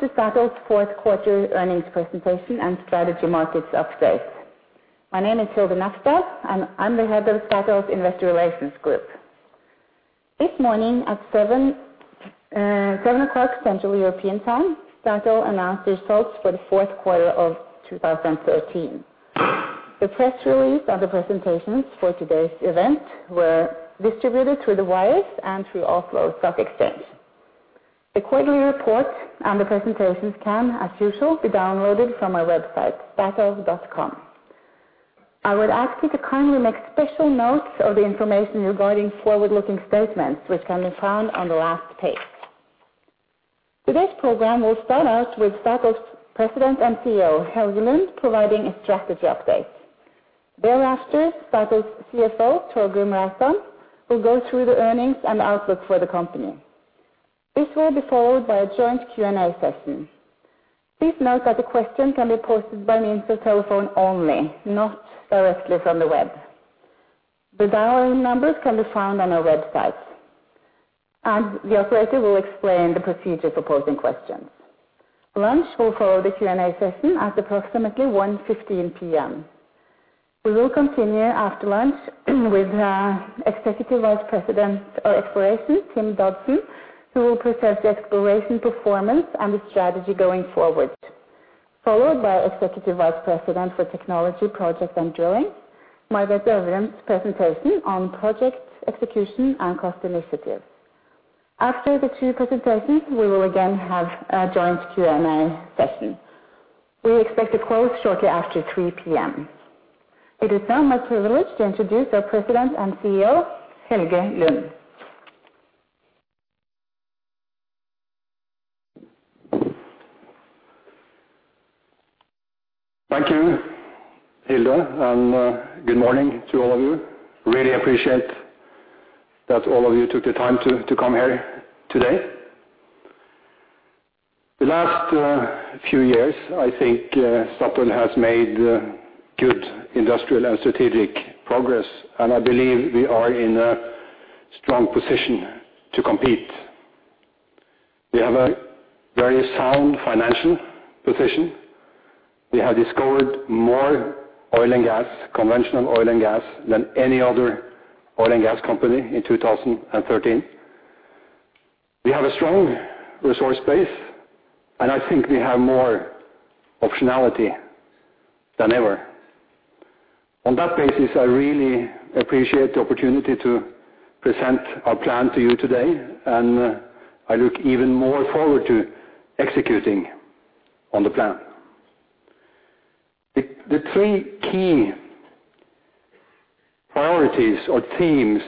Welcome to Statoil's fourth quarter earnings presentation and strategy markets update. My name is Hilde Møllerstad, and I'm the head of Statoil's investor relations group. This morning at seven o'clock Central European Time, Statoil announced the results for the fourth quarter of 2013. The press release and the presentations for today's event were distributed through the wires and through Oslo Stock Exchange. The quarterly report and the presentations can, as usual, be downloaded from our website, statoil.com. I would ask you to kindly take special note of the information regarding forward-looking statements which can be found on the last page. Today's program will start out with Statoil's President and CEO, Helge Lund, providing a strategy update. Thereafter, Statoil's CFO, Torgrim Reitan, will go through the earnings and outlook for the company. This will be followed by a joint Q&A session. Please note that the question can be posted by means of telephone only, not directly from the web. The dial-in numbers can be found on our website, and the operator will explain the procedure for posing questions. Lunch will follow the Q&A session at approximately 1:15 P.M. We will continue after lunch with Executive Vice President for Exploration, Tim Dodson, who will present the exploration performance and the strategy going forward. Followed by Executive Vice President for Technology, Projects, and Drilling, Margareth Øvrum's presentation on project execution and cost initiatives. After the two presentations, we will again have a joint Q&A session. We expect to close shortly after 3:00 P.M. It is now my privilege to introduce our President and CEO, Helge Lund. Thank you, Hilde, and good morning to all of you. Really appreciate that all of you took the time to come here today. The last few years, I think, Statoil has made good industrial and strategic progress, and I believe we are in a strong position to compete. We have a very sound financial position. We have discovered more oil and gas, conventional oil and gas, than any other oil and gas company in 2013. We have a strong resource base, and I think we have more optionality than ever. On that basis, I really appreciate the opportunity to present our plan to you today, and I look even more forward to executing on the plan. The three key priorities or themes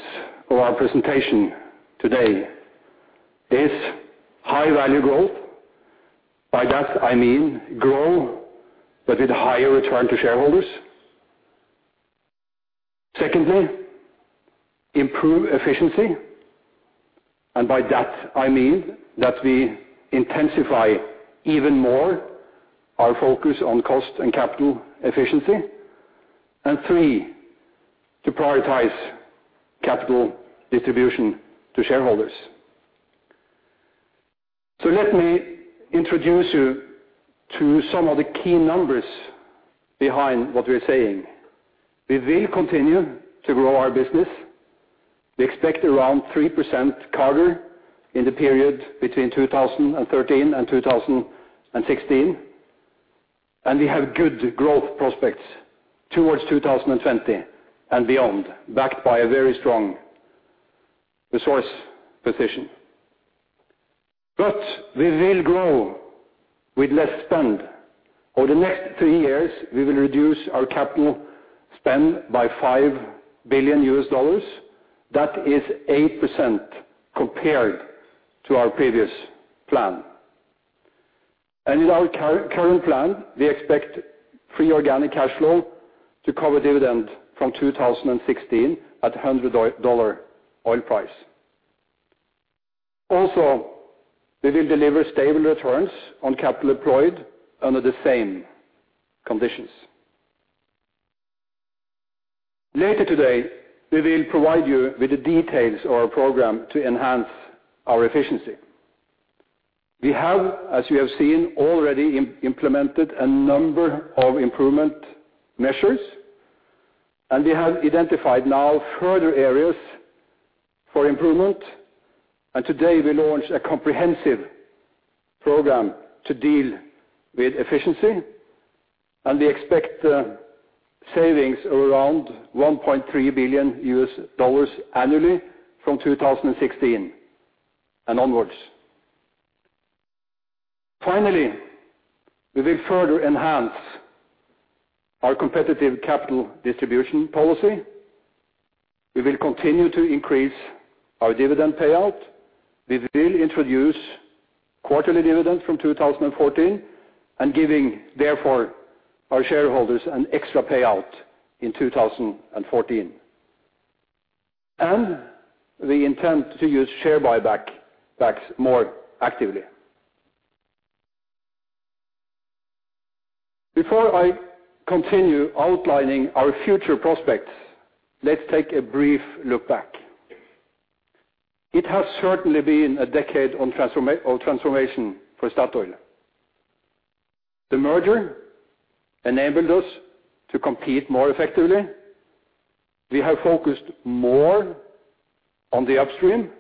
of our presentation today is high-value growth. By that, I mean grow, but with higher return to shareholders. Secondly, improve efficiency, and by that, I mean that we intensify even more our focus on cost and capital efficiency. Three, to prioritize capital distribution to shareholders. Let me introduce you to some of the key numbers behind what we're saying. We will continue to grow our business. We expect around 3% CAGR in the period between 2013 and 2016. We have good growth prospects towards 2020 and beyond, backed by a very strong resource position. We will grow with less spend. Over the next three years, we will reduce our capital spend by $5 billion. That is 8% compared to our previous plan. In our current plan, we expect free organic cash flow to cover dividend from 2016 at a $100 oil price. Also, we will deliver stable returns on capital employed under the same conditions. Later today, we will provide you with the details of our program to enhance our efficiency. We have, as you have seen, already implemented a number of improvement measures, and we have identified now further areas for improvement. Today, we launch a comprehensive program to deal with efficiency, and we expect savings around $1.3 billion annually from 2016 and onwards. Finally, we will further enhance our competitive capital distribution policy. We will continue to increase our dividend payout. We will introduce quarterly dividends from 2014 and giving, therefore, our shareholders an extra payout in 2014. We intend to use share buybacks more actively. Before I continue outlining our future prospects, let's take a brief look back. It has certainly been a decade of transformation for Statoil. The merger enabled us to compete more effectively. We have focused more on the upstream,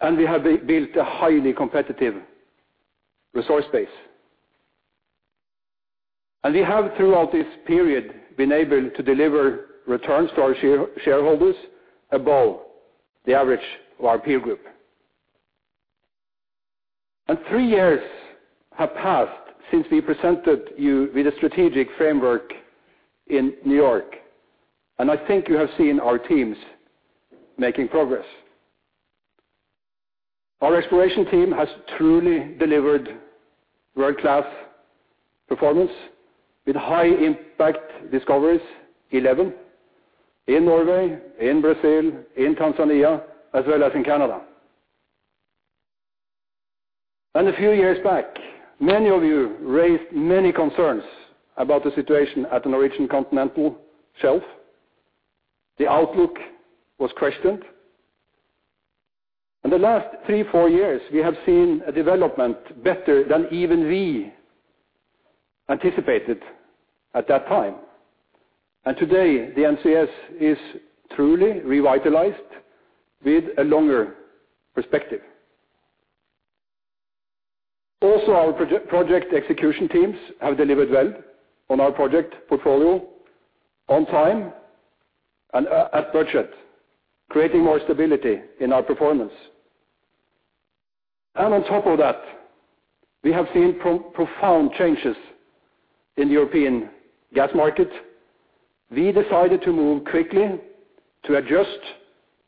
and we have built a highly competitive resource base. We have, throughout this period, been able to deliver returns to our shareholders above the average of our peer group. Three years have passed since we presented you with a strategic framework in New York, and I think you have seen our teams making progress. Our exploration team has truly delivered world-class performance with high-impact discoveries, 11, in Norway, in Brazil, in Tanzania, as well as in Canada. A few years back, many of you raised many concerns about the situation at the Norwegian Continental Shelf. The outlook was questioned. In the last three or four years, we have seen a development better than even we anticipated at that time. Today, the NCS is truly revitalized with a longer perspective. Our project execution teams have delivered well on our project portfolio on time and at budget, creating more stability in our performance. On top of that, we have seen profound changes in the European gas market. We decided to move quickly to adjust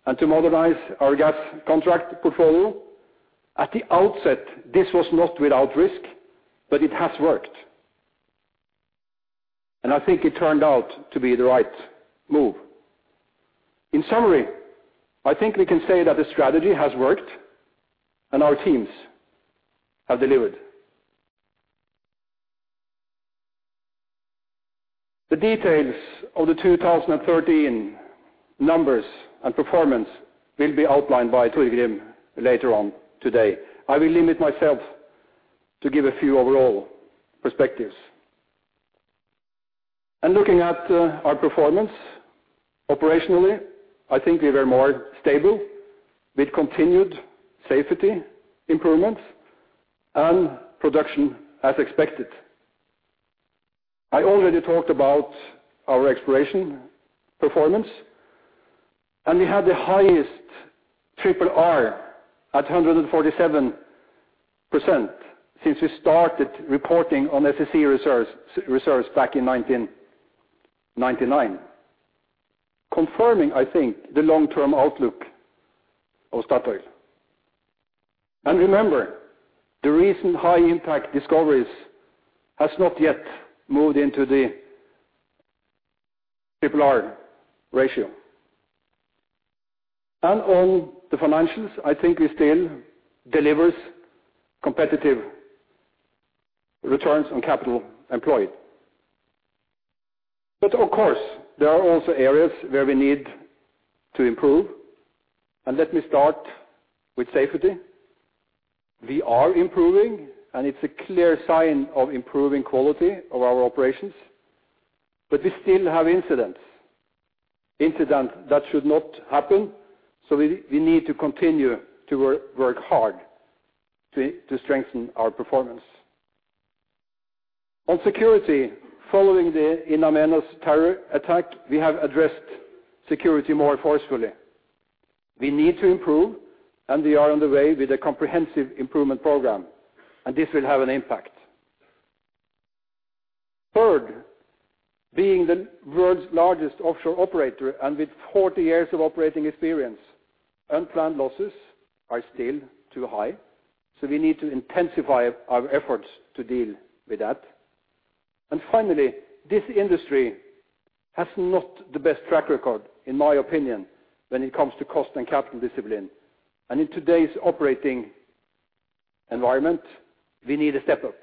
and to modernize our gas contract portfolio. At the outset, this was not without risk, but it has worked. I think it turned out to be the right move. In summary, I think we can say that the strategy has worked and our teams have delivered. The details of the 2013 numbers and performance will be outlined by Torgrim later on today. I will limit myself to give a few overall perspectives. Looking at our performance operationally, I think we were more stable with continued safety improvements and production as expected. I already talked about our exploration performance, and we had the highest RRR at 147% since we started reporting on SEC reserves back in 1999, confirming, I think, the long-term outlook of Statoil. Remember, the recent high-impact discoveries has not yet moved into the RRR ratio. On the financials, I think we still delivers competitive returns on capital employed. Of course, there are also areas where we need to improve, and let me start with safety. We are improving, and it's a clear sign of improving quality of our operations. We still have incidents that should not happen, so we need to continue to work hard to strengthen our performance. On security, following the In Amenas terror attack, we have addressed security more forcefully. We need to improve, and we are on the way with a comprehensive improvement program, and this will have an impact. Third, being the world's largest offshore operator, and with 40 years of operating experience, unplanned losses are still too high, so we need to intensify our efforts to deal with that. Finally, this industry has not the best track record, in my opinion, when it comes to cost and capital discipline. In today's operating environment, we need a step up.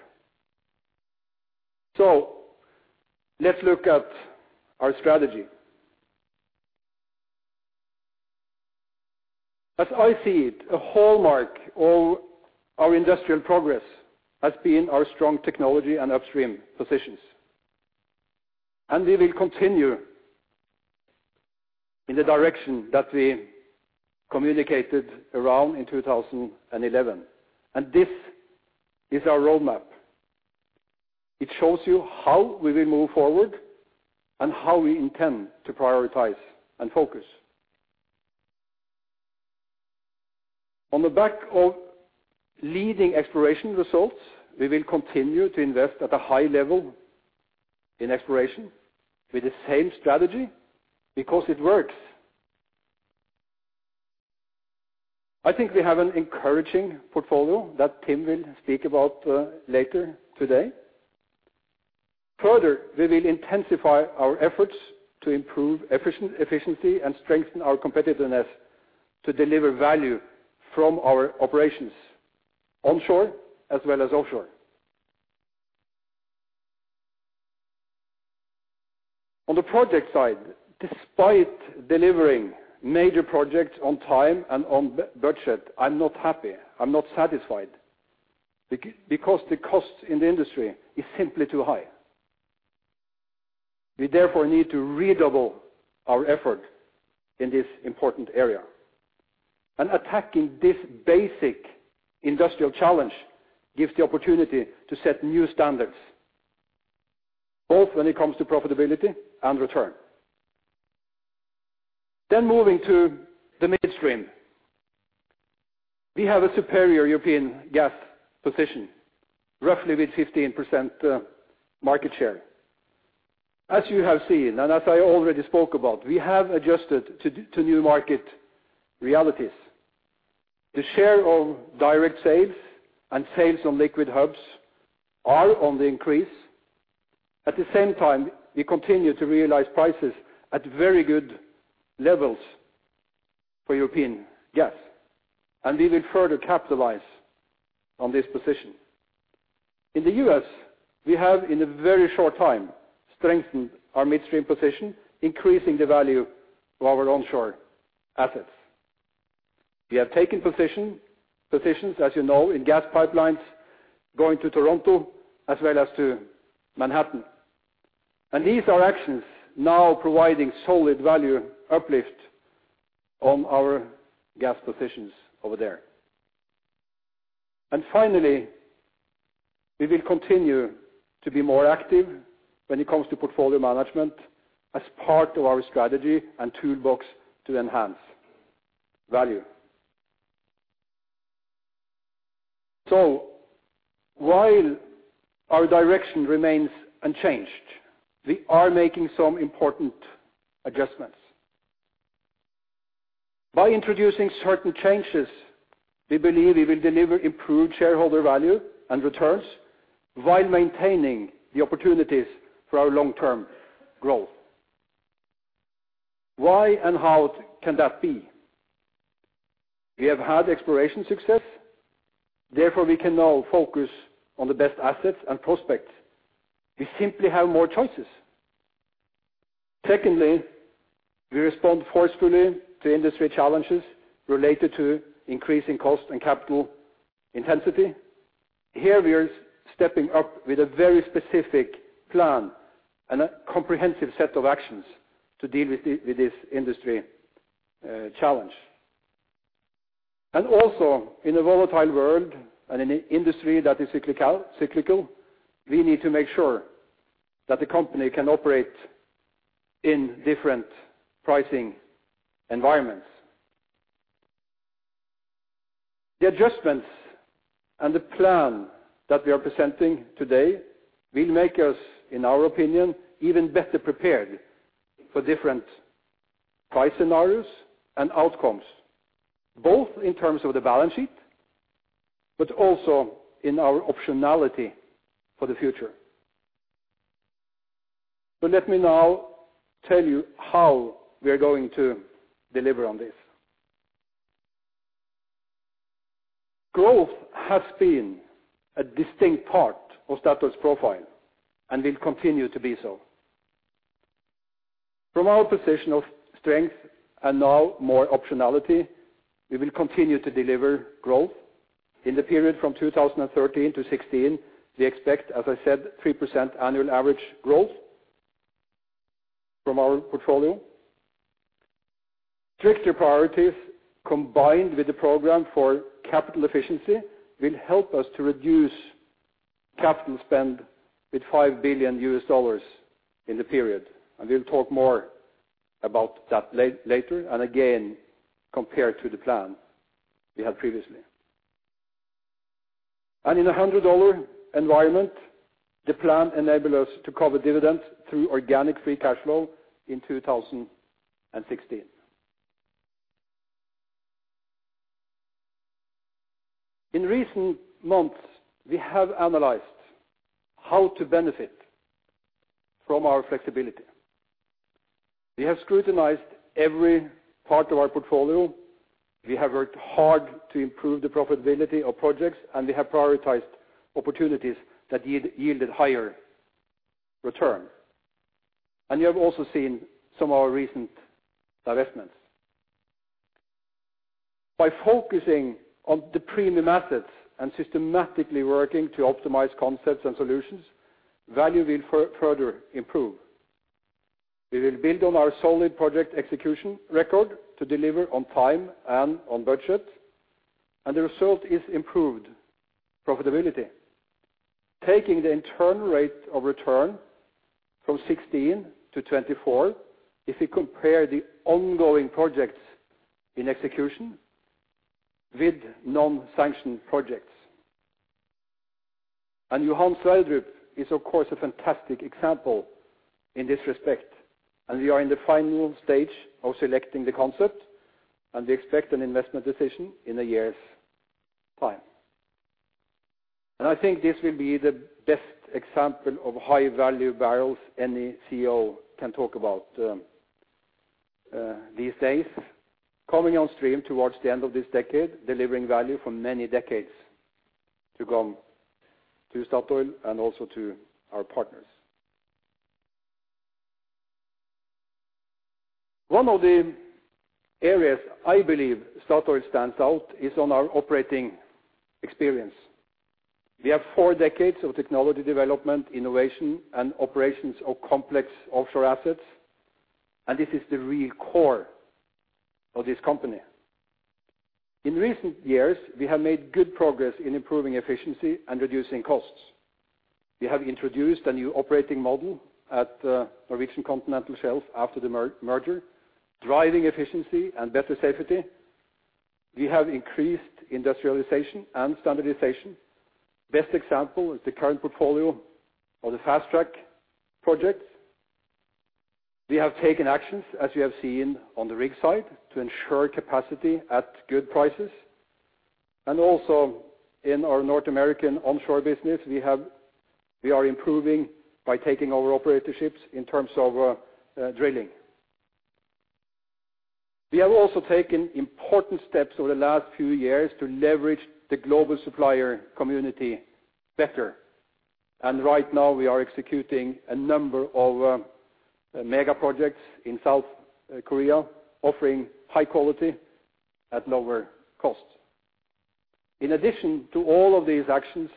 Let's look at our strategy. As I see it, a hallmark of our industrial progress has been our strong technology and upstream positions, and we will continue in the direction that we communicated around in 2011. This is our roadmap. It shows you how we will move forward and how we intend to prioritize and focus. On the back of leading exploration results, we will continue to invest at a high level in exploration with the same strategy because it works. I think we have an encouraging portfolio that Tim will speak about, later today. Further, we will intensify our efforts to improve efficiency and strengthen our competitiveness. To deliver value from our operations onshore as well as offshore. On the project side, despite delivering major projects on time and on budget, I'm not happy. I'm not satisfied because the cost in the industry is simply too high. We therefore need to redouble our effort in this important area. Attacking this basic industrial challenge gives the opportunity to set new standards, both when it comes to profitability and return. Moving to the midstream. We have a superior European gas position, roughly with 15% market share. As you have seen, and as I already spoke about, we have adjusted to new market realities. The share of direct sales and sales on liquid hubs are on the increase. At the same time, we continue to realize prices at very good levels for European gas, and we will further capitalize on this position. In the U.S., we have in a very short time strengthened our midstream position, increasing the value of our onshore assets. We have taken positions, as you know, in gas pipelines going to Toronto as well as to Manhattan. These are actions now providing solid value uplift on our gas positions over there. Finally, we will continue to be more active when it comes to portfolio management as part of our strategy and toolbox to enhance value. While our direction remains unchanged, we are making some important adjustments. By introducing certain changes, we believe we will deliver improved shareholder value and returns while maintaining the opportunities for our long-term growth. Why and how can that be? We have had exploration success, therefore, we can now focus on the best assets and prospects. We simply have more choices. Secondly, we respond forcefully to industry challenges related to increasing cost and capital intensity. Here we are stepping up with a very specific plan and a comprehensive set of actions to deal with this industry challenge. Also in a volatile world and in an industry that is cyclical, we need to make sure that the company can operate in different pricing environments. The adjustments and the plan that we are presenting today will make us, in our opinion, even better prepared for different price scenarios and outcomes, both in terms of the balance sheet, but also in our optionality for the future. Let me now tell you how we are going to deliver on this. Growth has been a distinct part of Statoil's profile and will continue to be so. From our position of strength and now more optionality, we will continue to deliver growth. In the period from 2013 to 2016, we expect, as I said, 3% annual average growth from our portfolio. Stricter priorities combined with the program for capital efficiency will help us to reduce capital spend with $5 billion in the period. We'll talk more about that later and again, compared to the plan we had previously. In a $100 environment, the plan enable us to cover dividends through organic free cash flow in 2016. In recent months, we have analyzed how to benefit from our flexibility. We have scrutinized every part of our portfolio. We have worked hard to improve the profitability of projects, and we have prioritized opportunities that yielded higher return. You have also seen some of our recent divestments. By focusing on the premium assets and systematically working to optimize concepts and solutions, value will further improve. We will build on our solid project execution record to deliver on time and on budget, and the result is improved profitability. Taking the internal rate of return from 16-24, if we compare the ongoing projects in execution with non-sanctioned projects. Johan Sverdrup is of course a fantastic example in this respect, and we are in the final stage of selecting the concept, and we expect an investment decision in a year's time. I think this will be the best example of high-value barrels any CEO can talk about, these days. Coming on stream towards the end of this decade, delivering value for many decades to come to Statoil and also to our partners. One of the areas I believe Statoil stands out is on our operating experience. We have four decades of technology development, innovation, and operations of complex offshore assets, and this is the real core of this company. In recent years, we have made good progress in improving efficiency and reducing costs. We have introduced a new operating model at Norwegian Continental Shelf after the merger, driving efficiency and better safety. We have increased industrialization and standardization. Best example is the current portfolio of the fast-track projects. We have taken actions, as you have seen, on the rig side to ensure capacity at good prices. Also in our North American onshore business, we are improving by taking over operatorships in terms of drilling. We have also taken important steps over the last few years to leverage the global supplier community better. Right now we are executing a number of mega projects in South Korea, offering high quality at lower costs. In addition to all of these actions,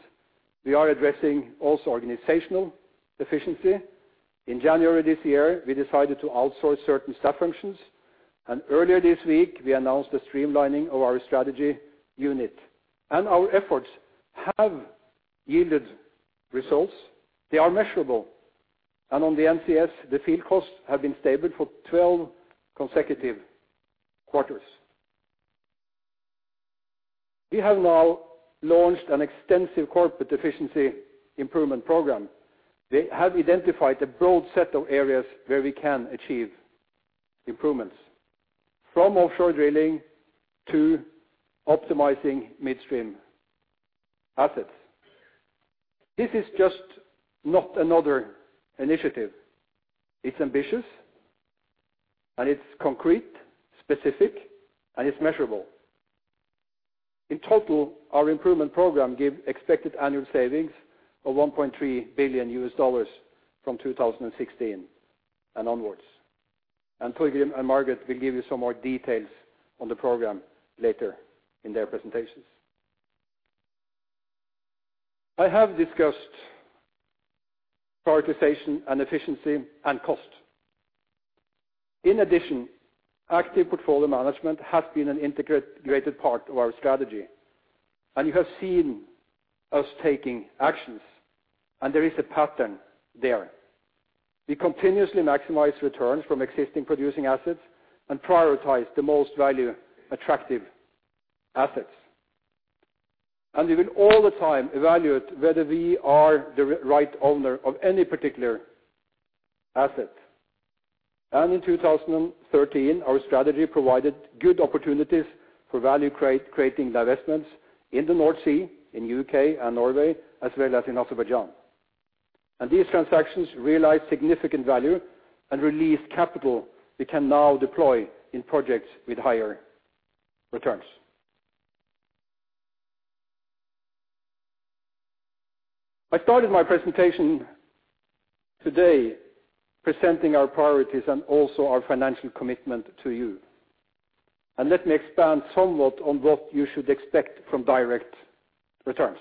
we are addressing also organizational efficiency. In January this year, we decided to outsource certain staff functions, and earlier this week we announced the streamlining of our strategy unit. Our efforts have yielded results. They are measurable. On the NCS, the field costs have been stable for 12 consecutive quarters. We have now launched an extensive corporate efficiency improvement program. They have identified a broad set of areas where we can achieve improvements, from offshore drilling to optimizing midstream assets. This is just not another initiative. It's ambitious, and it's concrete, specific, and it's measurable. In total, our improvement program give expected annual savings of $1.3 billion from 2016 and onwards. Torgrim and Margareth will give you some more details on the program later in their presentations. I have discussed prioritization and efficiency and cost. In addition, active portfolio management has been an integrated part of our strategy, and you have seen us taking actions, and there is a pattern there. We continuously maximize returns from existing producing assets and prioritize the most value-attractive assets. We will all the time evaluate whether we are the right owner of any particular asset. In 2013, our strategy provided good opportunities for value creating divestments in the North Sea, in the U.K. and Norway, as well as in Azerbaijan. These transactions realized significant value and released capital we can now deploy in projects with higher returns. I started my presentation today presenting our priorities and also our financial commitment to you. Let me expand somewhat on what you should expect from direct returns.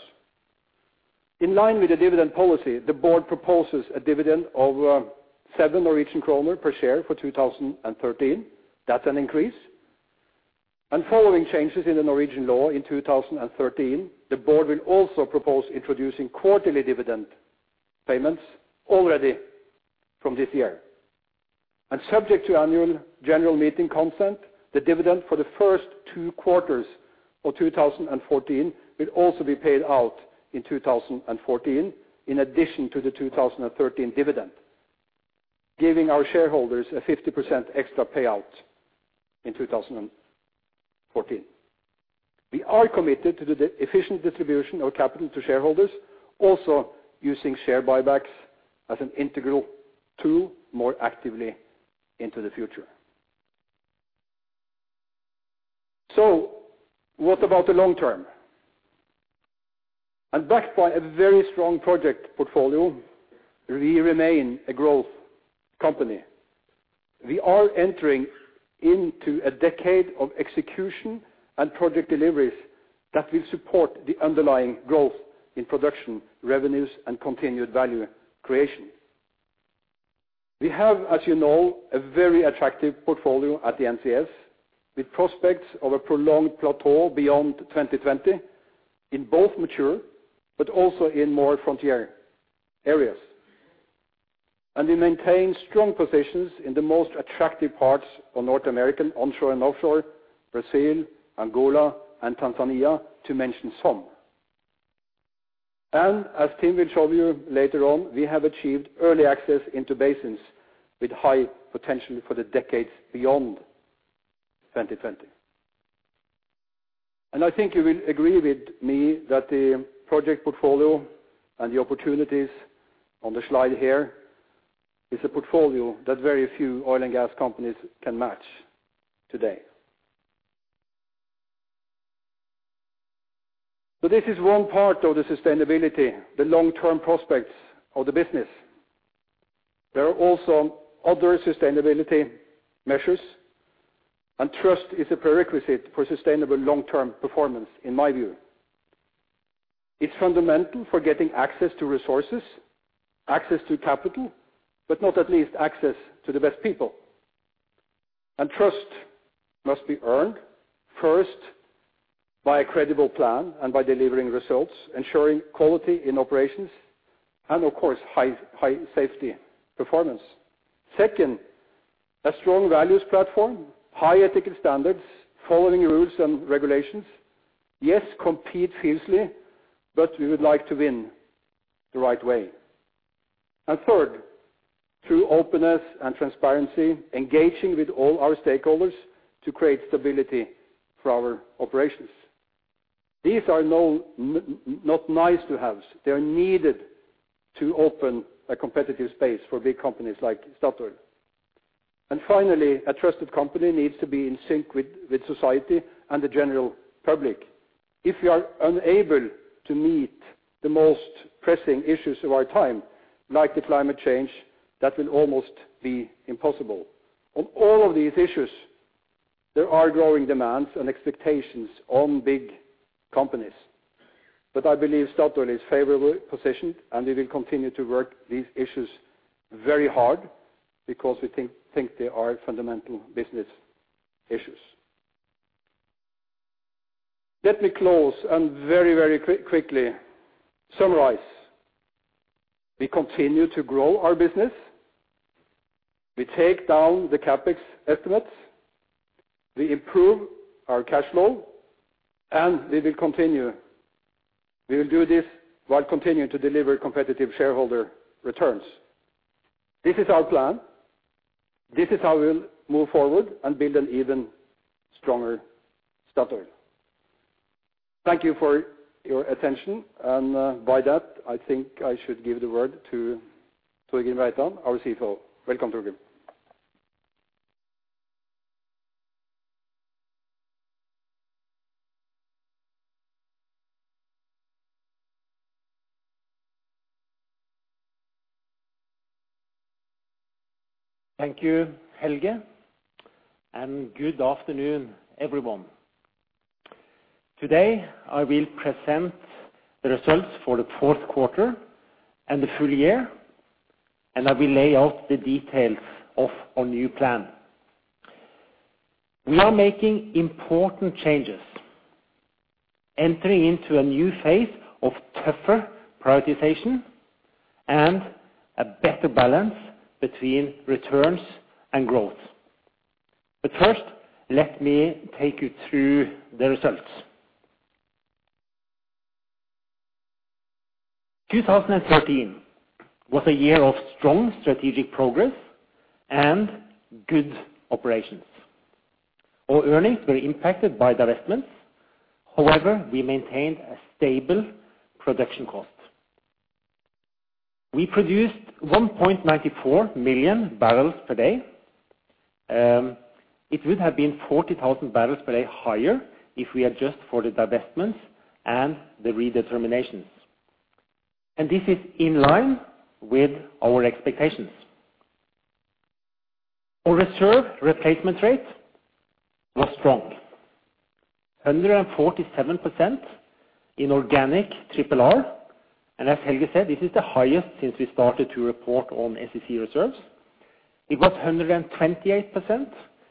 In line with the dividend policy, the board proposes a dividend of 7 Norwegian kroner per share for 2013. That's an increase. Following changes in the Norwegian law in 2013, the board will also propose introducing quarterly dividend payments already from this year. Subject to annual general meeting consent, the dividend for the first two quarters of 2014 will also be paid out in 2014, in addition to the 2013 dividend, giving our shareholders a 50% extra payout in 2014. We are committed to the dividend-efficient distribution of capital to shareholders, also using share buybacks as an integral tool more actively into the future. What about the long term? Backed by a very strong project portfolio, we remain a growth company. We are entering into a decade of execution and project deliveries that will support the underlying growth in production, revenues, and continued value creation. We have, as you know, a very attractive portfolio at the NCS with prospects of a prolonged plateau beyond 2020 in both mature, but also in more frontier areas. We maintain strong positions in the most attractive parts of North American onshore and offshore, Brazil, Angola, and Tanzania, to mention some. As Tim will show you later on, we have achieved early access into basins with high potential for the decades beyond 2020. I think you will agree with me that the project portfolio and the opportunities on the slide here is a portfolio that very few oil and gas companies can match today. This is one part of the sustainability, the long-term prospects of the business. There are also other sustainability measures, and trust is a prerequisite for sustainable long-term performance, in my view. It's fundamental for getting access to resources, access to capital, but not at least access to the best people. Trust must be earned, first, by a credible plan and by delivering results, ensuring quality in operations and, of course, high safety performance. Second, a strong values platform, high ethical standards, following rules and regulations. Yes, compete fiercely, but we would like to win the right way. Third, through openness and transparency, engaging with all our stakeholders to create stability for our operations. These are not nice-to-haves. They are needed to open a competitive space for big companies like Statoil. Finally, a trusted company needs to be in sync with society and the general public. If you are unable to meet the most pressing issues of our time, like the climate change, that will almost be impossible. On all of these issues, there are growing demands and expectations on big companies. I believe Statoil is favorably positioned, and we will continue to work these issues very hard because we think they are fundamental business issues. Let me close and very quickly summarize. We continue to grow our business. We take down the CapEx estimates. We improve our cash flow, and we will continue. We will do this while continuing to deliver competitive shareholder returns. This is our plan. This is how we'll move forward and build an even stronger Statoil. Thank you for your attention, and by that, I think I should give the word to Torgrim Reitan, our CFO. Welcome, Torgrim. Thank you, Helge, and good afternoon, everyone. Today, I will present the results for the fourth quarter and the full year, and I will lay out the details of our new plan. We are making important changes, entering into a new phase of tougher prioritization and a better balance between returns and growth. First, let me take you through the results. 2013 was a year of strong strategic progress and good operations. Our earnings were impacted by divestments. However, we maintained a stable production cost. We produced 1.94 million barrels per day. It would have been 40,000 barrels per day higher if we adjust for the divestments and the redeterminations, and this is in line with our expectations. Our reserve replacement rate was strong, 147% in organic RRR. As Helge said, this is the highest since we started to report on SEC reserves. It was 128%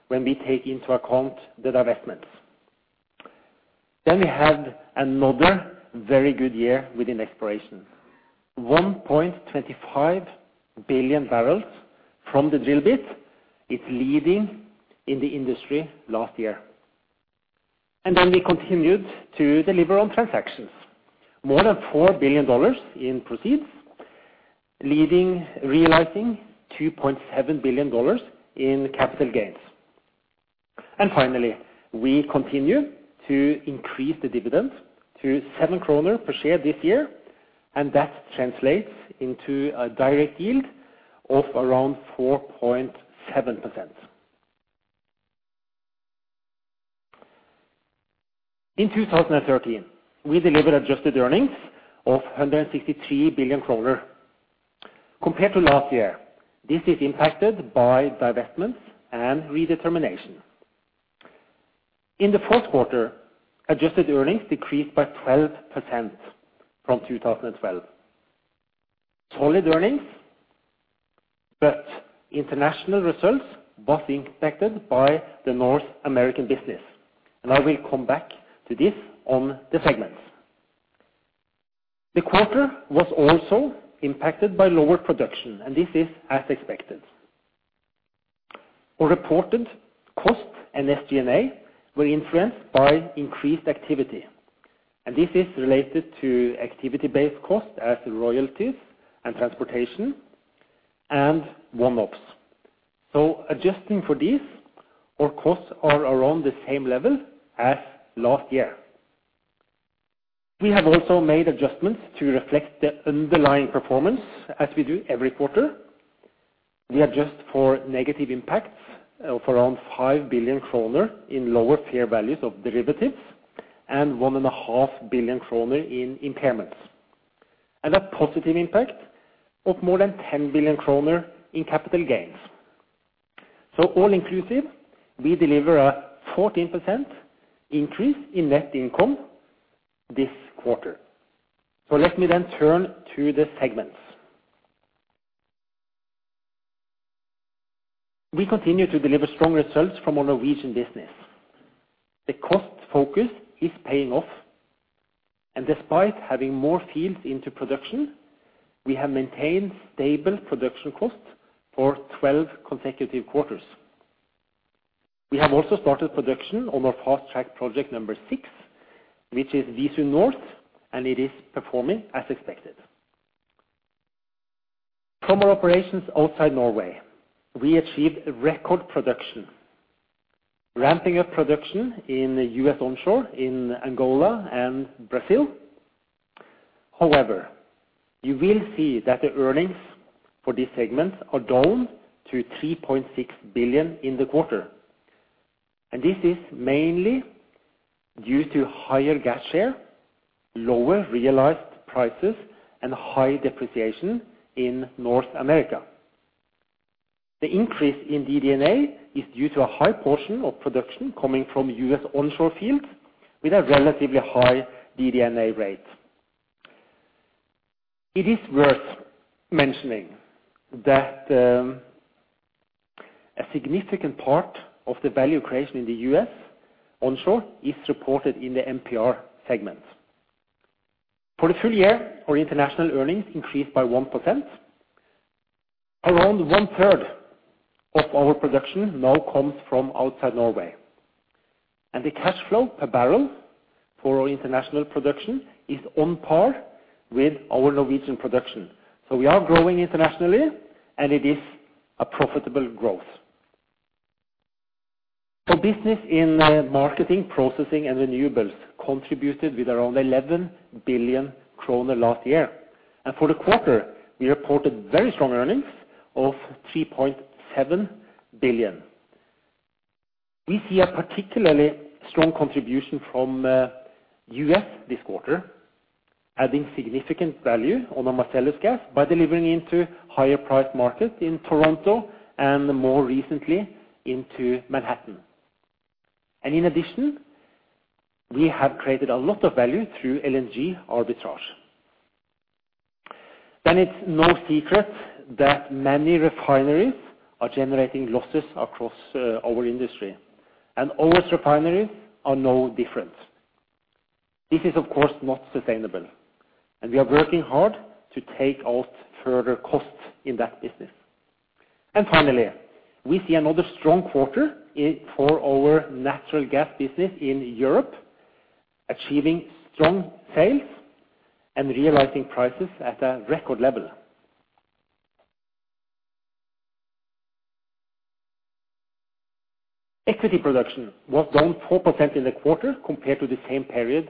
when we take into account the divestments. We had another very good year within exploration. 1.25 billion barrels from the drill bit is leading in the industry last year. We continued to deliver on transactions, more than $4 billion in proceeds, leading, realizing $2.7 billion in capital gains. We continue to increase the dividend to 7 kroner per share this year, and that translates into a direct yield of around 4.7%. In 2013, we delivered adjusted earnings of 163 billion kroner. Compared to last year, this is impacted by divestments and redetermination. In the fourth quarter, adjusted earnings decreased by 12% from 2012. Solid earnings, but international results buffeted, affected by the North American business, and I will come back to this on the segments. The quarter was also impacted by lower production, and this is as expected. Our reported costs and SG&A were influenced by increased activity, and this is related to activity-based costs as royalties and transportation and OpEx. Adjusting for these, our costs are around the same level as last year. We have also made adjustments to reflect the underlying performance, as we do every quarter. We adjust for negative impacts of around 5 billion kroner in lower fair values of derivatives and 1.5 billion kroner in impairments, and a positive impact of more than 10 billion kroner in capital gains. All inclusive, we deliver a 14% increase in net income this quarter. Let me then turn to the segments. We continue to deliver strong results from our Norwegian business. The cost focus is paying off, and despite having more fields into production, we have maintained stable production costs for 12 consecutive quarters. We have also started production on our fast-track project number six, which is Visund North, and it is performing as expected. From our operations outside Norway, we achieved a record production, ramping up production in the U.S. onshore in Angola and Brazil. However, you will see that the earnings for this segment are down to 3.6 billion in the quarter. This is mainly due to higher gas share, lower realized prices, and high depreciation in North America. The increase in DD&A is due to a high portion of production coming from U.S. onshore fields with a relatively high DD&A rate. It is worth mentioning that a significant part of the value creation in the U.S. onshore is reported in the MPR segment. For the full year, our international earnings increased by 1%. Around one-third of our production now comes from outside Norway. The cash flow per barrel for our international production is on par with our Norwegian production. We are growing internationally, and it is a profitable growth. The business in marketing, processing, and renewables contributed with around 11 billion kroner last year. For the quarter, we reported very strong earnings of 3.7 billion. We see a particularly strong contribution from U.S. this quarter, adding significant value on our Marcellus gas by delivering into higher price markets in Toronto and more recently into Manhattan. In addition, we have created a lot of value through LNG arbitrage. It's no secret that many refineries are generating losses across our industry, and our refineries are no different. This is of course not sustainable, and we are working hard to take out further costs in that business. Finally, we see another strong quarter for our natural gas business in Europe, achieving strong sales and realizing prices at a record level. Equity production was down 4% in the quarter compared to the same period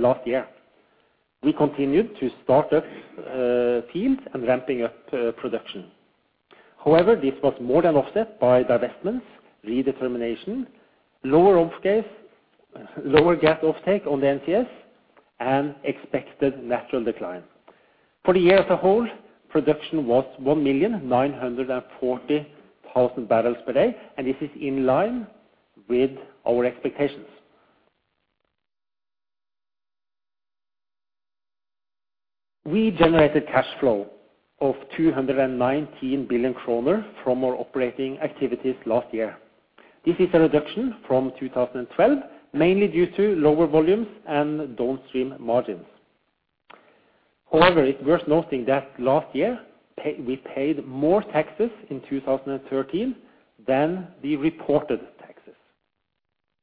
last year. We continued to start up fields and ramping up production. However, this was more than offset by divestments, redetermination, lower offgas, lower gas offtake on the NCS, and expected natural decline. For the year as a whole, production was 1,940,000 barrels per day, and this is in line with our expectations. We generated cash flow of 219 billion kroner from our operating activities last year. This is a reduction from 2012, mainly due to lower volumes and downstream margins. However, it's worth noting that last year we paid more taxes in 2013 than we reported taxes.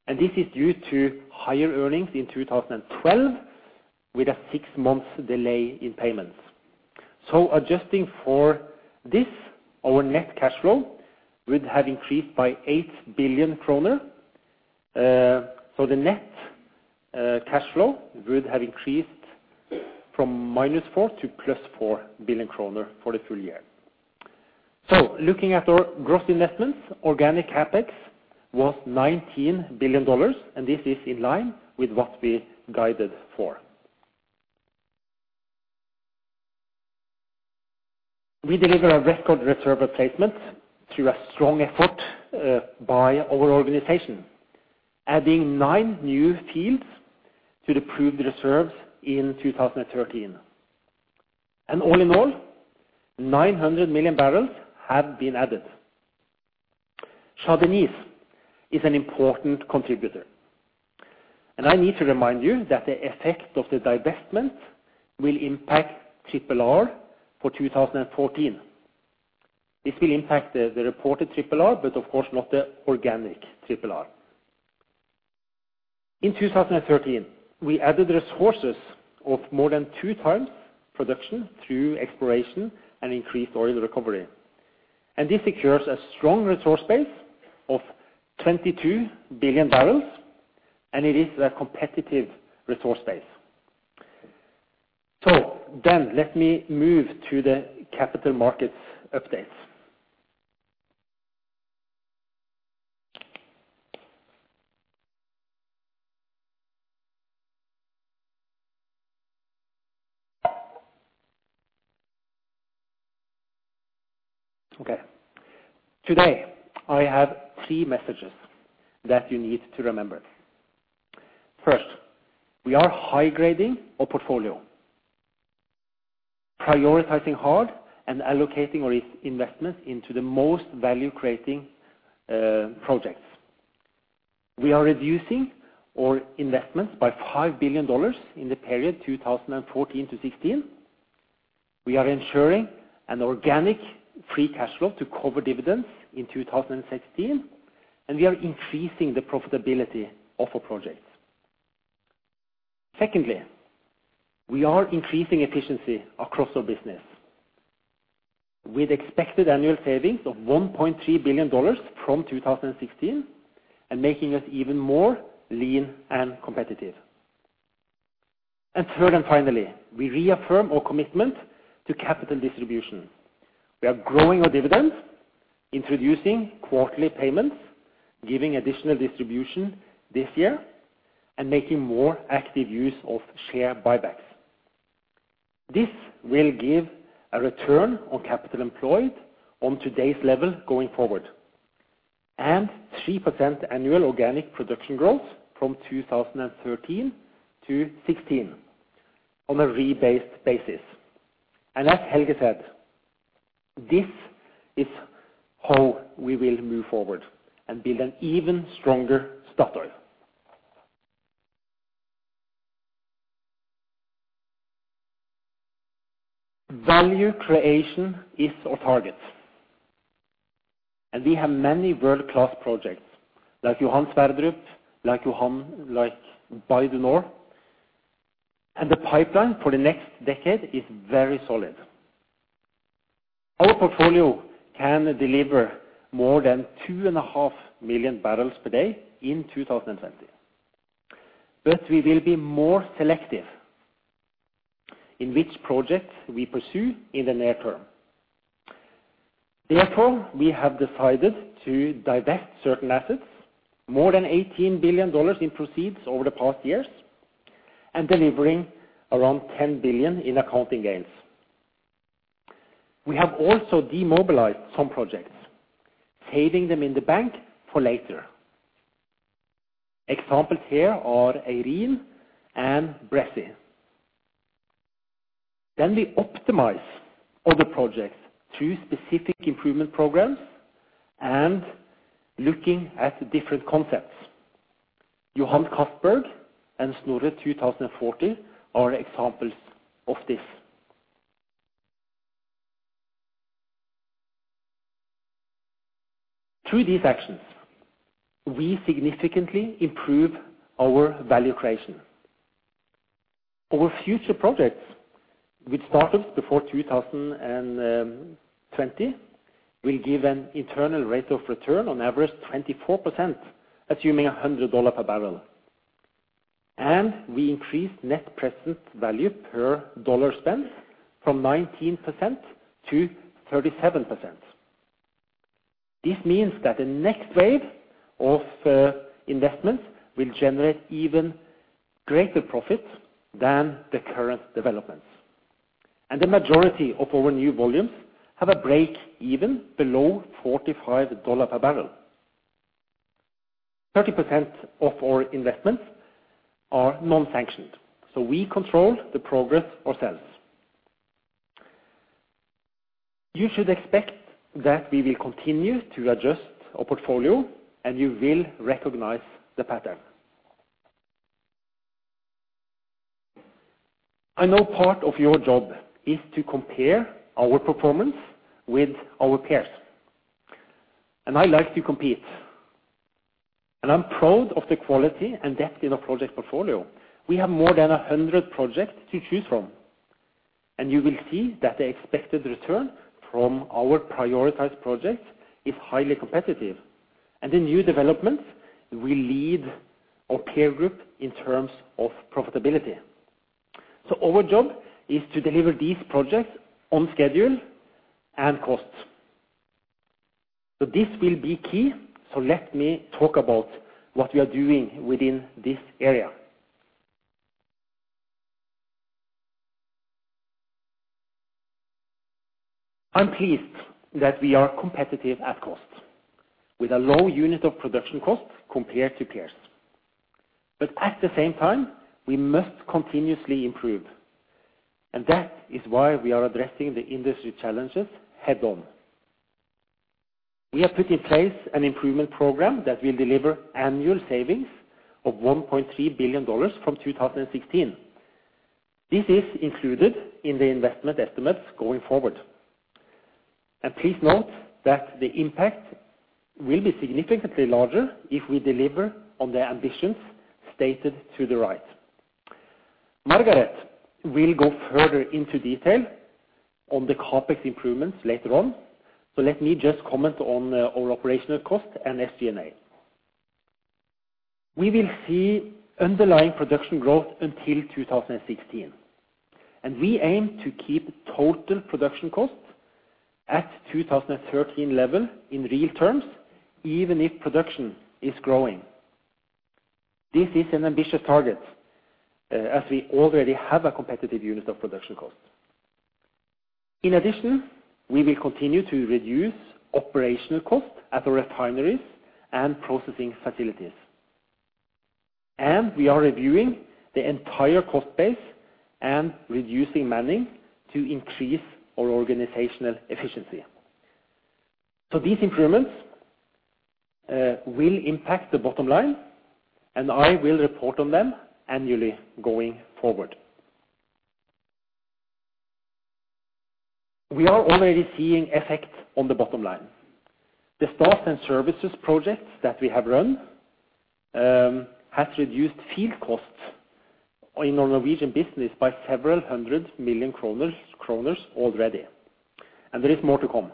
This is due to higher earnings in 2012 with a six-month delay in payments. Adjusting for this, our net cash flow would have increased by 8 billion kroner. The net cash flow would have increased from minus four to plus four billion kroner for the full year. Looking at our gross investments, organic CapEx was $19 billion, and this is in line with what we guided for. We deliver a record reserve replacement through a strong effort by our organization, adding nine new fields to the proved reserves in 2013. All in all, 900 million barrels have been added. GOM and NCS is an important contributor, and I need to remind you that the effect of the divestment will impact RRR for 2014. This will impact the reported RRR, but of course not the organic RRR. In 2013, we added resources of more than two times production through exploration and increased oil recovery. This secures a strong resource base of 22 billion barrels, and it is a competitive resource base. Let me move to the capital markets updates. Okay. Today, I have three messages that you need to remember. First, we are high-grading our portfolio, prioritizing higher, and allocating our investment into the most value-creating projects. We are reducing our investments by $5 billion in the period 2014-2016. We are ensuring an organic free cash flow to cover dividends in 2016, and we are increasing the profitability of our projects. Secondly, we are increasing efficiency across our business with expected annual savings of $1.3 billion from 2016 and making us even more lean and competitive. Third, and finally, we reaffirm our commitment to capital distribution. We are growing our dividends, introducing quarterly payments, giving additional distribution this year, and making more active use of share buybacks. This will give a return on capital employed on today's level going forward and 3% annual organic production growth from 2013 to 2016 on a rebased basis. As Helge said, this is how we will move forward and build an even stronger Statoil. Value creation is our target. We have many world-class projects like Johan Sverdrup, like Bay du Nord. The pipeline for the next decade is very solid. Our portfolio can deliver more than 2.5 million barrels per day in 2020. We will be more selective in which projects we pursue in the near term. Therefore, we have decided to divest certain assets, more than $18 billion in proceeds over the past years, and delivering around $10 billion in accounting gains. We have also demobilized some projects, saving them in the bank for later. Examples here are Irene and Bressay. We optimize other projects through specific improvement programs and looking at different concepts. Johan Castberg and Snorre 2014 are examples of this. Through these actions, we significantly improve our value creation. Our future projects, which started before 2020, will give an internal rate of return on average 24%, assuming $100 per barrel. We increase net present value per dollar spent from 19% to 37%. This means that the next wave of investments will generate even greater profits than the current developments. The majority of our new volumes have a breakeven below $45 per barrel. 30% of our investments are nonsanctioned, so we control the progress ourselves. You should expect that we will continue to adjust our portfolio, and you will recognize the pattern. I know part of your job is to compare our performance with our peers, and I like to compete, and I'm proud of the quality and depth in our project portfolio. We have more than 100 projects to choose from, and you will see that the expected return from our prioritized projects is highly competitive. The new developments will lead our peer group in terms of profitability. Our job is to deliver these projects on schedule and cost. This will be key, so let me talk about what we are doing within this area. I'm pleased that we are competitive at cost with a low unit of production cost compared to peers. At the same time, we must continuously improve, and that is why we are addressing the industry challenges head-on. We have put in place an improvement program that will deliver annual savings of $1.3 billion from 2016. This is included in the investment estimates going forward. Please note that the impact will be significantly larger if we deliver on the ambitions stated to the right. Margareth will go further into detail on the CapEx improvements later on. Let me just comment on our operational cost and SG&A. We will see underlying production growth until 2016, and we aim to keep total production costs at 2013 level in real terms, even if production is growing. This is an ambitious target, as we already have a competitive unit of production costs. In addition, we will continue to reduce operational costs at the refineries and processing facilities, and we are reviewing the entire cost base and reducing manning to increase our organizational efficiency. These improvements will impact the bottom line, and I will report on them annually going forward. We are already seeing effect on the bottom line. The staff and services projects that we have run has reduced field costs in our Norwegian business by several hundred million kronors already, and there is more to come.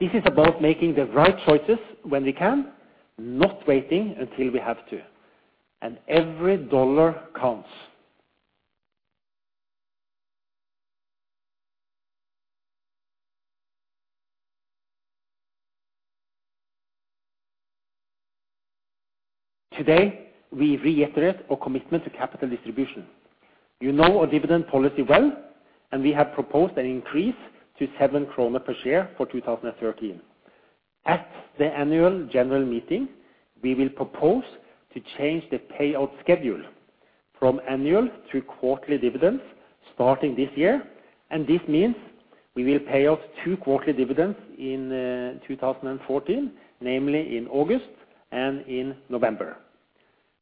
This is about making the right choices when we can, not waiting until we have to, and every dollar counts. Today, we reiterate our commitment to capital distribution. You know our dividend policy well, and we have proposed an increase to 7 krone per share for 2013. At the annual general meeting, we will propose to change the payout schedule from annual to quarterly dividends starting this year, and this means we will pay out two quarterly dividends in 2014, namely in August and in November,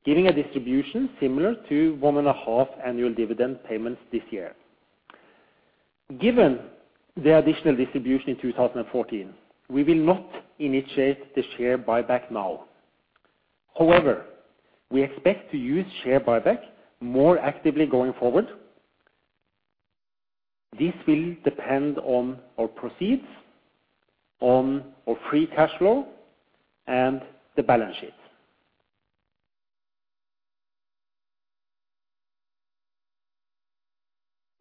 giving a distribution similar to one and a half annual dividend payments this year. Given the additional distribution in 2014, we will not initiate the share buyback now. However, we expect to use share buyback more actively going forward. This will depend on our proceeds, on our free cash flow, and the balance sheet.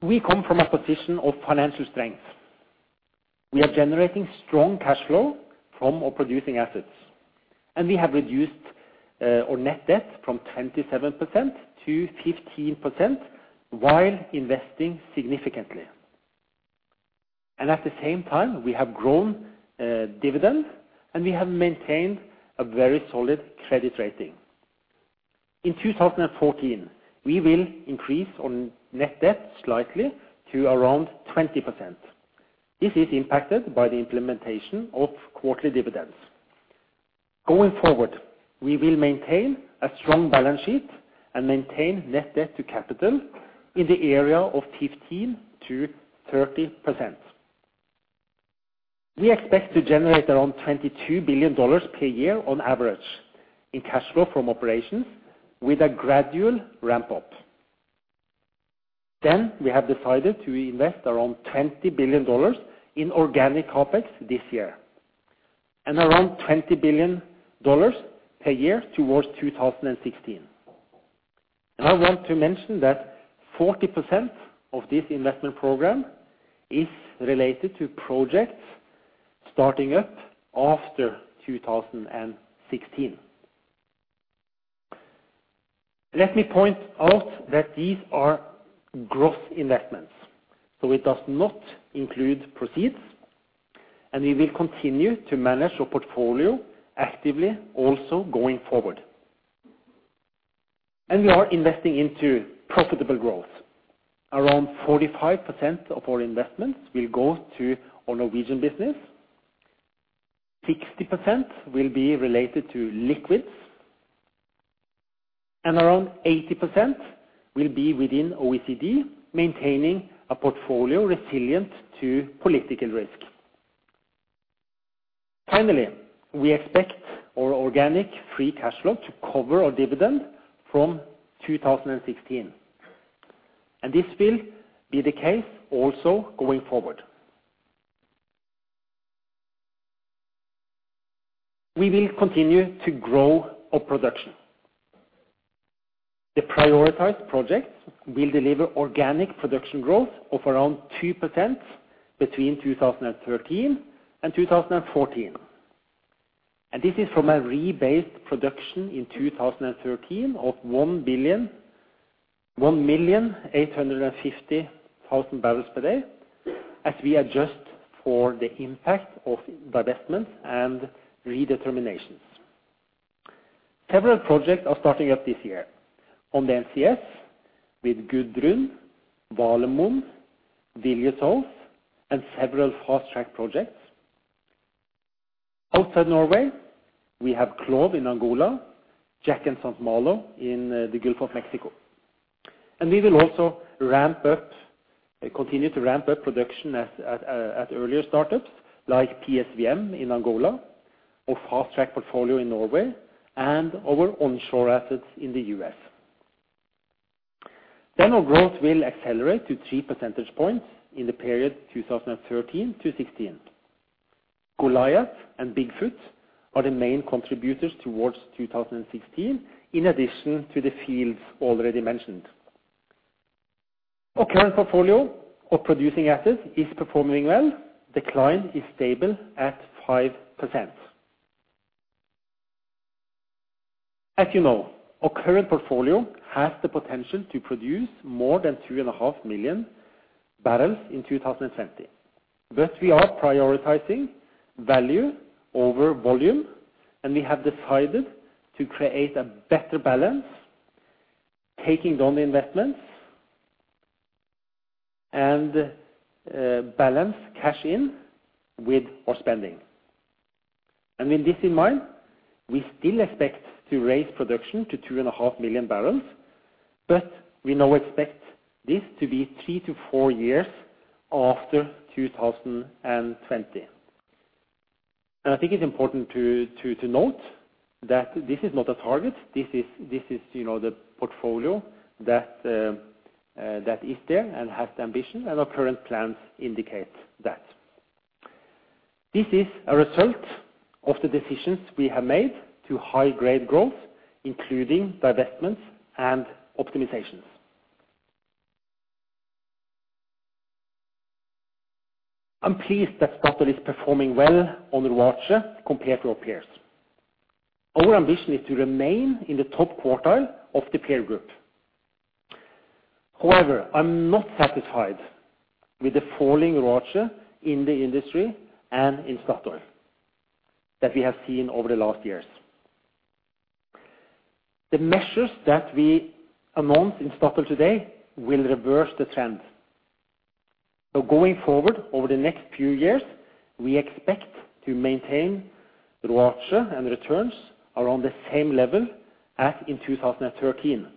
We come from a position of financial strength. We are generating strong cash flow from our producing assets, and we have reduced our net debt from 27% to 15% while investing significantly. At the same time, we have grown dividends, and we have maintained a very solid credit rating. In 2014, we will increase our net debt slightly to around 20%. This is impacted by the implementation of quarterly dividends. Going forward, we will maintain a strong balance sheet and maintain net debt to capital in the area of 15%-30%. We expect to generate around $22 billion per year on average in cash flow from operations with a gradual ramp up. We have decided to invest around $20 billion in organic CapEx this year and around $20 billion per year towards 2016. I want to mention that 40% of this investment program is related to projects starting up after 2016. Let me point out that these are gross investments, so it does not include proceeds, and we will continue to manage our portfolio actively also going forward. We are investing into profitable growth. Around 45% of our investments will go to our Norwegian business. 60% will be related to liquids. Around 80% will be within OECD, maintaining a portfolio resilient to political risk. Finally, we expect our organic free cash flow to cover our dividend from 2016, and this will be the case also going forward. We will continue to grow our production. The prioritized projects will deliver organic production growth of around 2% between 2013 and 2014. This is from a rebased production in 2013 of 1,850,000 barrels per day as we adjust for the impact of divestments and redeterminations. Several projects are starting up this year on the NCS with Gudrun, Valemon, Vilje South, and several fast-track projects. Outside Norway, we have CLOV in Angola, Jack and St. Malo in the Gulf of Mexico. We will also ramp up, continue to ramp up production at earlier startups like PSVM in Angola or fast-track portfolio in Norway and our onshore assets in the US. Our growth will accelerate to three percentage points in the period 2013 to 2016. Goliat and Big Foot are the main contributors towards 2016 in addition to the fields already mentioned. Our current portfolio of producing assets is performing well. Decline is stable at 5%. As you know, our current portfolio has the potential to produce more than 3.5 million barrels in 2020. We are prioritizing value over volume, and we have decided to create a better balance, taking down the investments and balance cash in with our spending. With this in mind, we still expect to raise production to 2.5 million barrels, but we now expect this to be three to four years after 2020. I think it's important to note that this is not a target. This is, you know, the portfolio that is there and has the ambition, and our current plans indicate that. This is a result of the decisions we have made to high-grade growth, including divestments and optimizations. I'm pleased that Statoil is performing well on return compared to our peers. Our ambition is to remain in the top quartile of the peer group. However, I'm not satisfied with the falling return in the industry and in Statoil that we have seen over the last years. The measures that we announced in Statoil today will reverse the trend. Going forward over the next few years, we expect to maintain return and returns around the same level as in 2013.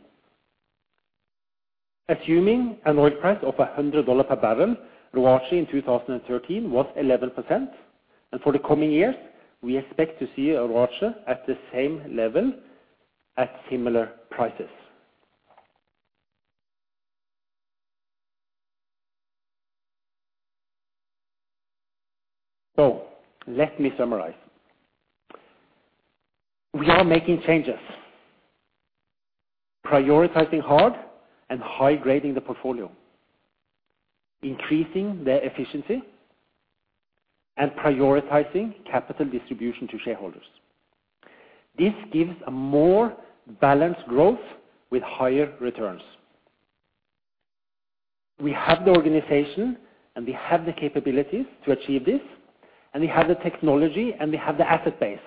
Assuming an oil price of $100 per barrel, return in 2013 was 11%. For the coming years, we expect to see a return at the same level at similar prices. Let me summarize. We are making changes, prioritizing hard and high-grading the portfolio, increasing the efficiency and prioritizing capital distribution to shareholders. This gives a more balanced growth with higher returns. We have the organization, and we have the capabilities to achieve this, and we have the technology, and we have the asset base.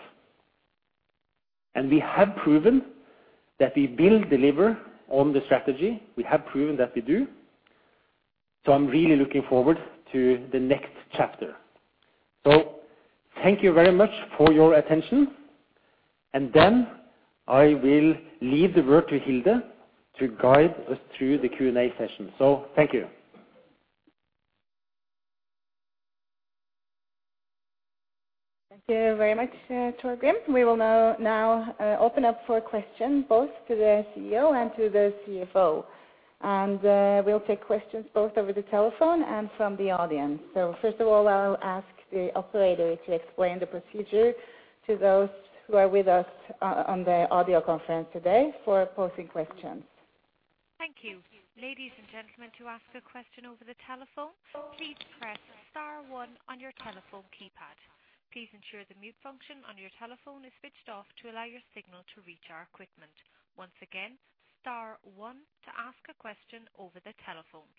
We have proven that we will deliver on the strategy. We have proven that we do. I'm really looking forward to the next chapter. Thank you very much for your attention. Then I will leave the word to Hilde to guide us through the Q&A session. Thank you. Thank you very much, Torgrim. We will now open up for questions both to the CEO and to the CFO. We'll take questions both over the telephone and from the audience. First of all, I'll ask the operator to explain the procedure to those who are with us on the audio conference today for posing questions. Thank you. Ladies and gentlemen, to ask a question over the telephone, please press star one on your telephone keypad. Please ensure the mute function on your telephone is switched off to allow your signal to reach our equipment. Once again, star one to ask a question over the telephone.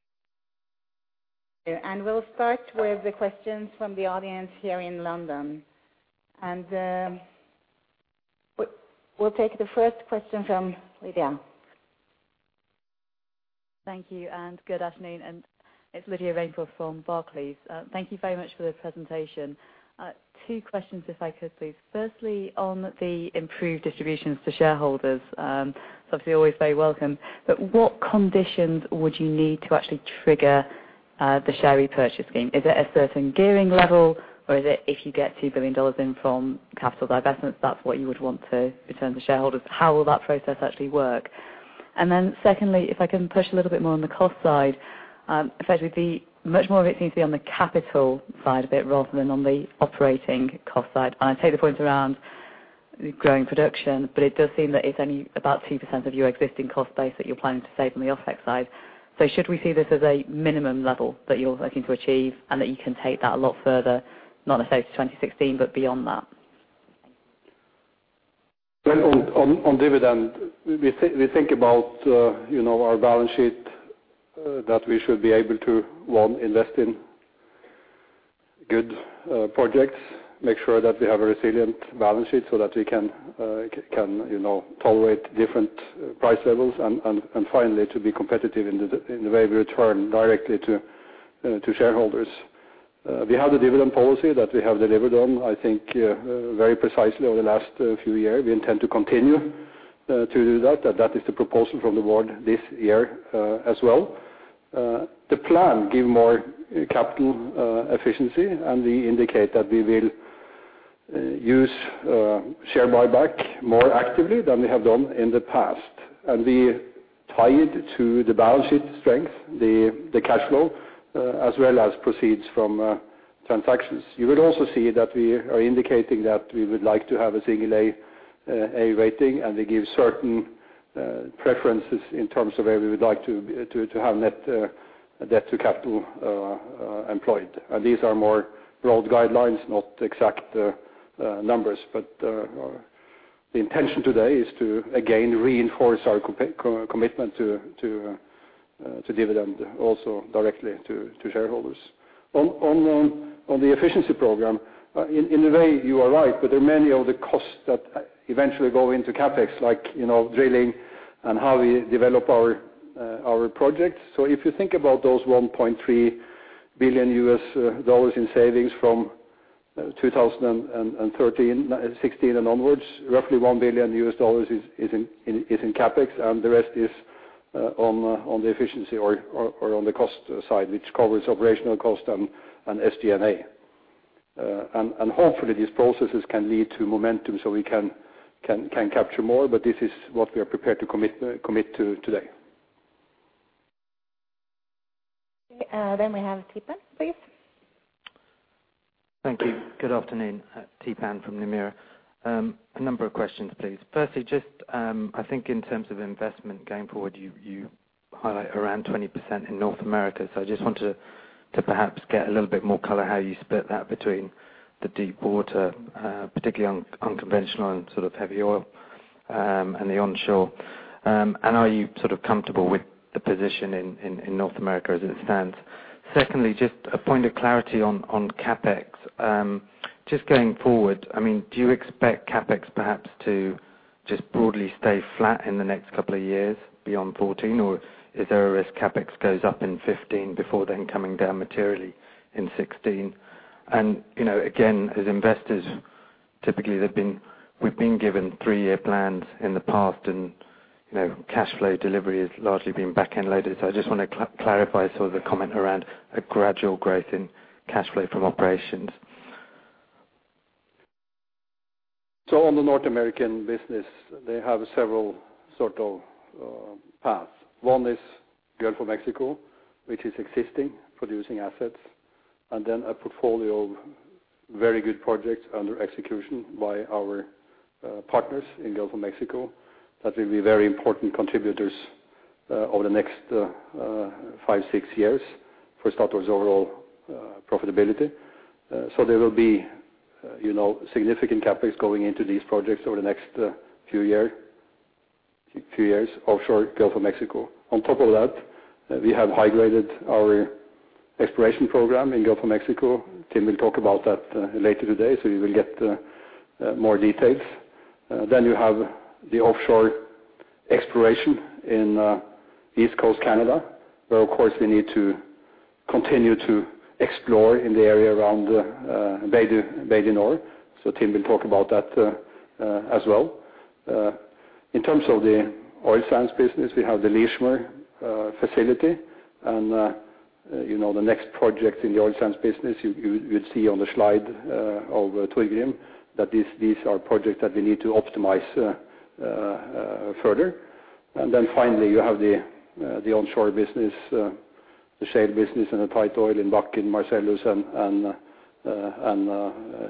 We'll start with the questions from the audience here in London. We'll take the first question from Lydia. Thank you, and good afternoon. It's Lydia Rainforth from Barclays. Thank you very much for the presentation. Two questions if I could please. Firstly, on the improved distributions to shareholders, it's obviously always very welcome, but what conditions would you need to actually trigger the share repurchase scheme? Is it a certain gearing level, or is it if you get $2 billion in from capital divestment, that's what you would want to return to shareholders? How will that process actually work? Secondly, if I can push a little bit more on the cost side, effectively much more of it needs to be on the capital side of it rather than on the operating cost side. I take the point around growing production, but it does seem that it's only about 2% of your existing cost base that you're planning to save on the offtake side. Should we see this as a minimum level that you're looking to achieve and that you can take that a lot further, not necessarily to 2016 but beyond that? Well, on dividend, we think about, you know, our balance sheet, that we should be able to one, invest in good projects, make sure that we have a resilient balance sheet so that we can, you know, tolerate different price levels and finally, to be competitive in the way we return directly to shareholders. To shareholders. We have the dividend policy that we have delivered on, I think, very precisely over the last few years. We intend to continue to do that, and that is the proposal from the board this year, as well. The plan give more capital efficiency, and we indicate that we will use share buyback more actively than we have done in the past. We tie it to the balance sheet strength, the cash flow, as well as proceeds from transactions. You will also see that we are indicating that we would like to have a single A rating, and it gives certain preferences in terms of where we would like to have net debt to capital employed. These are more broad guidelines, not exact numbers. The intention today is to again reinforce our commitment to dividend also directly to shareholders. On the efficiency program, in a way you are right, but there are many other costs that eventually go into CapEx, like, you know, drilling and how we develop our projects. If you think about those $1.3 billion in savings from 2016 and onwards, roughly $1 billion is in CapEx, and the rest is on the efficiency or on the cost side, which covers operational cost and DPNA. Hopefully these processes can lead to momentum so we can capture more, but this is what we are prepared to commit to today. Okay, we have Theepan, please. Thank you. Good afternoon. Theepan from Nomura. A number of questions please. Firstly, I think in terms of investment going forward, you highlight around 20% in North America. I just wanted to perhaps get a little bit more color how you split that between the deep water, particularly on conventional and sort of heavy oil, and the onshore. Are you sort of comfortable with the position in North America as it stands? Secondly, just a point of clarity on CapEx. Just going forward, I mean, do you expect CapEx perhaps to just broadly stay flat in the next couple of years beyond 2014, or is there a risk CapEx goes up in 2015 before then coming down materially in 2016? You know, again, as investors, typically we've been given three-year plans in the past and, you know, cash flow delivery has largely been back-ended. I just wanna clarify sort of the comment around a gradual growth in cash flow from operations. On the North American business, they have several sort of paths. One is Gulf of Mexico, which is existing producing assets, and then a portfolio of very good projects under execution by our partners in Gulf of Mexico. That will be very important contributors over the next 5-6 years for Statoil's overall profitability. There will be, you know, significant CapEx going into these projects over the next few years, offshore Gulf of Mexico. On top of that, we have high-graded our exploration program in Gulf of Mexico. Tim will talk about that later today, so you will get more details. Then you have the offshore exploration in East Coast Canada, where of course we need to continue to explore in the area around Bay du Nord. Tim will talk about that, as well. In terms of the oil sands business, we have the Leismer facility and, you know, the next project in the oil sands business, you'll see on the slide of Torgrim, that these are projects that we need to optimize further. Finally, you have the onshore business, the shale business and the tight oil in Bakken, Marcellus and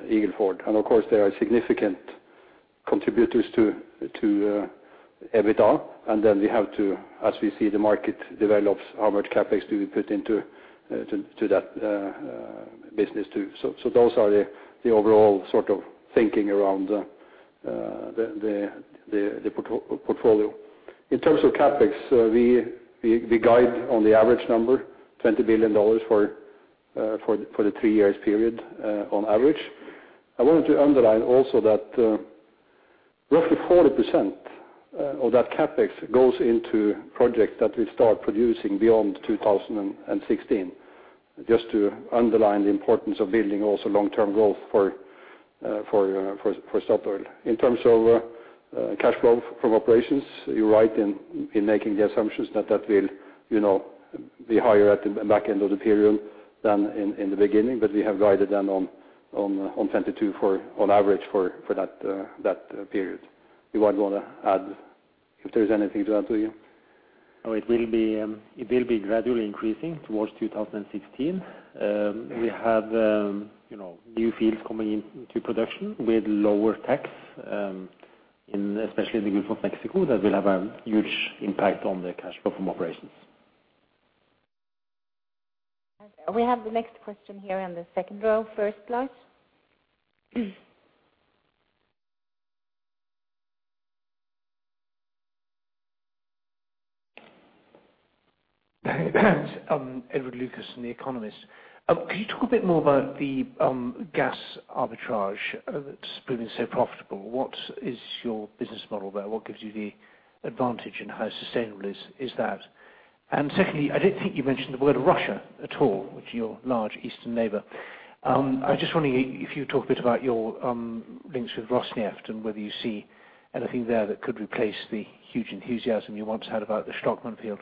Eagle Ford. Of course, there are significant contributors to EBITDA. We have to, as we see the market develops, how much CapEx do we put into that business too. Those are the overall sort of thinking around the portfolio. In terms of CapEx, we guide on the average number, $20 billion for the three-year period, on average. I wanted to underline also that roughly 40% of that CapEx goes into projects that will start producing beyond 2016. Just to underline the importance of building also long-term growth for Statoil. In terms of cash flow from operations, you're right in making the assumptions that that will, you know, be higher at the back end of the period than in the beginning. We have guided them on $22 billion, on average for that period. You might wanna add, if there's anything to add, Torgrim? No, it will be gradually increasing towards 2016. We have, you know, new fields coming into production with lower tax, in especially in the Gulf of Mexico that will have a huge impact on the cash flow from operations. We have the next question here in the second row, first slot. Edward Lucas from The Economist. Can you talk a bit more about the gas arbitrage that's proving so profitable? What is your business model there? What gives you the advantage and how sustainable is that? And secondly, I don't think you mentioned the word Russia at all with your large eastern neighbor. I was just wondering if you'd talk a bit about your links with Rosneft and whether you see anything there that could replace the huge enthusiasm you once had about the Shtokman Field.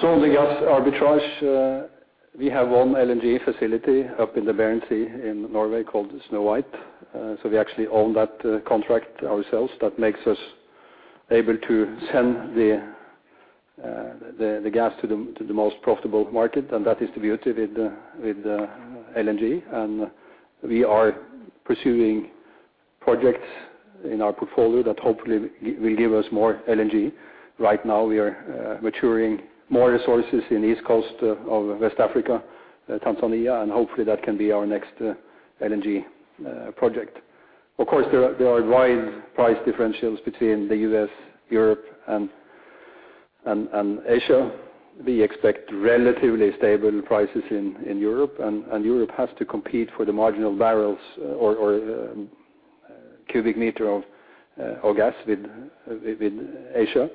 The gas arbitrage, we have one LNG facility up in the Barents Sea in Norway called Snøhvit. We actually own that contract ourselves. That makes us able to send the gas to the most profitable market, and that is distributed with the LNG. We are pursuing projects in our portfolio that hopefully will give us more LNG. Right now, we are maturing more resources in the east coast of West Africa, Tanzania, and hopefully that can be our next LNG project. Of course, there are wide price differentials between the U.S., Europe, and Asia. We expect relatively stable prices in Europe, and Europe has to compete for the marginal barrels or cubic meter of gas with Asia.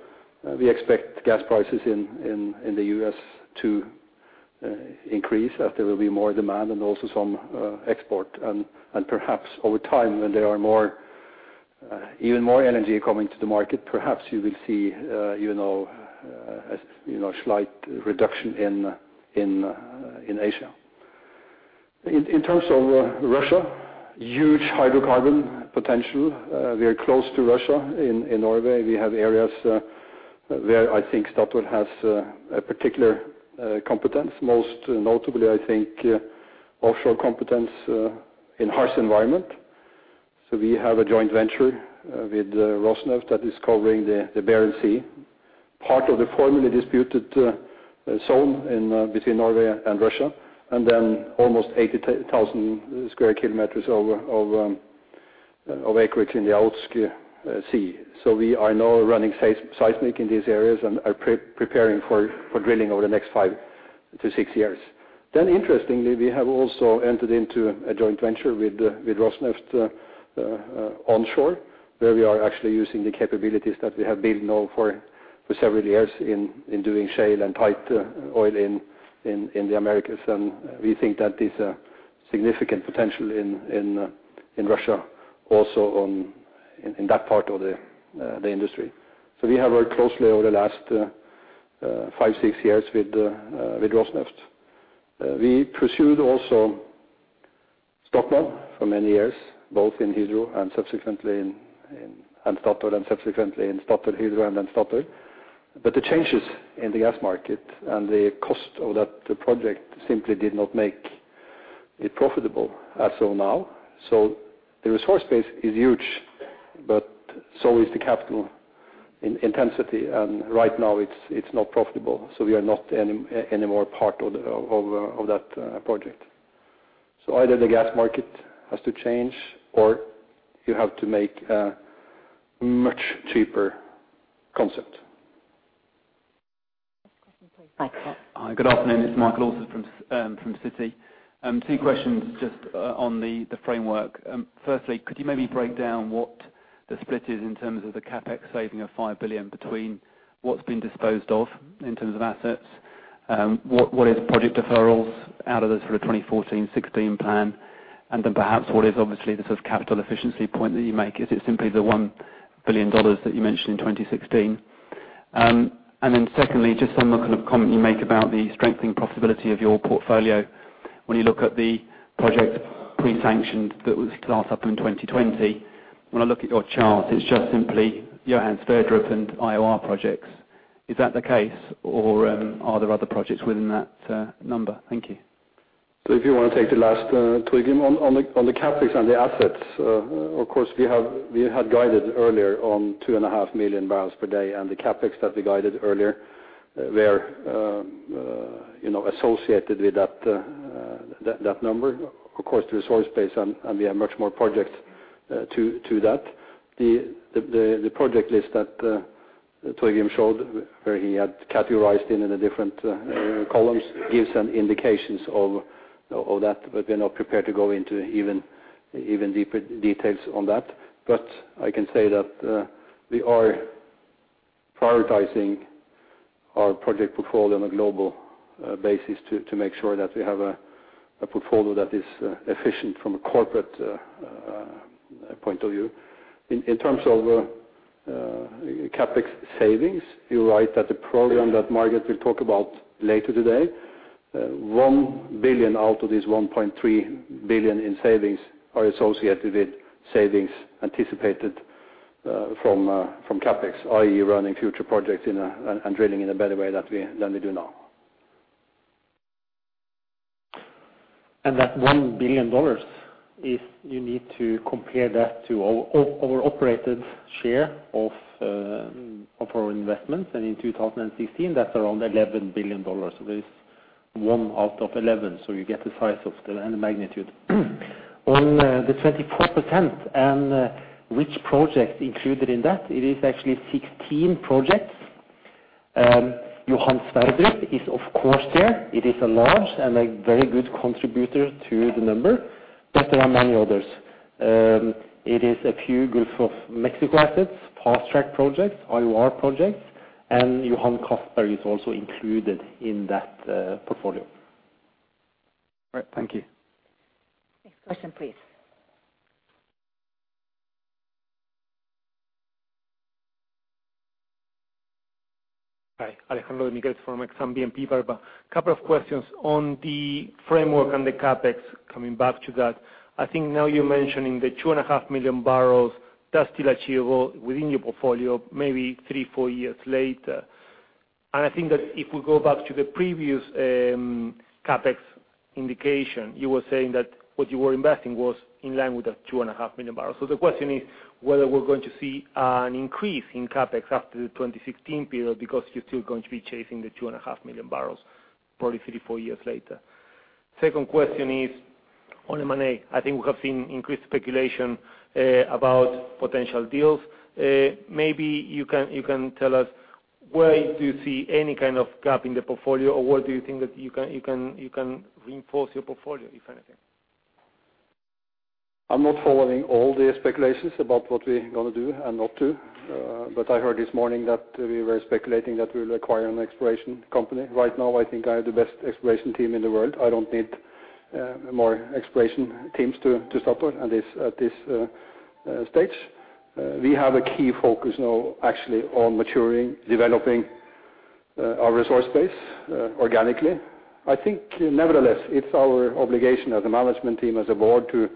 We expect gas prices in the U.S. to increase as there will be more demand and also some export and perhaps over time when there are more even more LNG coming to the market, perhaps you will see you know a slight reduction in Asia. In terms of Russia, huge hydrocarbon potential, we are close to Russia in Norway. We have areas where I think Statoil has a particular competence, most notably I think offshore competence in harsh environment. We have a joint venture with Rosneft that is covering the Barents Sea, part of the formerly disputed zone in between Norway and Russia, and then almost 80,000 sq km of acreage in the Okhotsk Sea. We are now running seismic in these areas and are preparing for drilling over the next 5-6 years. Interestingly, we have also entered into a joint venture with Rosneft onshore, where we are actually using the capabilities that we have built now for several years in doing shale and tight oil in the Americas. We think that is a significant potential in Russia also in that part of the industry. We have worked closely over the last five to six years with Rosneft. We pursued also Shtokman for many years, both in Hydro and subsequently in StatoilHydro and then Statoil. The changes in the gas market and the cost of that project simply did not make it profitable as of now. The resource base is huge, but so is the capital intensity, and right now it's not profitable, so we are not any more part of that project. Either the gas market has to change or you have to make a much cheaper concept. Next question please. Michael. Hi. Good afternoon. It's Michael Alsford from Citi. Two questions just on the framework. First, could you maybe break down what the split is in terms of the CapEx saving of $5 billion between what's been disposed of in terms of assets? What is project deferrals out of the sort of 2014-2016 plan? And then perhaps what is obviously the sort of capital efficiency point that you make. Is it simply the $1 billion that you mentioned in 2016? And then second, just on the kind of comment you make about the strengthening profitability of your portfolio. When you look at the project pre-sanctioned that will start up in 2020, when I look at your chart, it's just simply Johan Sverdrup and IOR projects. Is that the case or are there other projects within that number? Thank you. If you wanna take the last, Torgrim. On the CapEx and the assets, of course we have, we had guided earlier on 2.5 million barrels per day, and the CapEx that we guided earlier were, you know, associated with that number. Of course, the resource base and we have much more projects to that. The project list that Torgrim showed where he had categorized it into different columns gives some indications of that, but we're not prepared to go into even deeper details on that. I can say that we are prioritizing our project portfolio on a global basis to make sure that we have a portfolio that is efficient from a corporate point of view. In terms of CapEx savings, you're right that the program that Margareth will talk about later today, $1 billion out of this $1.3 billion in savings are associated with savings anticipated from CapEx, i.e. running future projects and drilling in a better way than we do now. That $1 billion is you need to compare that to our operated share of our investments. In 2016, that's around $11 billion. There is 1 out of 11. You get the size of the magnitude. On the 24% and which projects included in that, it is actually 16 projects. Johan Sverdrup is of course there. It is a large and a very good contributor to the number, but there are many others. It is a few Gulf of Mexico assets, fast-track projects, IOR projects, and Johan Castberg is also included in that portfolio. All right, thank you. Next question, please. Hi. Alejandro Demichelis from Exane BNP Paribas. Couple of questions. On the framework and the CapEx, coming back to that, I think now you're mentioning the 2.5 million barrels that's still achievable within your portfolio maybe three, four years later. I think that if we go back to the previous, CapEx indication, you were saying that what you were investing was in line with the 2.5 million barrels. The question is whether we're going to see an increase in CapEx after the 2016 period because you're still going to be chasing the 2.5 million barrels probably three, four years later. Second question is on M&A. I think we have seen increased speculation about potential deals. Maybe you can tell us where do you see any kind of gap in the portfolio or where do you think that you can reinforce your portfolio, if anything? I'm not following all the speculations about what we're gonna do and not do. I heard this morning that we were speculating that we'll acquire an exploration company. Right now, I think I have the best exploration team in the world. I don't need more exploration teams to Statoil at this stage. We have a key focus now actually on maturing, developing our resource base organically. I think nevertheless, it's our obligation as a management team, as a board to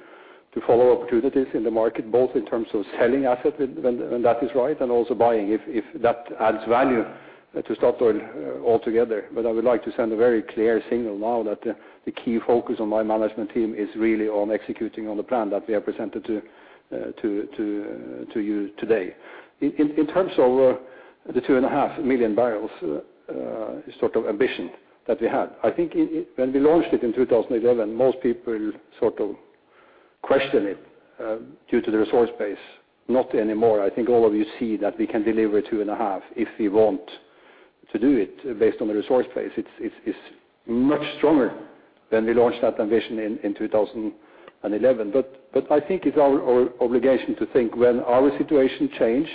follow opportunities in the market, both in terms of selling asset when that is right, and also buying if that adds value to Statoil altogether. I would like to send a very clear signal now that the key focus on my management team is really on executing on the plan that we have presented to you today. In terms of the 2.5 million barrels sort of ambition that we had, I think it when we launched it in 2011, most people sort of questioned it due to the resource base. Not anymore. I think all of you see that we can deliver 2.5 if we want to do it based on the resource base. It's much stronger than we launched that ambition in 2011. I think it's our obligation to think when our situation change,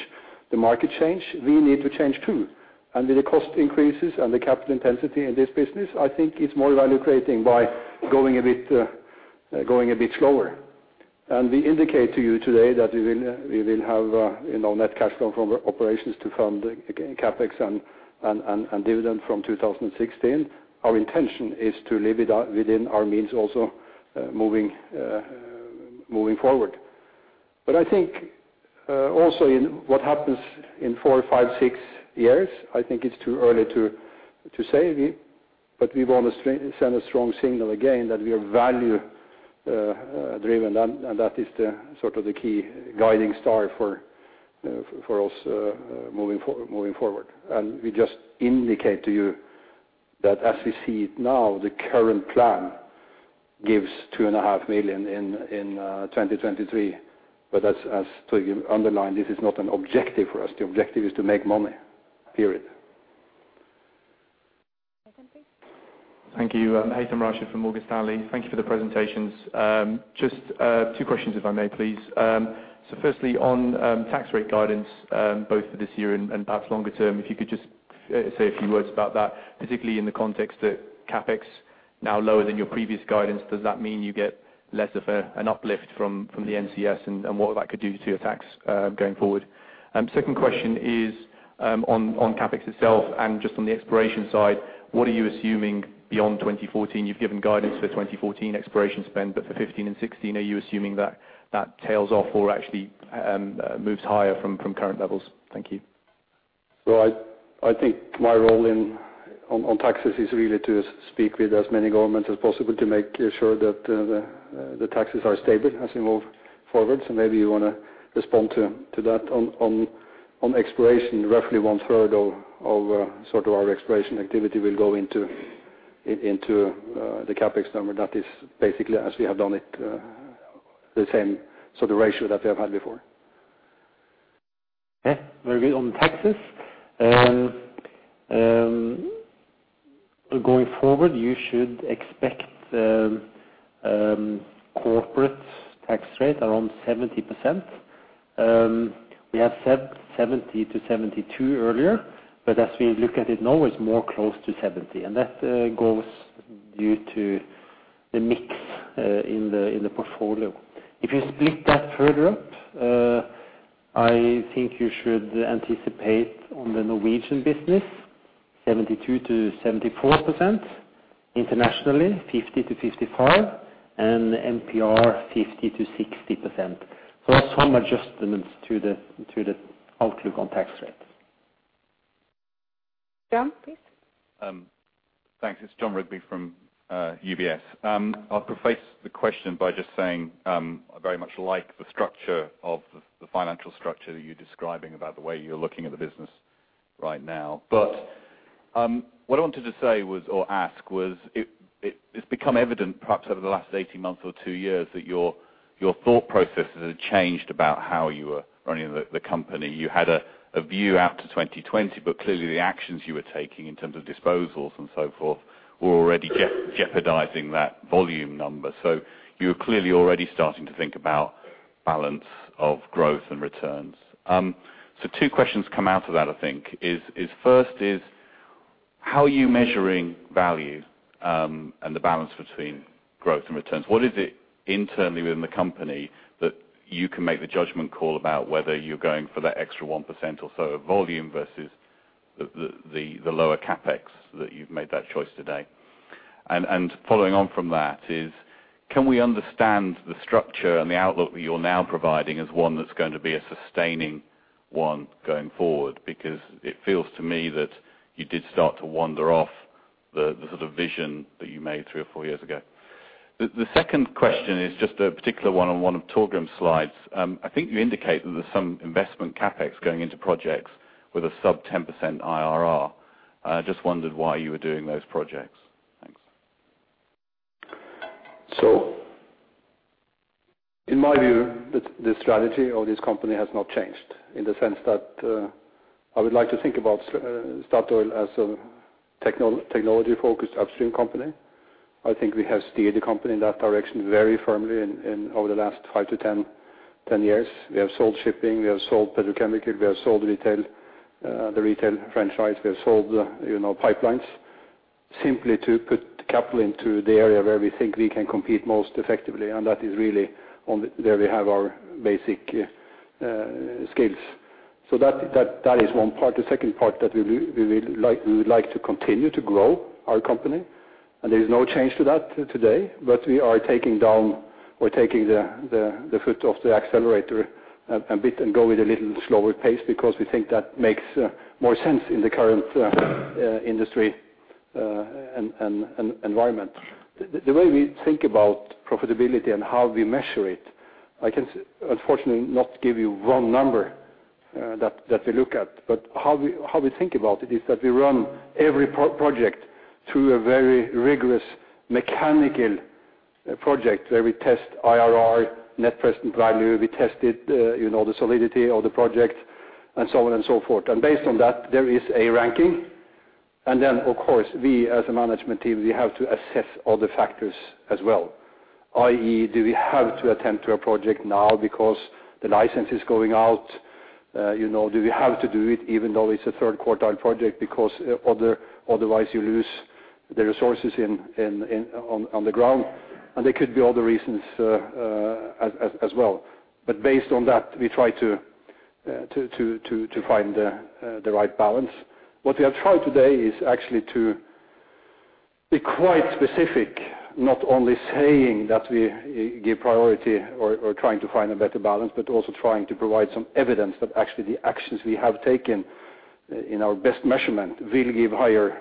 the market change, we need to change too. With the cost increases and the capital intensity in this business, I think it's more value creating by going a bit slower. We indicate to you today that we will have, you know, net cash flow from operations to fund CapEx and dividend from 2016. Our intention is to live it out within our means also moving forward. I think also in what happens in four, five, six years, I think it's too early to say. We want to send a strong signal again that we are value driven, and that is the sort of the key guiding star for us moving forward. We just indicate to you that as we see it now, the current plan gives 2.5 million in 2023. As Tor, you underlined, this is not an objective for us. The objective is to make money, period. Thank you. Haythem Rashed from Morgan Stanley. Thank you for the presentations. Just two questions if I may, please. First, on tax rate guidance, both for this year and perhaps longer term, if you could just say a few words about that, particularly in the context that CapEx now lower than your previous guidance, does that mean you get less of an uplift from the NCS and what that could do to your tax going forward? Second question is on CapEx itself and just on the exploration side, what are you assuming beyond 2014? You've given guidance for 2014 exploration spend, but for 15 and 16, are you assuming that tails off or actually moves higher from current levels? Thank you. I think my role on taxes is really to speak with as many governments as possible to make sure that the taxes are stable as we move forward. Maybe you wanna respond to that. On exploration, roughly one-third of sort of our exploration activity will go into the CapEx number. That is basically as we have done it, the same sort of ratio that we have had before. Yeah. Very good. On taxes, going forward, you should expect corporate tax rate around 70%. We have said 70%-72% earlier, but as we look at it now, it's more close to 70%, and that goes due to the mix in the portfolio. If you split that further up, I think you should anticipate on the Norwegian business 72%-74%. Internationally, 50%-55%, and MPR, 50%-60%. Some adjustments to the outlook on tax rates. Jon, please. Thanks. It's Jon Rigby from UBS. I'll preface the question by just saying, I very much like the structure of the financial structure that you're describing about the way you're looking at the business right now. But- What I wanted to ask is, it's become evident perhaps over the last 18 months or two years that your thought processes have changed about how you are running the company. You had a view out to 2020, but clearly the actions you were taking in terms of disposals and so forth were already jeopardizing that volume number. You're clearly already starting to think about balance of growth and returns. Two questions come out of that, I think. First is how are you measuring value and the balance between growth and returns? What is it internally within the company that you can make the judgment call about whether you're going for that extra 1% or so of volume versus the lower CapEx that you've made that choice today? Following on from that, can we understand the structure and the outlook that you're now providing as one that's going to be a sustaining one going forward? Because it feels to me that you did start to wander off the sort of vision that you made three or four years ago. The second question is just a particular one on one of Torgrim's slides. I think you indicate that there's some investment CapEx going into projects with a sub-10% IRR. I just wondered why you were doing those projects. Thanks. In my view, the strategy of this company has not changed in the sense that I would like to think about Statoil as a technology-focused upstream company. I think we have steered the company in that direction very firmly over the last five to 10 years. We have sold shipping. We have sold petrochemical. We have sold retail, the retail franchise. We have sold, you know, pipelines simply to put capital into the area where we think we can compete most effectively, and that is really where we have our basic skills. That is one part. The second part that we would like to continue to grow our company, and there is no change to that today. We are taking the foot off the accelerator a bit and go with a little slower pace because we think that makes more sense in the current industry and environment. The way we think about profitability and how we measure it, I unfortunately cannot give you one number that we look at. How we think about it is that we run every project through a very rigorous economic process where we test IRR, net present value, you know, the solidity of the project, and so on and so forth. Based on that, there is a ranking. Then of course, we as a management team, we have to assess other factors as well, i.e., do we have to attend to a project now because the license is going out? You know, do we have to do it even though it's a third quartile project because otherwise you lose the resources in on the ground? There could be other reasons as well. Based on that, we try to find the right balance. What we have tried today is actually to be quite specific, not only saying that we give priority or trying to find a better balance, but also trying to provide some evidence that actually the actions we have taken in our best measurement will give higher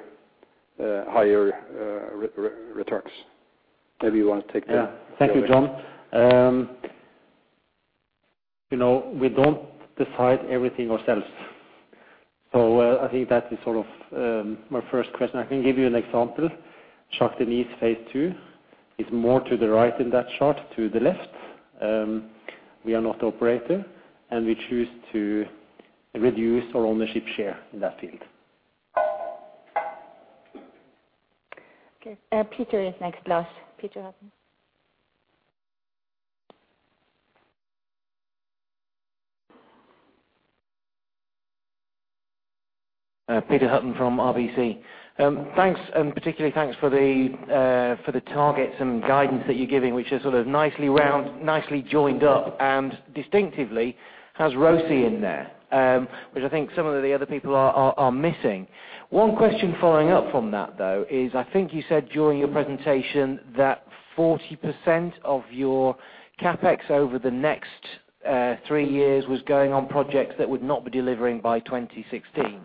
returns. Maybe you want to take that. Yeah. Thank you, John. You know, we don't decide everything ourselves, so I think that is sort of my first question. I can give you an example. Shah Deniz Stage 2 is more to the right in that chart, to the left. We are not operator, and we choose to reduce our ownership share in that field. Okay. Peter is next, Lars. Peter Hutton. Peter Hutton from RBC. Thanks, and particularly thanks for the targets and guidance that you're giving, which is sort of nicely round, nicely joined up, and distinctively has ROACE in there, which I think some of the other people are missing. One question following up from that, though, is I think you said during your presentation that 40% of your CapEx over the next three years was going on projects that would not be delivering by 2016.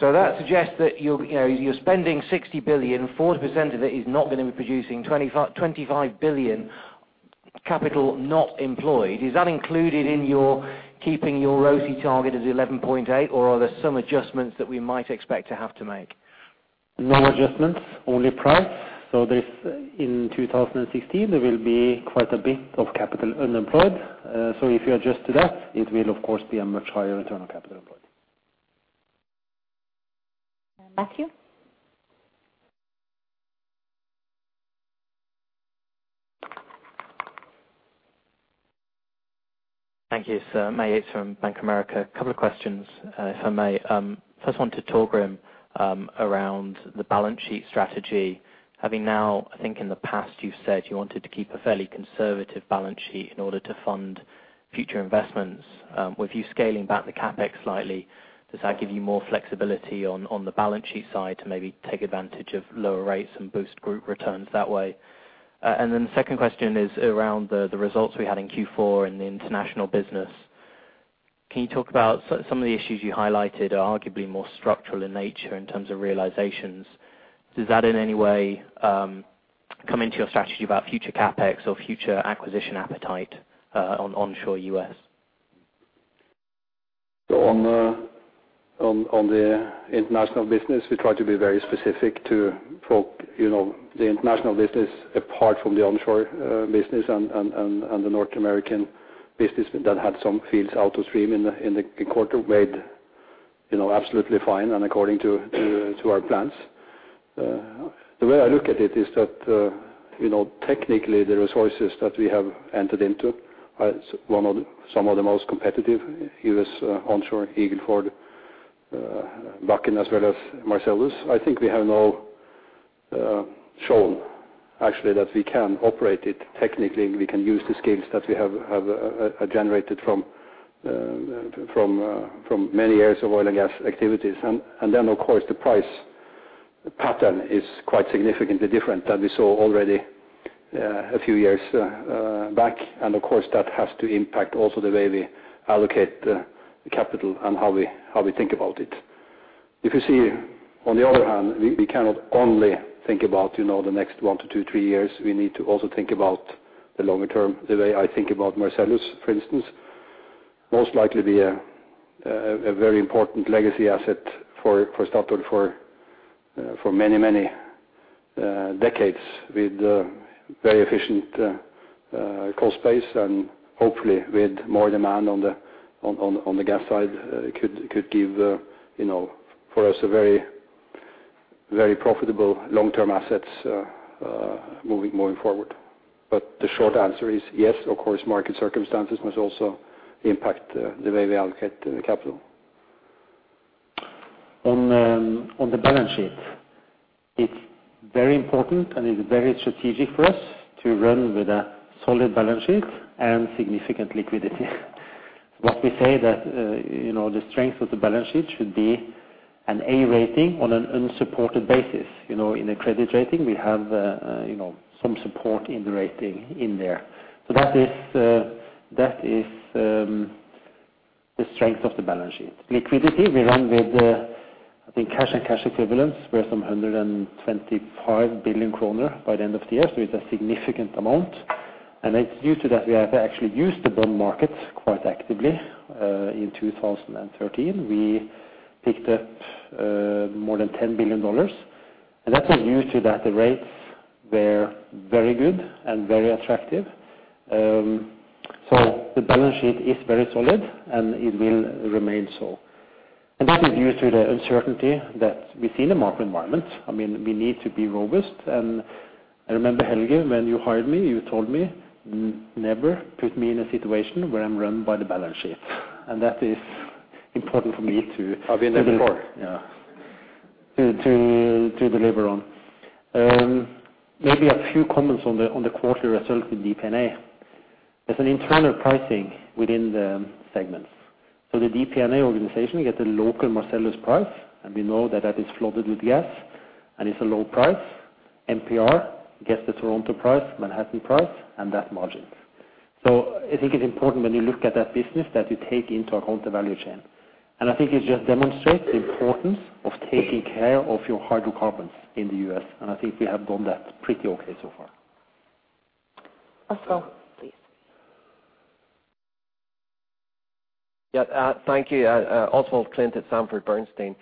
So that suggests that you're, you know, you're spending $60 billion. 40% of it is not gonna be producing $25 billion capital not employed. Is that included in your keeping your ROACE target as 11.8, or are there some adjustments that we might expect to have to make? No adjustments, only price. In 2016, there will be quite a bit of capital unemployed. If you adjust to that, it will of course be a much higher internal capital employed. Matthew? Thank you, sir. Matt Yates from Bank of America. A couple of questions, if I may. First one to Torgrim, around the balance sheet strategy. Having now, I think in the past you've said you wanted to keep a fairly conservative balance sheet in order to fund future investments. With you scaling back the CapEx slightly, does that give you more flexibility on the balance sheet side to maybe take advantage of lower rates and boost group returns that way? And then the second question is around the results we had in Q4 in the international business. Can you talk about some of the issues you highlighted are arguably more structural in nature in terms of realizations. Does that in any way come into your strategy about future CapEx or future acquisition appetite on onshore U.S.? On the international business, we try to be very focused on, you know, the international business apart from the onshore business and the North American business that had some fields out of service in the quarter made, you know, absolutely fine and according to our plans. The way I look at it is that, you know, technically the resources that we have entered into are some of the most competitive U.S. onshore Eagle Ford, Bakken, as well as Marcellus. I think we have now shown actually that we can operate it technically, and we can use the skills that we have generated from many years of oil and gas activities. Of course, the price pattern is quite significantly different than we saw already a few years back. Of course, that has to impact also the way we allocate the capital and how we think about it. If you see on the other hand, we cannot only think about, you know, the next one to two, three years. We need to also think about the longer term. The way I think about Marcellus, for instance, most likely be a very important legacy asset for Statoil for many decades with very efficient cost base. Hopefully, with more demand on the gas side could give, you know, for us a very profitable long-term assets moving forward. The short answer is yes, of course, market circumstances must also impact the way we allocate the capital. On the balance sheet, it's very important and it's very strategic for us to run with a solid balance sheet and significant liquidity. What we say that, you know, the strength of the balance sheet should be an A rating on an unsupported basis. You know, in a credit rating we have, you know, some support in the rating in there. That is the strength of the balance sheet. Liquidity, we run with, I think, cash and cash equivalents worth some 125 billion kroner by the end of the year. It's a significant amount. It's due to that we have actually used the bond market quite actively. In 2013, we picked up more than $10 billion, and that was due to that the rates were very good and very attractive. The balance sheet is very solid, and it will remain so. That is due to the uncertainty that we see in the market environment. I mean, we need to be robust. I remember, Helge, when you hired me, you told me, "Never put me in a situation where I'm run by the balance sheet." That is important for me to I've been there before. Yeah. To deliver on. Maybe a few comments on the quarterly results with DPNA. There's an internal pricing within the segments. The DPNA organization get a local Marcellus price, and we know that is flooded with gas, and it's a low price. MPR gets the Toronto price, Manhattan price, and that margin. I think it's important when you look at that business that you take into account the value chain. I think it just demonstrates the importance of taking care of your hydrocarbons in the U.S., and I think we have done that pretty okay so far. Oswald, please. Yeah. Thank you. Oswald Clint at Sanford Bernstein.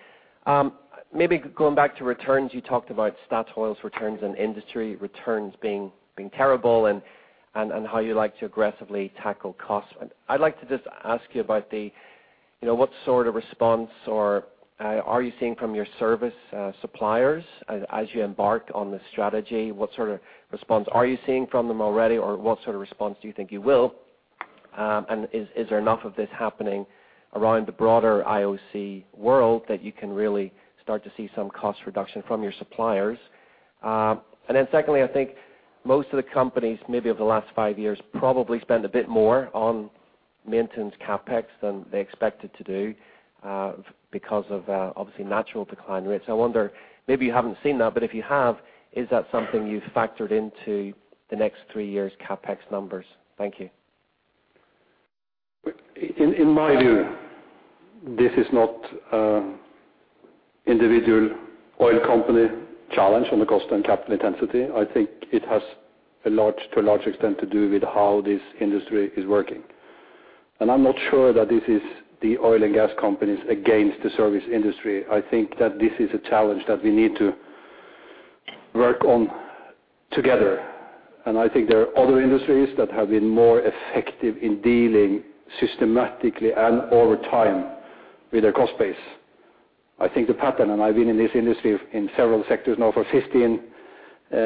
Maybe going back to returns, you talked about Statoil's returns and industry returns being terrible and how you like to aggressively tackle costs. I'd like to just ask you about the, you know, what sort of response or are you seeing from your service suppliers as you embark on the strategy? What sort of response are you seeing from them already, or what sort of response do you think you will? Is there enough of this happening around the broader IOC world that you can really start to see some cost reduction from your suppliers? Secondly, I think most of the companies maybe over the last five years probably spent a bit more on maintenance CapEx than they expected to do, because of obviously natural decline rates. I wonder, maybe you haven't seen that, but if you have, is that something you've factored into the next three years' CapEx numbers? Thank you. In my view, this is not individual oil company challenge on the cost and capital intensity. I think it has to a large extent to do with how this industry is working. I'm not sure that this is the oil and gas companies against the service industry. I think that this is a challenge that we need to work on together. I think there are other industries that have been more effective in dealing systematically and over time with their cost base. I think the pattern, and I've been in this industry in several sectors now for 15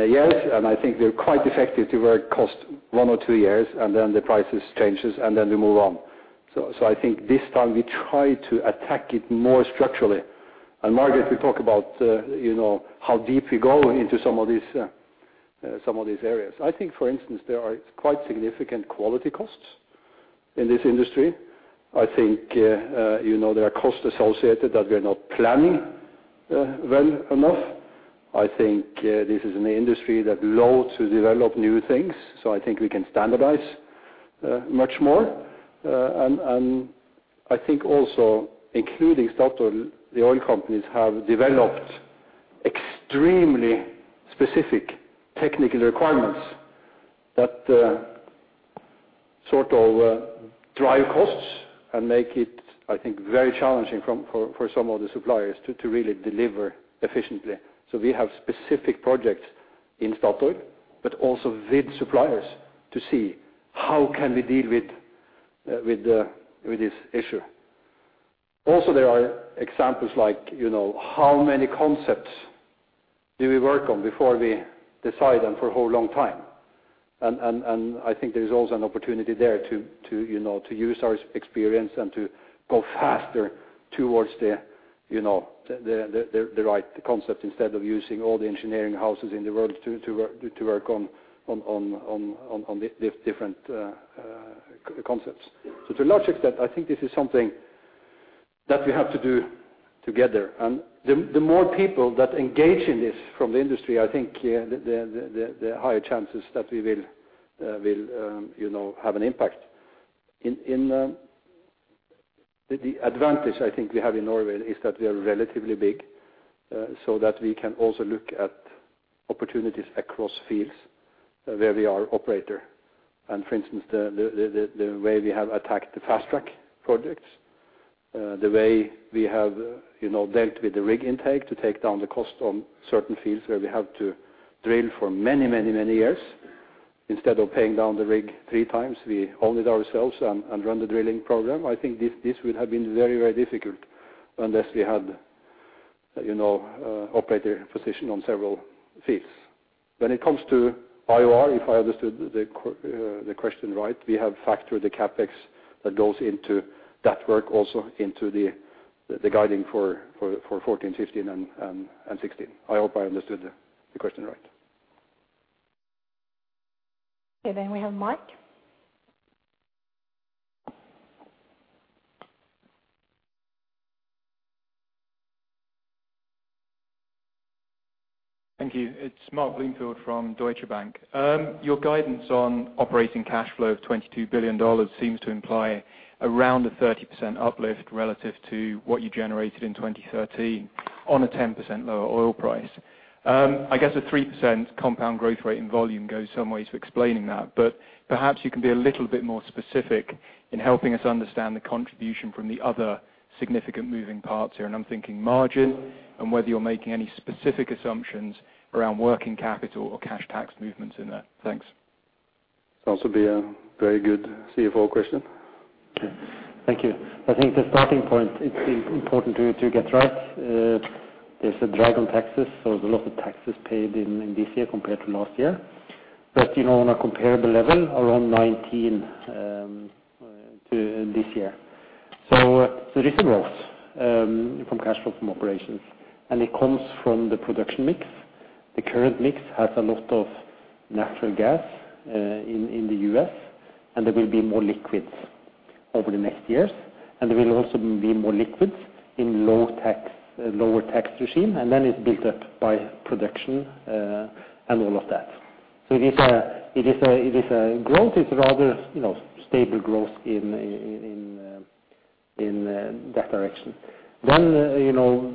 years, and I think they're quite effective to work cost one or two years, and then the prices changes, and then we move on. I think this time we try to attack it more structurally. Margareth will talk about, you know, how deep we go into some of these areas. I think, for instance, there are quite significant quality costs in this industry. I think, you know, there are costs associated that we're not planning well enough. I think, this is an industry that loves to develop new things, so I think we can standardize much more. I think also including Statoil, the oil companies have developed extremely specific technical requirements that sort of drive costs and make it, I think, very challenging for some of the suppliers to really deliver efficiently. So we have specific projects in Statoil, but also with suppliers to see how can we deal with this issue. Also, there are examples like, you know, how many concepts do we work on before we decide and for a whole long time? I think there is also an opportunity there to use our experience and to go faster towards, you know, the right concept instead of using all the engineering houses in the world to work on the different concepts. To a large extent, I think this is something that we have to do together. The more people that engage in this from the industry, I think, the higher chances that we will, you know, have an impact. The advantage I think we have in Norway is that we are relatively big, so that we can also look at opportunities across fields where we are operator. For instance, the way we have attacked the fast-track projects, the way we have, you know, dealt with the rig intake to take down the cost on certain fields where we have to drill for many years. Instead of paying down the rig three times, we own it ourselves and run the drilling program. I think this would have been very difficult unless we had, you know, operator position on several fields. When it comes to IOR, if I understood the question right, we have factored the CapEx that goes into that work also into the guidance for 2014, 2015, and 2016. I hope I understood the question right. Okay, we have Mark. Thank you. It's Mark Bloomfield from Deutsche Bank. Your guidance on operating cash flow of $22 billion seems to imply around a 30% uplift relative to what you generated in 2013 on a 10% lower oil price. I guess a 3% compound growth rate in volume goes some ways to explaining that. Perhaps you can be a little bit more specific in helping us understand the contribution from the other significant moving parts here, and I'm thinking margin and whether you're making any specific assumptions around working capital or cash tax movements in there. Thanks. This will also be a very good CFO question. Thank you. I think the starting point, it's important to get right. There's a drive on taxes, so there's a lot of taxes paid in this year compared to last year. You know, on a comparable level, around 19 to this year. This involves from cash flow from operations, and it comes from the production mix. The current mix has a lot of natural gas in the U.S., and there will be more liquids over the next years. There will also be more liquids in low tax, lower tax regime, and then it's built up by production and all of that. It is a growth. It's rather, you know, stable growth in that direction. One, you know,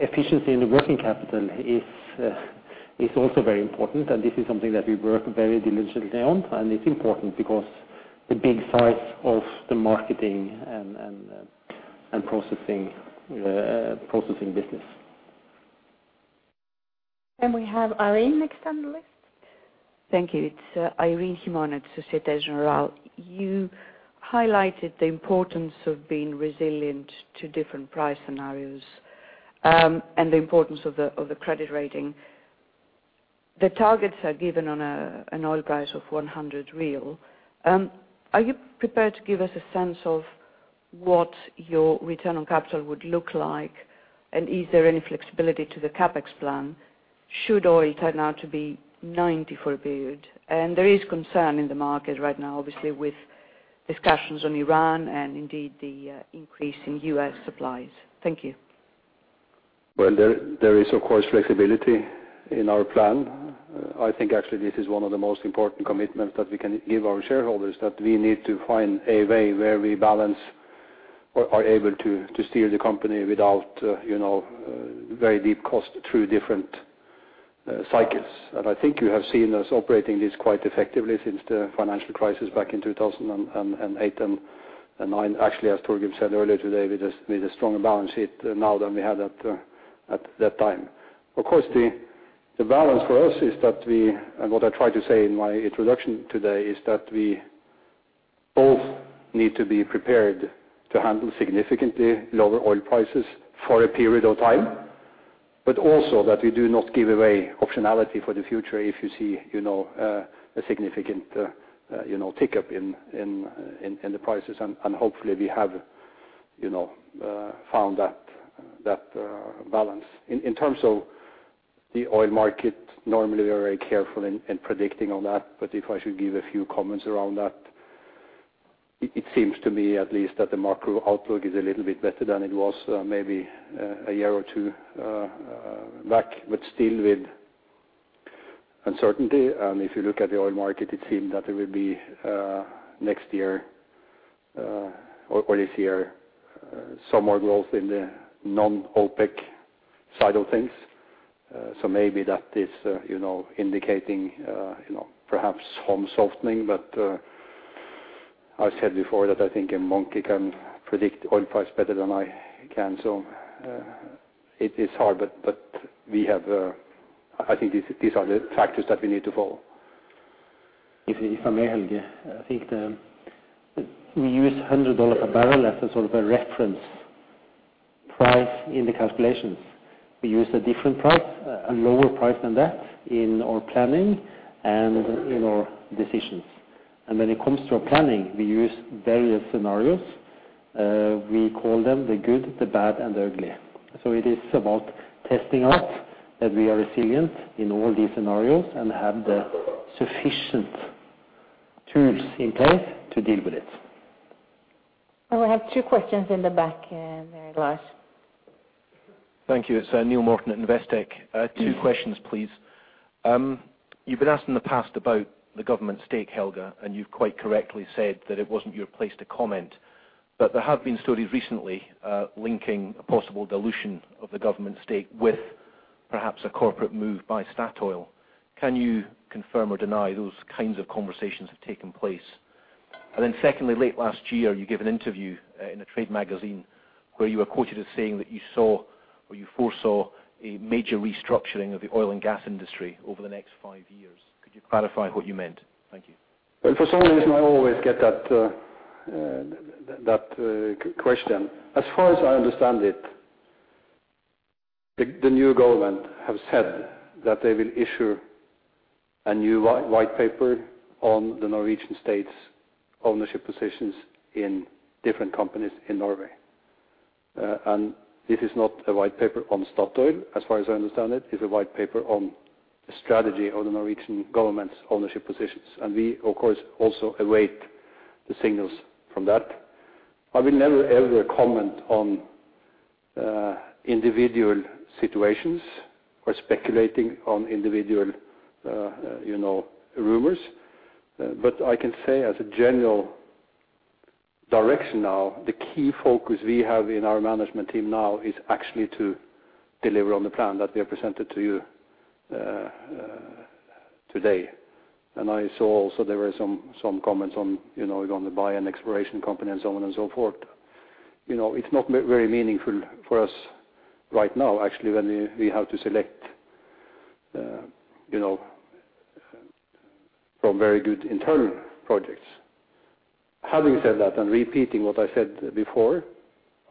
efficiency in the working capital is also very important, and this is something that we work very diligently on. It's important because the big size of the marketing and processing business. We have Irene next on the list. Thank you. It's Irene Himona at Société Générale. You highlighted the importance of being resilient to different price scenarios, and the importance of the credit rating. The targets are given on an oil price of $100. Are you prepared to give us a sense of what your return on capital would look like? Is there any flexibility to the CapEx plan should oil turn out to be $90 for a period? There is concern in the market right now, obviously, with discussions on Iran and indeed the increase in U.S. supplies. Thank you. There is of course flexibility in our plan. I think actually this is one of the most important commitments that we can give our shareholders, that we need to find a way where we balance or are able to steer the company without, you know, very deep cuts through different cycles. I think you have seen us operating this quite effectively since the financial crisis back in 2008 and 2009. Actually, as Torgrim said earlier today, we just made a stronger balance sheet now than we had at that time. Of course, the balance for us is that we and what I tried to say in my introduction today is that we both need to be prepared to handle significantly lower oil prices for a period of time, but also that we do not give away optionality for the future if you see you know a significant you know tick-up in the prices. Hopefully we have you know found that balance. In terms of the oil market, normally we are very careful in predicting on that. If I should give a few comments around that, it seems to me at least that the macro outlook is a little bit better than it was maybe a year or two back, but still with uncertainty. If you look at the oil market, it seems that it will be next year or this year some more growth in the non-OPEC side of things. Maybe that is, you know, indicating, you know, perhaps some softening. I said before that I think a monkey can predict oil price better than I can. It is hard. I think these are the factors that we need to follow. If I may, Helge, I think we use $100 a barrel as a sort of reference price in the calculations. We use a different price, a lower price than that in our planning and in our decisions. When it comes to our planning, we use various scenarios. We call them the good, the bad and the ugly. It is about testing out that we are resilient in all these scenarios and have the sufficient tools in place to deal with it. Oh, I have two questions in the back, there, Lars. Thank you. It's Neill Morton at Investec. Two questions, please. You've been asked in the past about the government stake, Helge, and you've quite correctly said that it wasn't your place to comment. There have been stories recently linking a possible dilution of the government stake with perhaps a corporate move by Statoil. Can you confirm or deny those kinds of conversations have taken place? Secondly, late last year, you gave an interview in a trade magazine where you were quoted as saying that you saw or you foresaw a major restructuring of the oil and gas industry over the next five years. Could you clarify what you meant? Thank you. Well, for some reason, I always get that question. As far as I understand it, the new government have said that they will issue a new white paper on the Norwegian state's ownership positions in different companies in Norway. It is not a white paper on Statoil, as far as I understand it. It's a white paper on the strategy of the Norwegian government's ownership positions. We of course also await the signals from that. I will never, ever comment on individual situations or speculating on individual, you know, rumors. But I can say as a general direction now, the key focus we have in our management team now is actually to deliver on the plan that we have presented to you, today. I saw also there were some comments on, you know, on the buy and exploration company and so on and so forth. You know, it's not very meaningful for us right now, actually, when we have to select, you know, from very good internal projects. Having said that and repeating what I said before,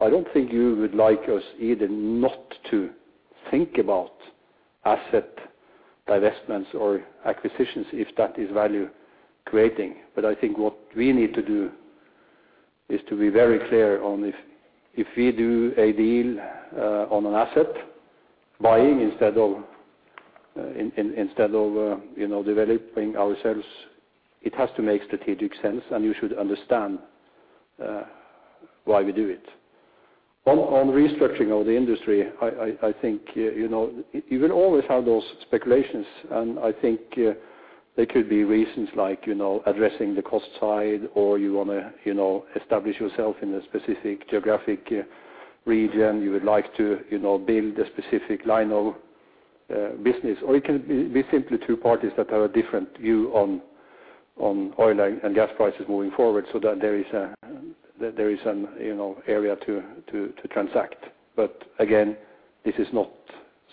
I don't think you would like us either not to think about asset divestments or acquisitions if that is value creating. I think what we need to do is to be very clear on if we do a deal on an asset buying instead of, you know, developing ourselves, it has to make strategic sense, and you should understand why we do it. On restructuring of the industry, I think, you know, you will always have those speculations. I think there could be reasons like, you know, addressing the cost side or you wanna, you know, establish yourself in a specific geographic region. You would like to, you know, build a specific line of business. Or it can be simply two parties that have a different view on oil and gas prices moving forward, so that there is an, you know, area to transact. This is not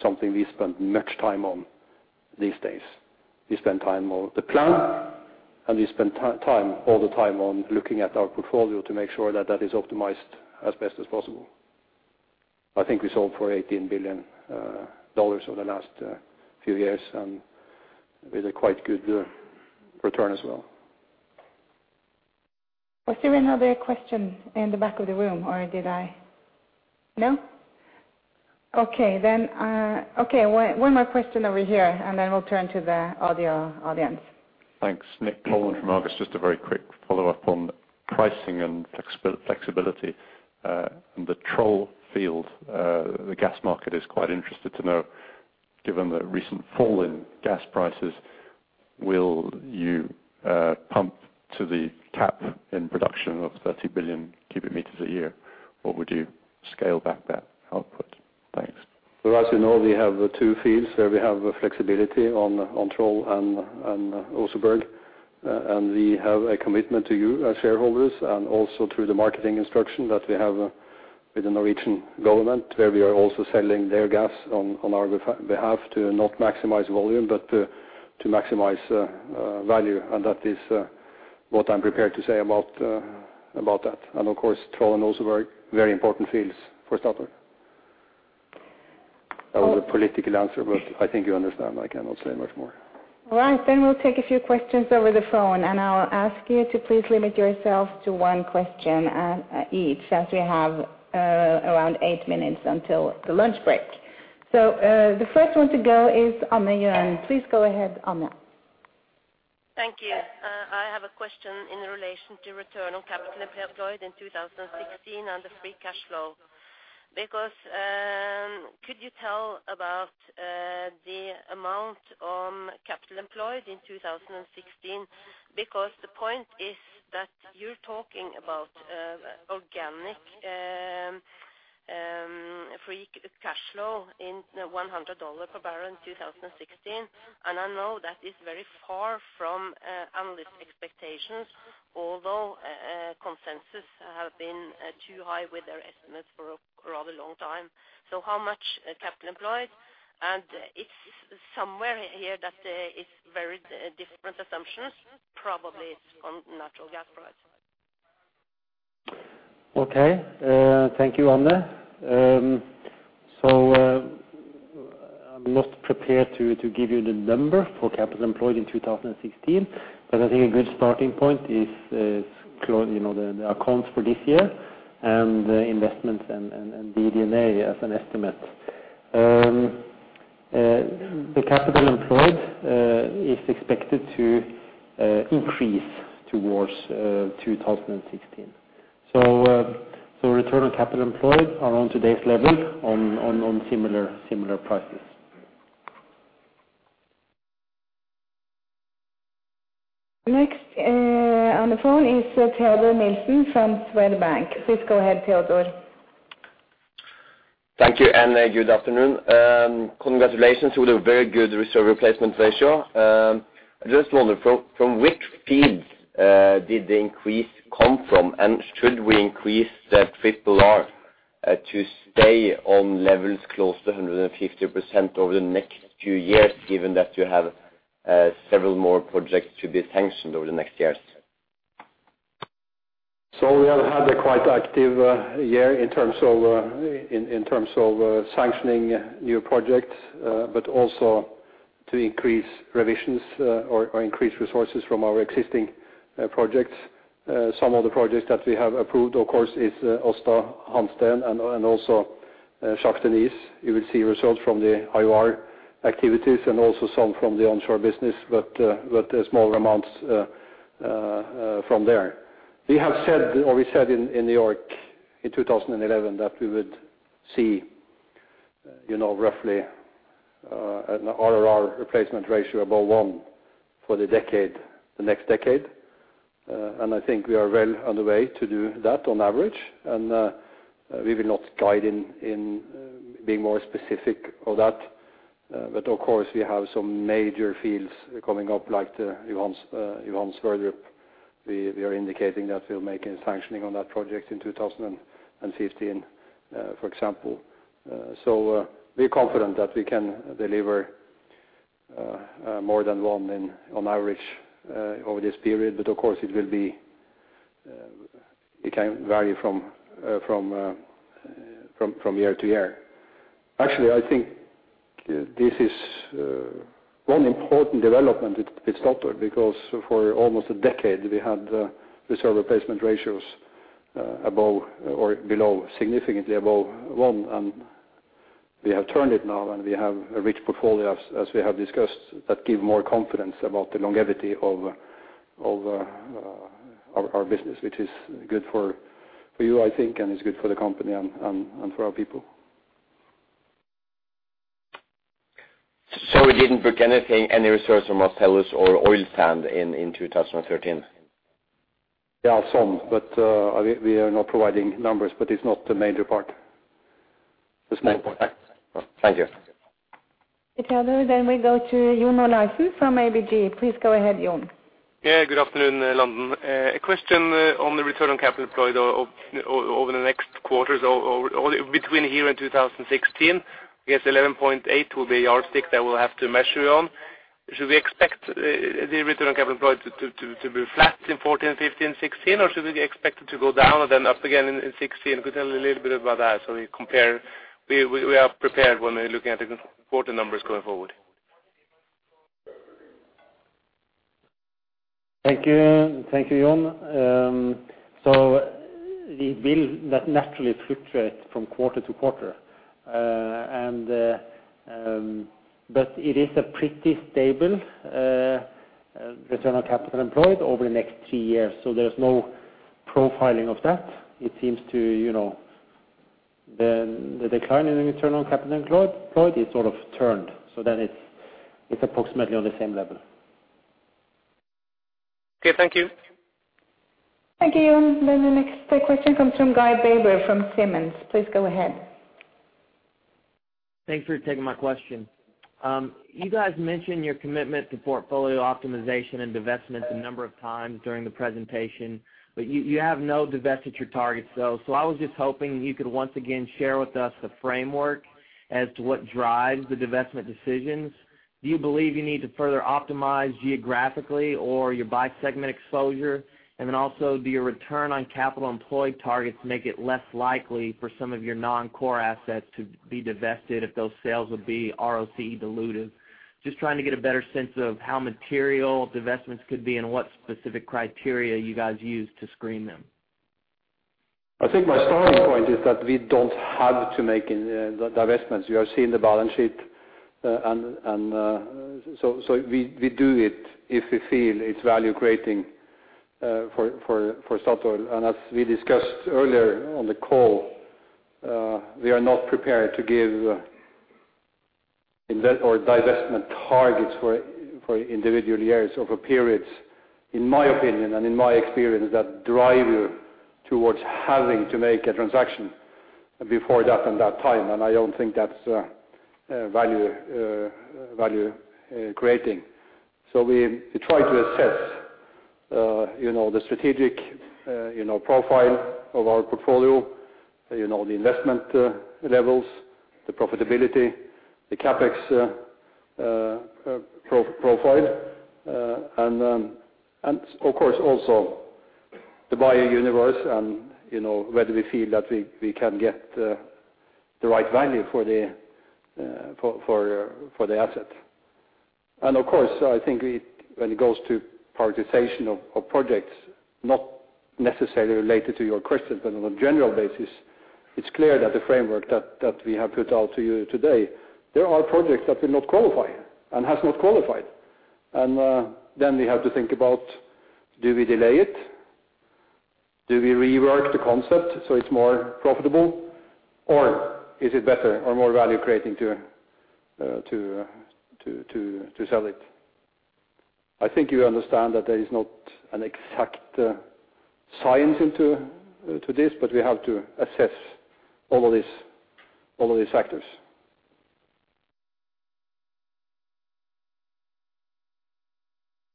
something we spend much time on these days. We spend time on the plan, and we spend time all the time on looking at our portfolio to make sure that that is optimized as best as possible. I think we sold for $18 billion over the last few years, and with a quite good return as well. Was there another question in the back of the room or did I No? Okay then, okay, one more question over here, and then we'll turn to the audio audience. Thanks. Nick Coleman from Argus. Just a very quick follow-up on pricing and flexibility. The Troll field, the gas market is quite interested to know, given the recent fall in gas prices, will you pump to the cap in production of 30 billion cubic meters a year, or would you scale back that output? Thanks. Well, as you know, we have the two fields where we have flexibility on Troll and Oseberg. We have a commitment to you as shareholders and also through the marketing instruction that we have with the Norwegian government, where we are also selling their gas on our behalf to not maximize volume, but to maximize value. That is what I'm prepared to say about that. Of course, Troll and Oseberg are very important fields for Statoil. That was a political answer, but I think you understand I cannot say much more. All right. We'll take a few questions over the phone, and I'll ask you to please limit yourself to one question, each, as we have around eight minutes until the lunch break. The first one to go is Anna Yuan. Please go ahead, Anna. Thank you. I have a question in relation to return on capital employed in 2016 and the free cash flow. Because could you tell about the amount on capital employed in 2016? Because the point is that you're talking about organic free cash flow in the $100 per barrel in 2016. I know that is very far from analyst expectations although consensus have been too high with their estimates for a rather long time. How much capital employed? It's somewhere here that is very different assumptions, probably it's on natural gas price. Okay. Thank you, Anna. I'm not prepared to give you the number for capital employed in 2016. I think a good starting point is, you know, the accounts for this year and the investments and DD&A as an estimate. The capital employed is expected to increase towards 2016. Return on capital employed are on today's level on similar prices. Next, on the phone is Teodor Nilsen from Swedbank. Please go ahead, Teodor. Thank you, and good afternoon. Congratulations with a very good reserve replacement ratio. I just wonder from which fields did the increase come from? Should we increase the RRR to stay on levels close to 150% over the next few years, given that you have several more projects to be sanctioned over the next years? We have had a quite active year in terms of sanctioning new projects, but also to increase revisions or increase resources from our existing projects. Some of the projects that we have approved, of course, is Aasta Hansteen and also Shah Deniz. You will see results from the IOR activities and also some from the onshore business, but small amounts from there. We said in New York in 2011 that we would see, you know, roughly an RRR replacement ratio above one for the decade, the next decade. I think we are well on the way to do that on average. We will not guide in being more specific of that. Of course we have some major fields coming up, like Johan Sverdrup. We are indicating that we'll make a sanctioning on that project in 2015, for example. We are confident that we can deliver more than one on average over this period. Of course it can vary from year to year. Actually, I think this is one important development with Statoil because for almost a decade we had reserve replacement ratios significantly above one. We have turned it now, and we have a rich portfolio, as we have discussed, that give more confidence about the longevity of our business, which is good for you, I think, and it's good for the company and for our people. We didn't book anything, any resource from Aldous or oil sands in 2013? Yeah, some, but I mean, we are not providing numbers, but it's not a major part. It's not a part. Thank you. Teodor. We go to John Olaisen from ABG. Please go ahead, John. Yeah, good afternoon, London. A question on the return on capital employed over the next quarters or between here and 2016. I guess 11.8% will be our stick that we'll have to measure on. Should we expect the return on capital employed to be flat in 2014, 2015, 2016, or should we expect it to go down and then up again in 2016? Could you tell me a little bit about that so we compare, we are prepared when we're looking at the quarter numbers going forward? Thank you. Thank you, John. It will naturally fluctuate from quarter to quarter. It is a pretty stable return on capital employed over the next three years. There's no profiling of that. It seems the decline in return on capital employed is sort of turned so that it's approximately on the same level. Okay, thank you. Thank you, John. The next question comes from Guy Baber from Simmons. Please go ahead. Thanks for taking my question. You guys mentioned your commitment to portfolio optimization and divestments a number of times during the presentation, but you have no divestiture targets though. I was just hoping you could once again share with us the framework as to what drives the divestment decisions. Do you believe you need to further optimize geographically or your exposure by segment? And then also, do your return on capital employed targets make it less likely for some of your non-core assets to be divested if those sales would be ROCE dilutive? Just trying to get a better sense of how material divestments could be and what specific criteria you guys use to screen them. I think my starting point is that we don't have to make any divestments. You have seen the balance sheet. So we do it if we feel it's value creating for Statoil. As we discussed earlier on the call, we are not prepared to give investment or divestment targets for individual years or over periods. In my opinion and in my experience that drive you towards having to make a transaction before that and that time, and I don't think that's value creating. We try to assess, you know, the strategic, you know, profile of our portfolio, you know, the investment levels, the profitability, the CapEx profile, and of course also the buying universe and, you know, whether we feel that we can get the right value for the asset. Of course, I think it when it goes to prioritization of projects, not necessarily related to your question, but on a general basis, it's clear that the framework that we have put out to you today, there are projects that will not qualify and has not qualified. Then we have to think about do we delay it? Do we rework the concept so it's more profitable? Or is it better or more value creating to sell it? I think you understand that there is not an exact science to this, but we have to assess all of these factors.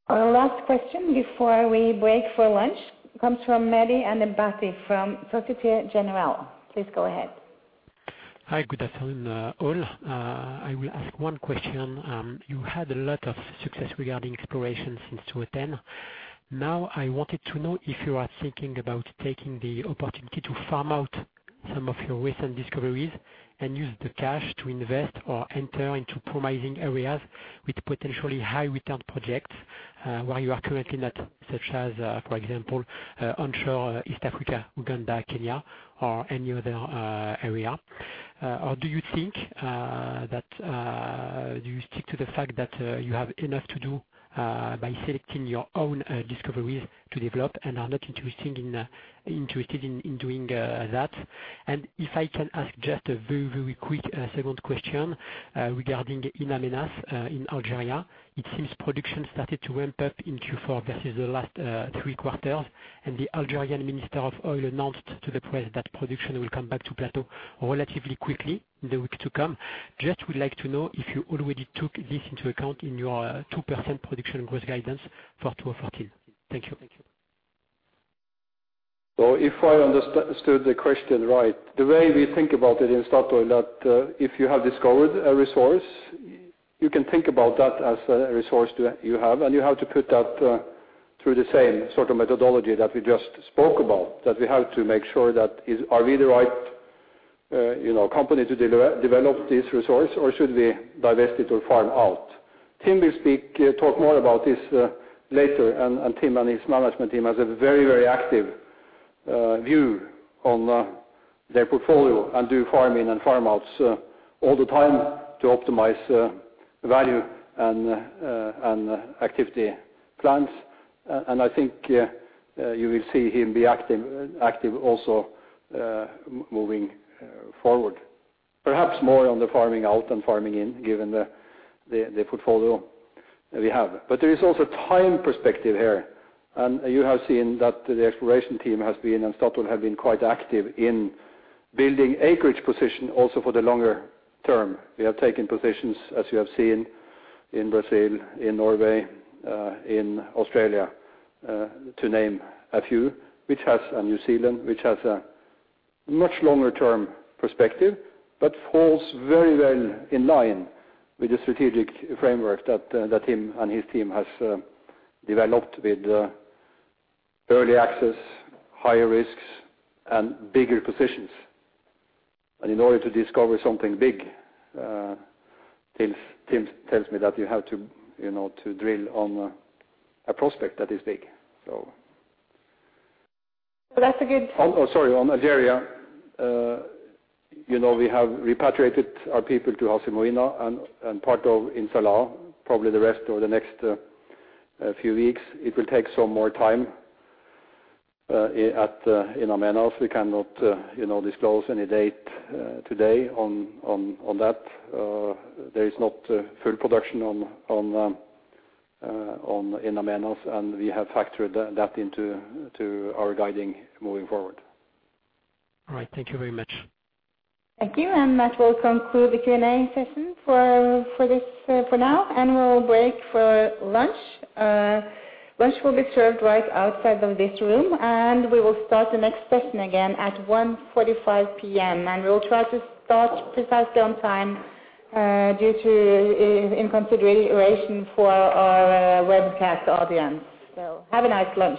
Our last question before we break for lunch comes from Maxime Le An Baty from Société Générale. Please go ahead. Hi. Good afternoon, all. I will ask one question. You had a lot of success regarding exploration since 2010. Now, I wanted to know if you are thinking about taking the opportunity to farm out some of your recent discoveries and use the cash to invest or enter into promising areas with potentially high return projects, where you are currently not, such as, for example, onshore East Africa, Uganda, Kenya or any other area? Or do you think that you stick to the fact that you have enough to do by selecting your own discoveries to develop and are not interested in doing that? If I can ask just a very, very quick second question regarding In Aménas in Algeria. It seems production started to ramp up in Q4 versus the last three quarters, and the Algerian Minister of Oil announced to the press that production will come back to plateau relatively quickly in the week to come. Just would like to know if you already took this into account in your 2% production growth guidance for 2014. Thank you. If I understood the question right, the way we think about it in Statoil that if you have discovered a resource, you can think about that as a resource that you have, and you have to put that through the same sort of methodology that we just spoke about. That we have to make sure that, are we the right, you know, company to develop this resource, or should we divest it or farm out? Tim will talk more about this later. Tim and his management team has a very active view on their portfolio and do farming and farm outs all the time to optimize value and activity plans. I think you will see him be active also moving forward. Perhaps more on the farming out than farming in given the portfolio that we have. There is also time perspective here. You have seen that the exploration team has been and Statoil have been quite active in building acreage position also for the longer term. We have taken positions, as you have seen in Brazil, in Norway, in Australia, to name a few, New Zealand, which has a much longer term perspective, but falls very well in line with the strategic framework that him and his team has developed with early access, higher risks and bigger positions. In order to discover something big, Tim tells me that you have to, you know, to drill on a prospect that is big. So that's a good- Oh, sorry. On Algeria, you know, we have repatriated our people to Hassi Messaoud and part of In Salah, probably the rest over the next few weeks. It will take some more time at In Amenas. We cannot, you know, disclose any date today on that. There is not full production on In Amenas, and we have factored that into our guidance moving forward. All right. Thank you very much. Thank you. That will conclude the Q&A session for this for now. We'll break for lunch. Lunch will be served right outside of this room, and we will start the next session again at 1:45 P.M. We will try to start precisely on time, due to in consideration for our webcast audience. Have a nice lunch.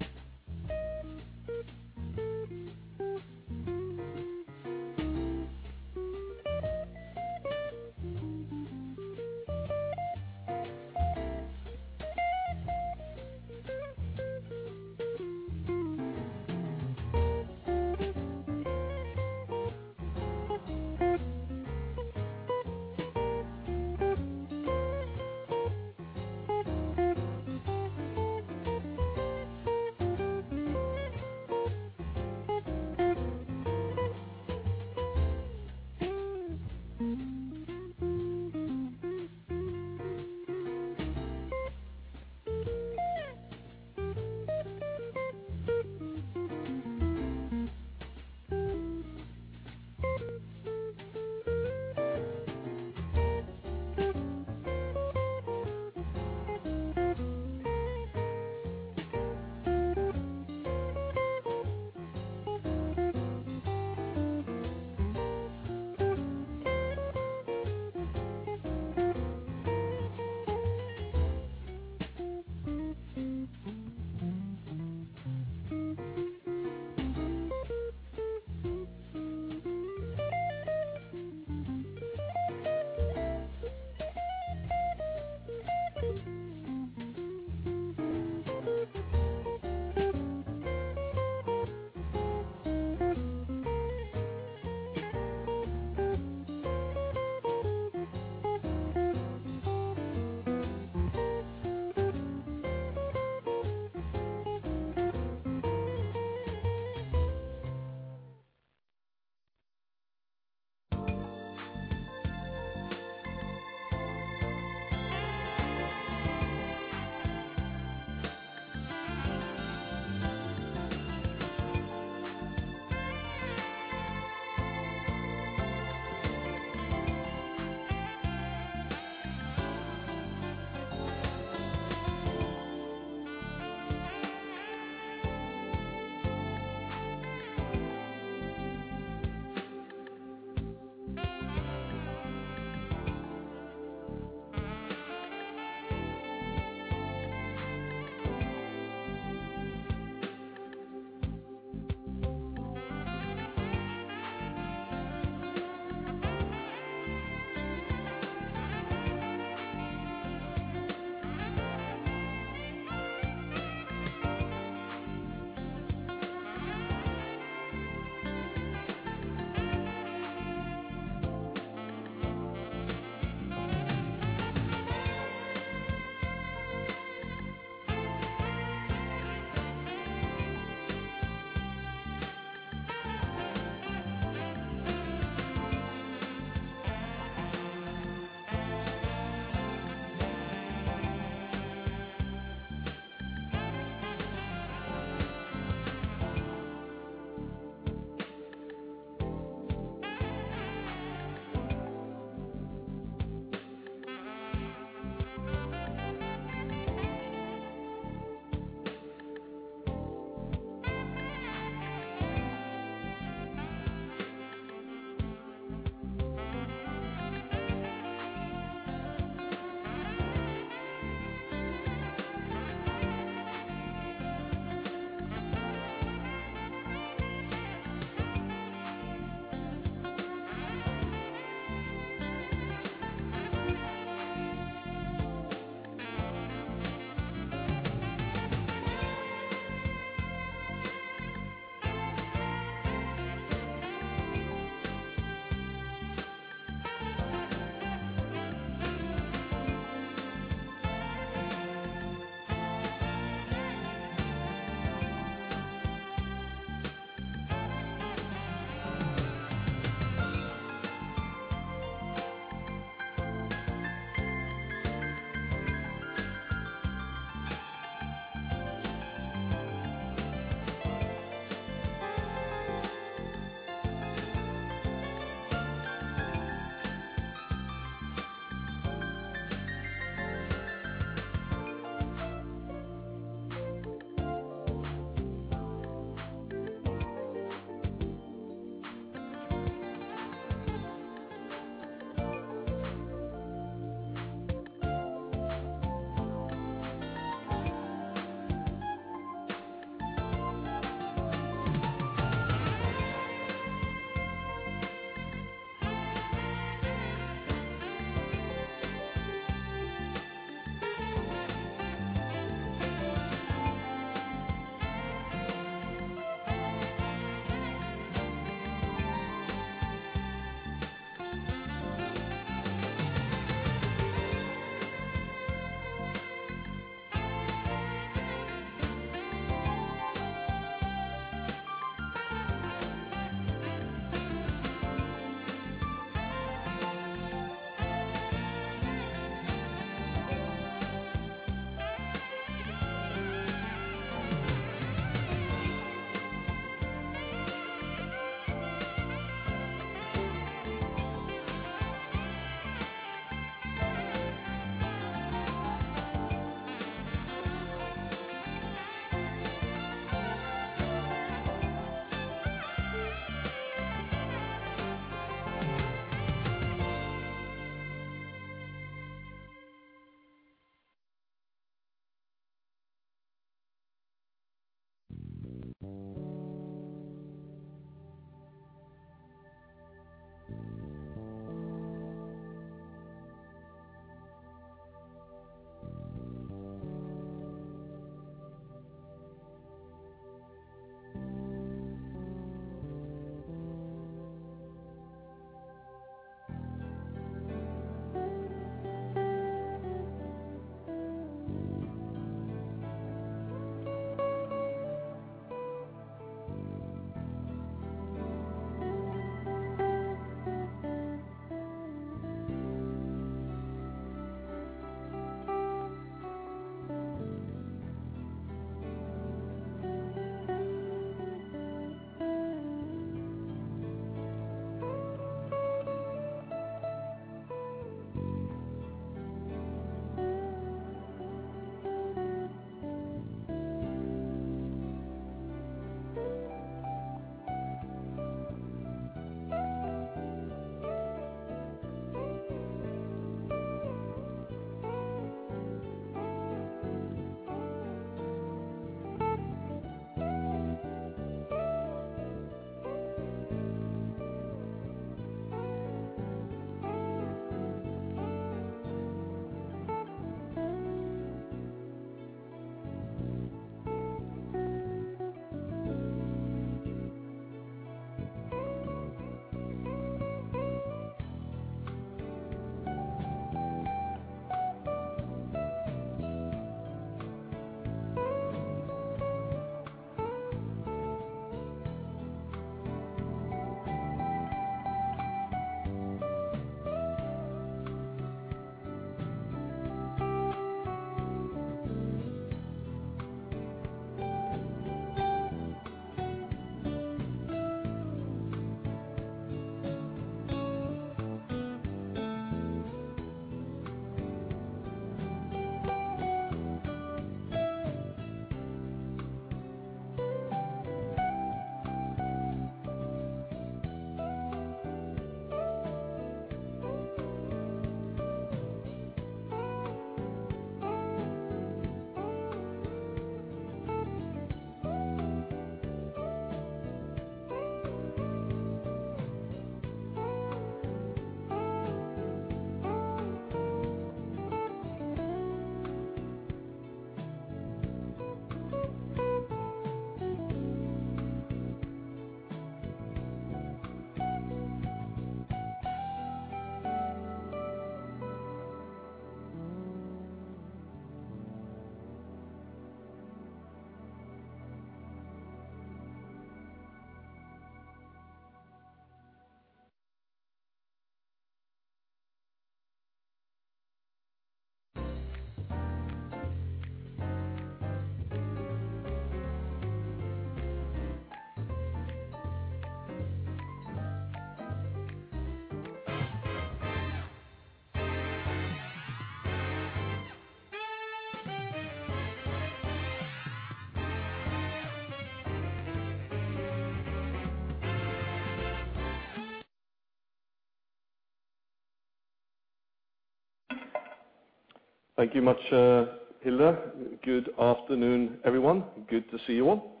Thank you much, Hilde. Good afternoon, everyone. Good to see you all.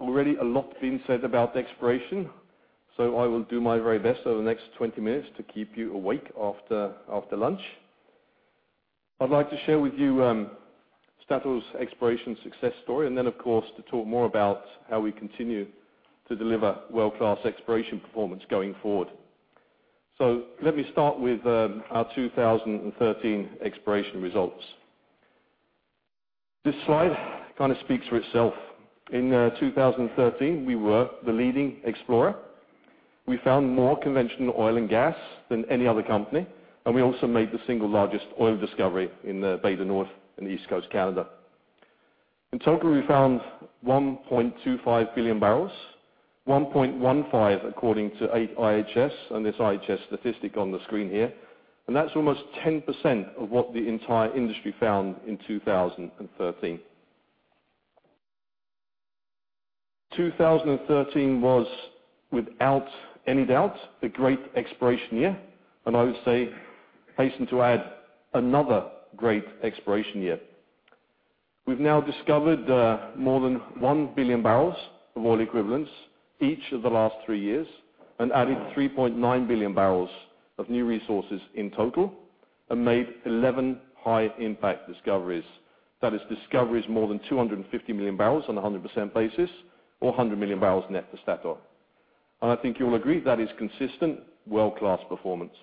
Already a lot been said about exploration, so I will do my very best over the next 20 minutes to keep you awake after lunch. I'd like to share with you, Statoil's exploration success story and then, of course, to talk more about how we continue to deliver world-class exploration performance going forward. Let me start with our 2013 exploration results. This slide kinda speaks for itself. In 2013, we were the leading explorer. We found more conventional oil and gas than any other company, and we also made the single largest oil discovery in the Bay du Nord in the East Coast Canada. In total, we found 1.25 billion barrels, 1.15 according to IHS, and this IHS statistic on the screen here. That's almost 10% of what the entire industry found in 2013. 2013 was, without any doubt, a great exploration year. I would say, hasten to add, another great exploration year. We've now discovered more than 1 billion barrels of oil equivalents each of the last three years and added 3.9 billion barrels of new resources in total and made 11 high-impact discoveries. That is discoveries more than 250 million barrels on a 100% basis or 100 million barrels net to Statoil. I think you'll agree that is consistent world-class performance.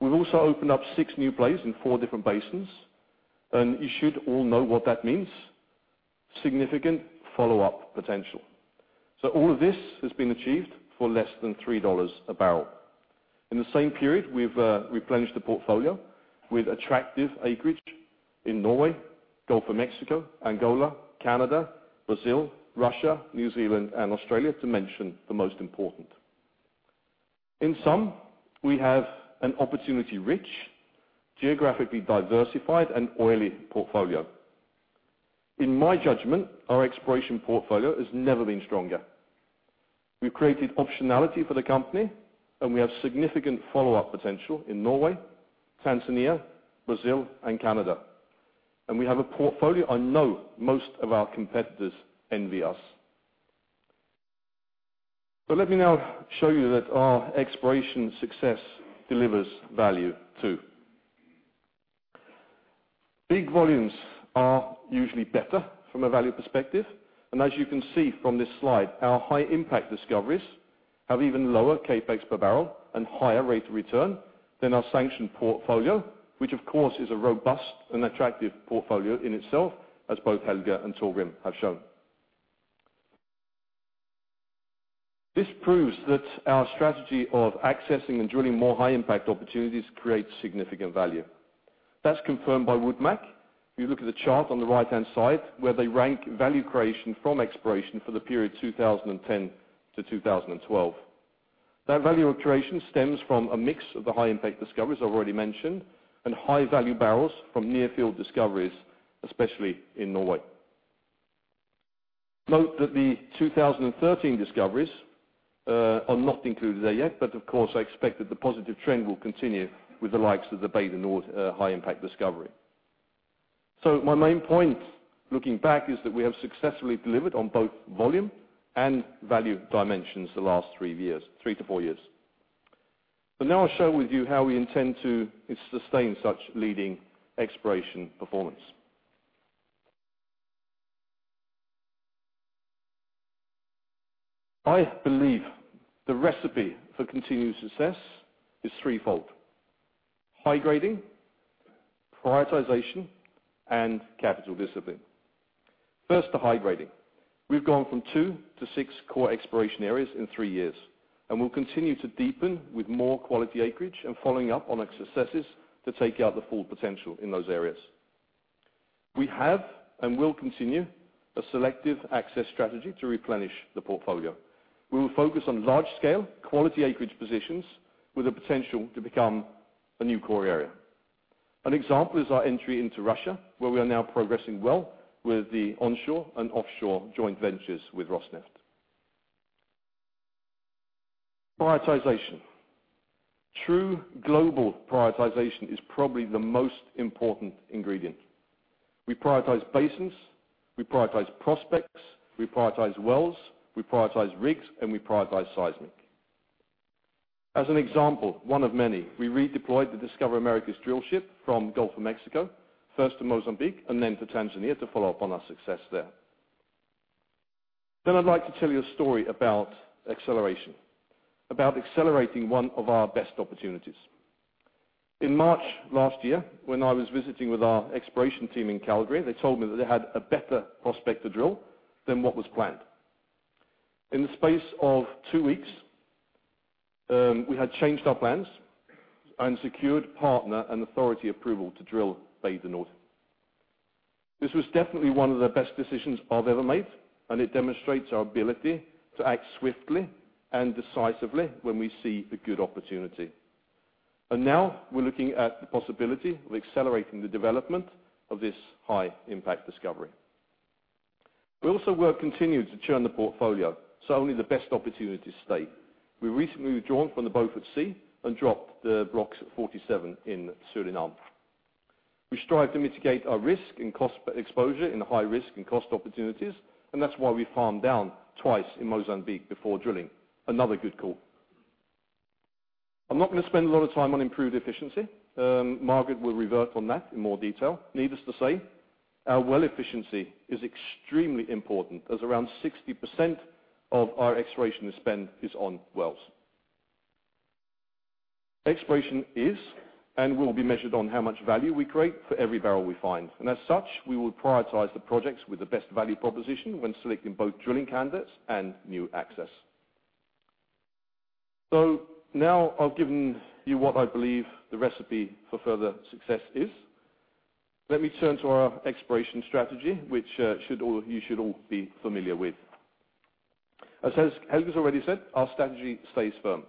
We've also opened up six new plays in four different basins, and you should all know what that means. Significant follow-up potential. All of this has been achieved for less than $3 a barrel. In the same period, we've replenished the portfolio with attractive acreage in Norway, Gulf of Mexico, Angola, Canada, Brazil, Russia, New Zealand, and Australia to mention the most important. In sum, we have an opportunity-rich, geographically diversified, and oily portfolio. In my judgment, our exploration portfolio has never been stronger. We've created optionality for the company, and we have significant follow-up potential in Norway, Tanzania, Brazil, and Canada. We have a portfolio I know most of our competitors envy us. Let me now show you that our exploration success delivers value too. Big volumes are usually better from a value perspective, and as you can see from this slide, our high impact discoveries have even lower CapEx per barrel and higher rate of return than our sanctioned portfolio, which of course is a robust and attractive portfolio in itself, as both Helge and Torgrim have shown. This proves that our strategy of accessing and drilling more high impact opportunities creates significant value. That's confirmed by Woodmac. If you look at the chart on the right-hand side, where they rank value creation from exploration for the period 2010 to 2012. That value creation stems from a mix of the high impact discoveries I've already mentioned, and high value barrels from near field discoveries, especially in Norway. Note that the 2013 discoveries are not included there yet, but of course, I expect that the positive trend will continue with the likes of the Bay du Nord high impact discovery. My main point, looking back, is that we have successfully delivered on both volume and value dimensions the last three years, three to four years. Now I'll share with you how we intend to sustain such leading exploration performance. I believe the recipe for continued success is threefold. High grading, prioritization, and capital discipline. First, the high grading. We've gone from two to six core exploration areas in three years, and we'll continue to deepen with more quality acreage and following up on successes to take out the full potential in those areas. We have and will continue a selective access strategy to replenish the portfolio. We will focus on large scale, quality acreage positions with the potential to become a new core area. An example is our entry into Russia, where we are now progressing well with the onshore and offshore joint ventures with Rosneft. Prioritization. True global prioritization is probably the most important ingredient. We prioritize basins, we prioritize prospects, we prioritize wells, we prioritize rigs, and we prioritize seismic. As an example, one of many, we redeployed the Discoverer Americas drillship from Gulf of Mexico, first to Mozambique and then to Tanzania to follow up on our success there. I'd like to tell you a story about acceleration, about accelerating one of our best opportunities. In March last year, when I was visiting with our exploration team in Calgary, they told me that they had a better prospect to drill than what was planned. In the space of two weeks, we had changed our plans and secured partner and authority approval to drill Bay du Nord. This was definitely one of the best decisions I've ever made, and it demonstrates our ability to act swiftly and decisively when we see a good opportunity. Now we're looking at the possibility of accelerating the development of this high-impact discovery. We also will continue to churn the portfolio, so only the best opportunities stay. We recently withdrawn from the Beaufort Sea and dropped the blocks 47 in Suriname. We strive to mitigate our risk and cost exposure in high risk and cost opportunities, and that's why we farmed down twice in Mozambique before drilling. Another good call. I'm not gonna spend a lot of time on improved efficiency. Margareth will revert on that in more detail. Needless to say, our well efficiency is extremely important as around 60% of our exploration spend is on wells. Exploration is and will be measured on how much value we create for every barrel we find. As such, we will prioritize the projects with the best value proposition when selecting both drilling candidates and new access. Now I've given you what I believe the recipe for further success is. Let me turn to our exploration strategy, which you should all be familiar with. As Helge has already said, our strategy stays firm.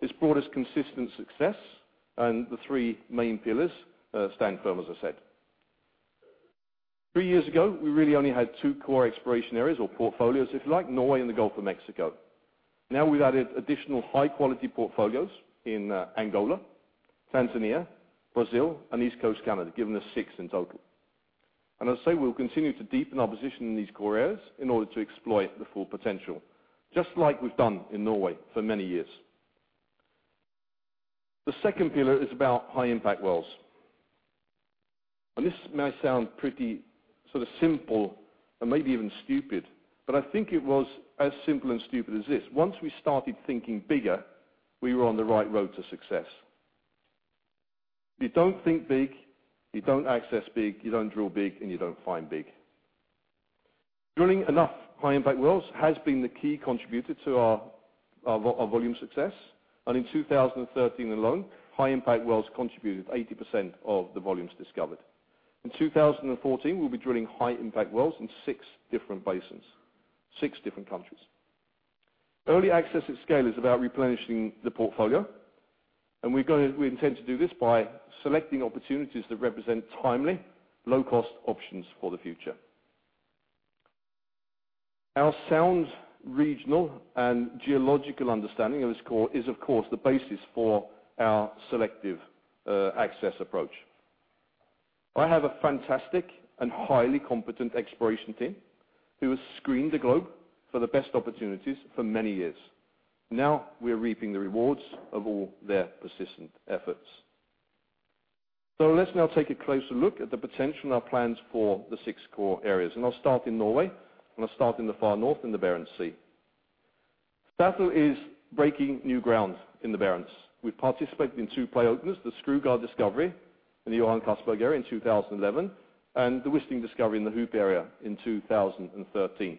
This brought us consistent success and the three main pillars stand firm, as I said. Three years ago, we really only had two core exploration areas or portfolios, if you like, Norway and the Gulf of Mexico. Now we've added additional high-quality portfolios in Angola, Tanzania, Brazil, and East Coast Canada, giving us six in total. I'll say we'll continue to deepen our position in these core areas in order to exploit the full potential, just like we've done in Norway for many years. The second pillar is about high-impact wells. This may sound pretty sort of simple and maybe even stupid, but I think it was as simple and stupid as this. Once we started thinking bigger, we were on the right road to success. If you don't think big, you don't access big, you don't drill big, and you don't find big. Drilling enough high-impact wells has been the key contributor to our volume success, and in 2013 alone, high-impact wells contributed 80% of the volumes discovered. In 2014, we'll be drilling high-impact wells in six different basins, six different countries. Early access at scale is about replenishing the portfolio, and we're gonna, we intend to do this by selecting opportunities that represent timely, low cost options for the future. Our sound regional and geological understanding of this core is, of course, the basis for our selective, access approach. I have a fantastic and highly competent exploration team who has screened the globe for the best opportunities for many years. Now we're reaping the rewards of all their persistent efforts. Let's now take a closer look at the potential and our plans for the six core areas. I'll start in Norway, and I'll start in the far north in the Barents Sea. Statoil is breaking new ground in the Barents. We've participated in two play openers, the Skrugard discovery in the Johan Castberg area in 2011, and the Wisting discovery in the Hoop area in 2013.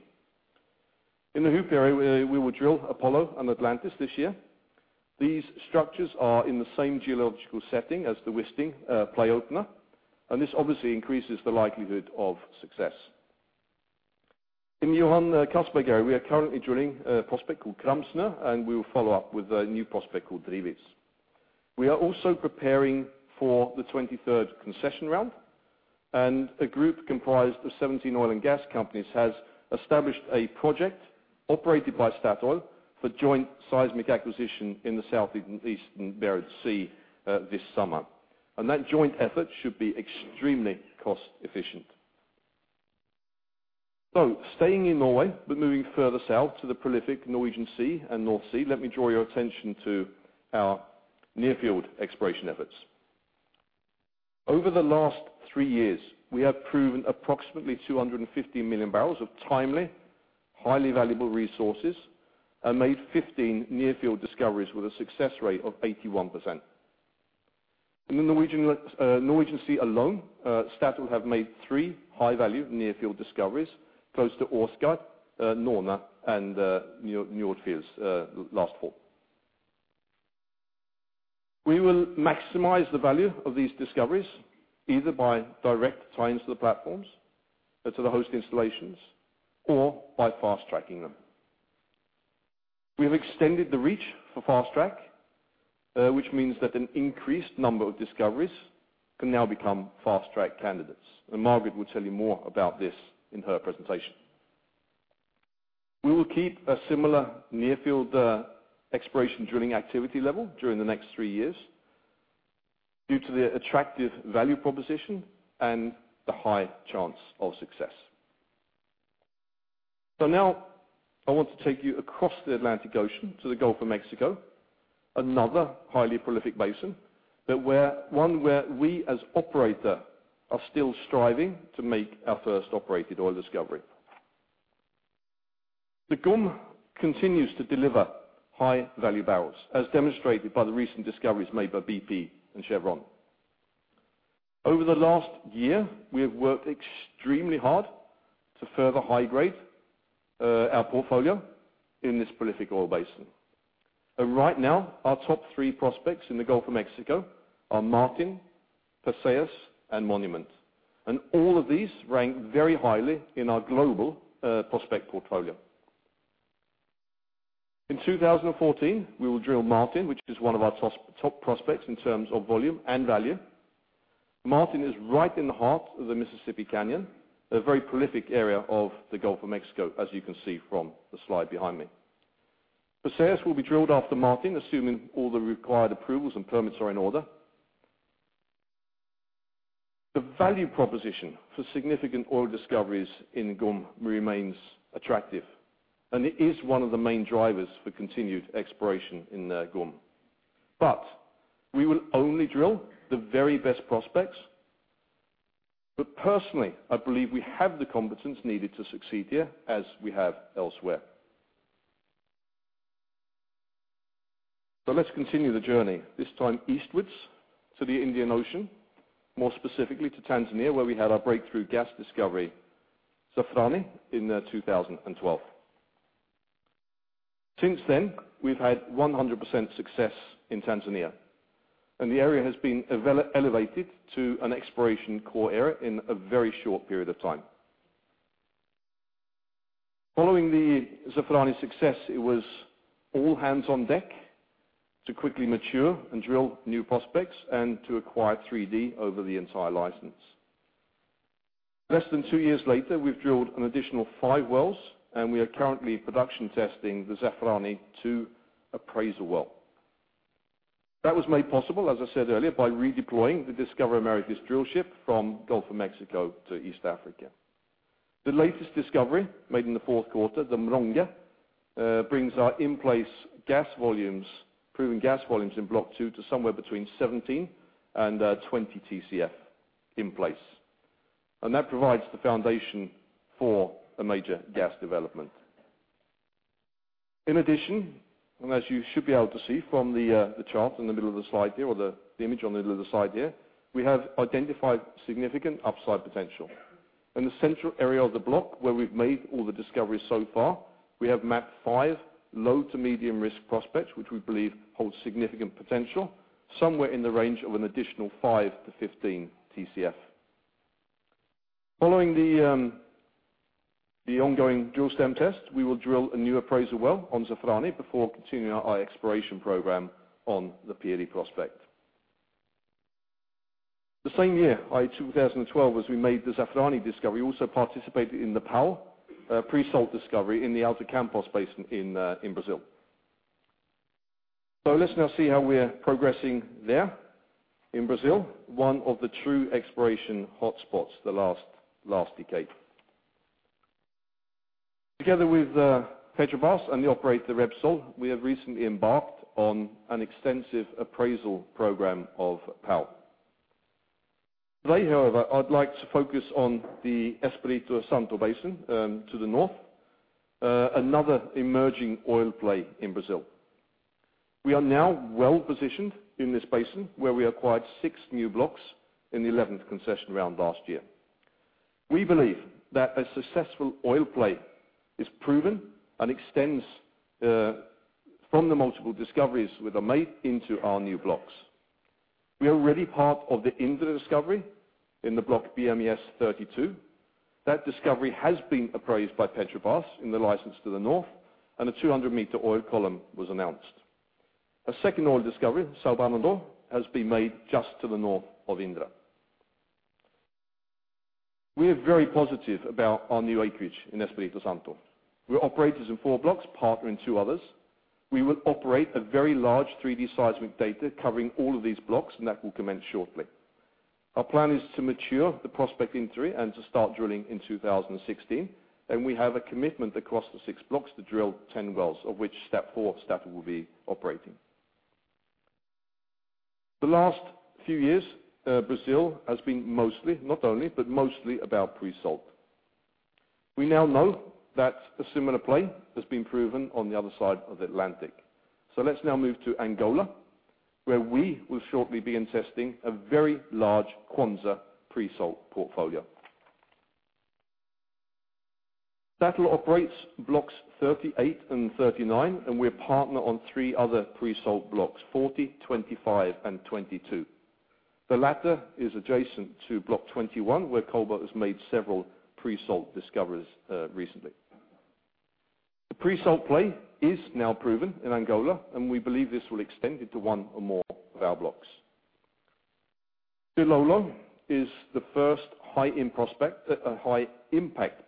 In the Hoop area, we will drill Apollo and Atlantis this year. These structures are in the same geological setting as the Wisting play opener, and this obviously increases the likelihood of success. In the Johan Castberg area, we are currently drilling a prospect called Kramsnø, and we will follow up with a new prospect called Drivis. We are also preparing for the 23rd concession round, and a group comprised of seventeen oil and gas companies has established a project operated by Statoil for joint seismic acquisition in the southeastern Barents Sea this summer. That joint effort should be extremely cost-efficient. Staying in Norway, but moving further south to the prolific Norwegian Sea and North Sea, let me draw your attention to our near-field exploration efforts. Over the last three years, we have proven approximately 250 million barrels of timely, highly valuable resources and made 15 near-field discoveries with a success rate of 81%. In the Norwegian Sea alone, Statoil have made three high-value near-field discoveries close to Åsgard, Norne, and Yme last fall. We will maximize the value of these discoveries either by direct tie-ins to the platforms, or to the host installations, or by fast-tracking them. We have extended the reach for fast-track, which means that an increased number of discoveries can now become fast-track candidates. Margareth will tell you more about this in her presentation. We will keep a similar near-field exploration drilling activity level during the next three years due to the attractive value proposition and the high chance of success. Now I want to take you across the Atlantic Ocean to the Gulf of Mexico, another highly prolific basin, but one where we, as operator, are still striving to make our first operated oil discovery. The GOM continues to deliver high-value barrels, as demonstrated by the recent discoveries made by BP and Chevron. Over the last year, we have worked extremely hard to further high-grade our portfolio in this prolific oil basin. Right now, our top three prospects in the Gulf of Mexico are Martin, Perseus, and Monument. All of these rank very highly in our global prospect portfolio. In 2014, we will drill Martin, which is one of our top prospects in terms of volume and value. Martin is right in the heart of the Mississippi Canyon, a very prolific area of the Gulf of Mexico, as you can see from the slide behind me. Perseus will be drilled after Martin, assuming all the required approvals and permits are in order. The value proposition for significant oil discoveries in GOM remains attractive, and it is one of the main drivers for continued exploration in the GOM. We will only drill the very best prospects. Personally, I believe we have the competence needed to succeed here, as we have elsewhere. Let's continue the journey, this time eastwards to the Indian Ocean, more specifically to Tanzania, where we had our breakthrough gas discovery, Zafarani, in 2012. Since then, we've had 100% success in Tanzania, and the area has been elevated to an exploration core area in a very short period of time. Following the Zafarani success, it was all hands on deck to quickly mature and drill new prospects and to acquire 3D over the entire license. Less than two years later, we've drilled an additional 5 wells, and we are currently production testing the Zafarani-2 appraisal well. That was made possible, as I said earlier, by redeploying the Discoverer Americas drillship from Gulf of Mexico to East Africa. The latest discovery made in the fourth quarter, the Mronge, brings our in-place gas volumes, proven gas volumes in Block 2 to somewhere between 17 and 20 TCF in place. That provides the foundation for a major gas development. In addition, as you should be able to see from the chart in the middle of the slide here, or the image in the middle of the slide here, we have identified significant upside potential. In the central area of the block where we've made all the discoveries so far, we have mapped five low to medium risk prospects, which we believe hold significant potential, somewhere in the range of an additional 5-15 TCF. Following the ongoing drill stem test, we will drill a new appraisal well on Zafarani before continuing our exploration program on the Piri prospect. The same year, i.e., 2012, as we made the Zafarani discovery, we also participated in the Pão de Açúcar pre-salt discovery in the Alto Campos Basin in Brazil. Let's now see how we're progressing there in Brazil, one of the true exploration hotspots the last decade. Together with Petrobras and the operator Repsol, we have recently embarked on an extensive appraisal program of Pão de Açúcar. Today, however, I'd like to focus on the Espírito Santo Basin to the north. Another emerging oil play in Brazil. We are now well-positioned in this basin, where we acquired six new blocks in the eleventh concession round last year. We believe that a successful oil play is proven and extends from the multiple discoveries that are made into our new blocks. We are already part of the Indra discovery in the Block BM-ES-32. That discovery has been appraised by Petrobras in the license to the north, and a 200m oil column was announced. A second oil discovery, Sabiá Norte, has been made just to the north of Indra. We are very positive about our new acreage in Espírito Santo. We're operators in four blocks, partner in two others. We will operate a very large 3D seismic data covering all of these blocks, and that will commence shortly. Our plan is to mature the prospect inventory and to start drilling in 2016, and we have a commitment across the six blocks to drill 10 wells, of which four Statoil will be operating. The last few years, Brazil has been mostly, not only, but mostly about pre-salt. We now know that a similar play has been proven on the other side of the Atlantic. Let's now move to Angola, where we will shortly be testing a very large Kwanza pre-salt portfolio. Statoil operates Blocks 38 and 39, and we're partner on three other pre-salt blocks, 40, 25, and 22. The latter is adjacent to Block 21, where Cobalt has made several pre-salt discoveries recently. The pre-salt play is now proven in Angola, and we believe this will extend into one or more of our blocks. Dilolo is the first high-impact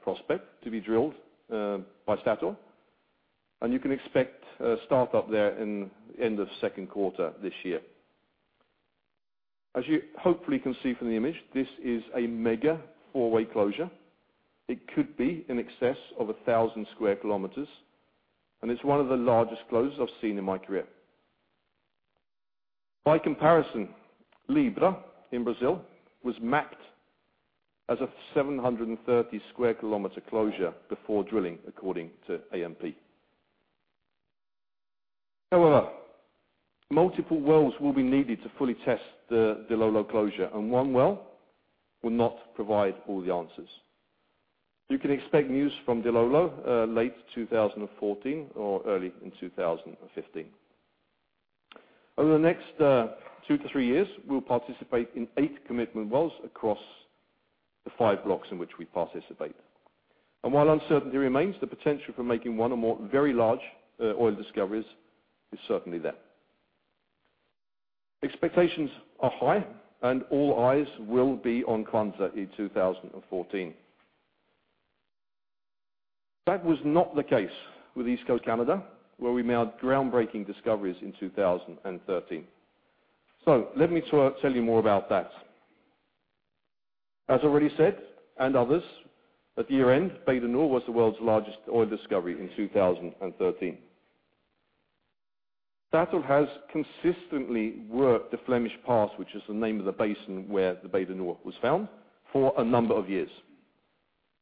prospect to be drilled by Statoil, and you can expect a start-up there in end of second quarter this year. As you hopefully can see from the image, this is a mega four-way closure. It could be in excess of 1,000 sq km, and it's one of the largest closures I've seen in my career. By comparison, Libra in Brazil was mapped as a 730 sq km closure before drilling, according to ANP. However, multiple wells will be needed to fully test the Dilolo closure, and one well will not provide all the answers. You can expect news from Dilolo late 2014 or early in 2015. Over the next two to three years, we'll participate in eight commitment wells across the five blocks in which we participate. While uncertainty remains, the potential for making one or more very large oil discoveries is certainly there. Expectations are high, and all eyes will be on Kwanza in 2014. That was not the case with East Coast Canada, where we made groundbreaking discoveries in 2013. Let me tell you more about that. As already said, and others, at year-end, Bay du Nord was the world's largest oil discovery in 2013. Statoil has consistently worked the Flemish Pass, which is the name of the basin where the Bay du Nord was found, for a number of years.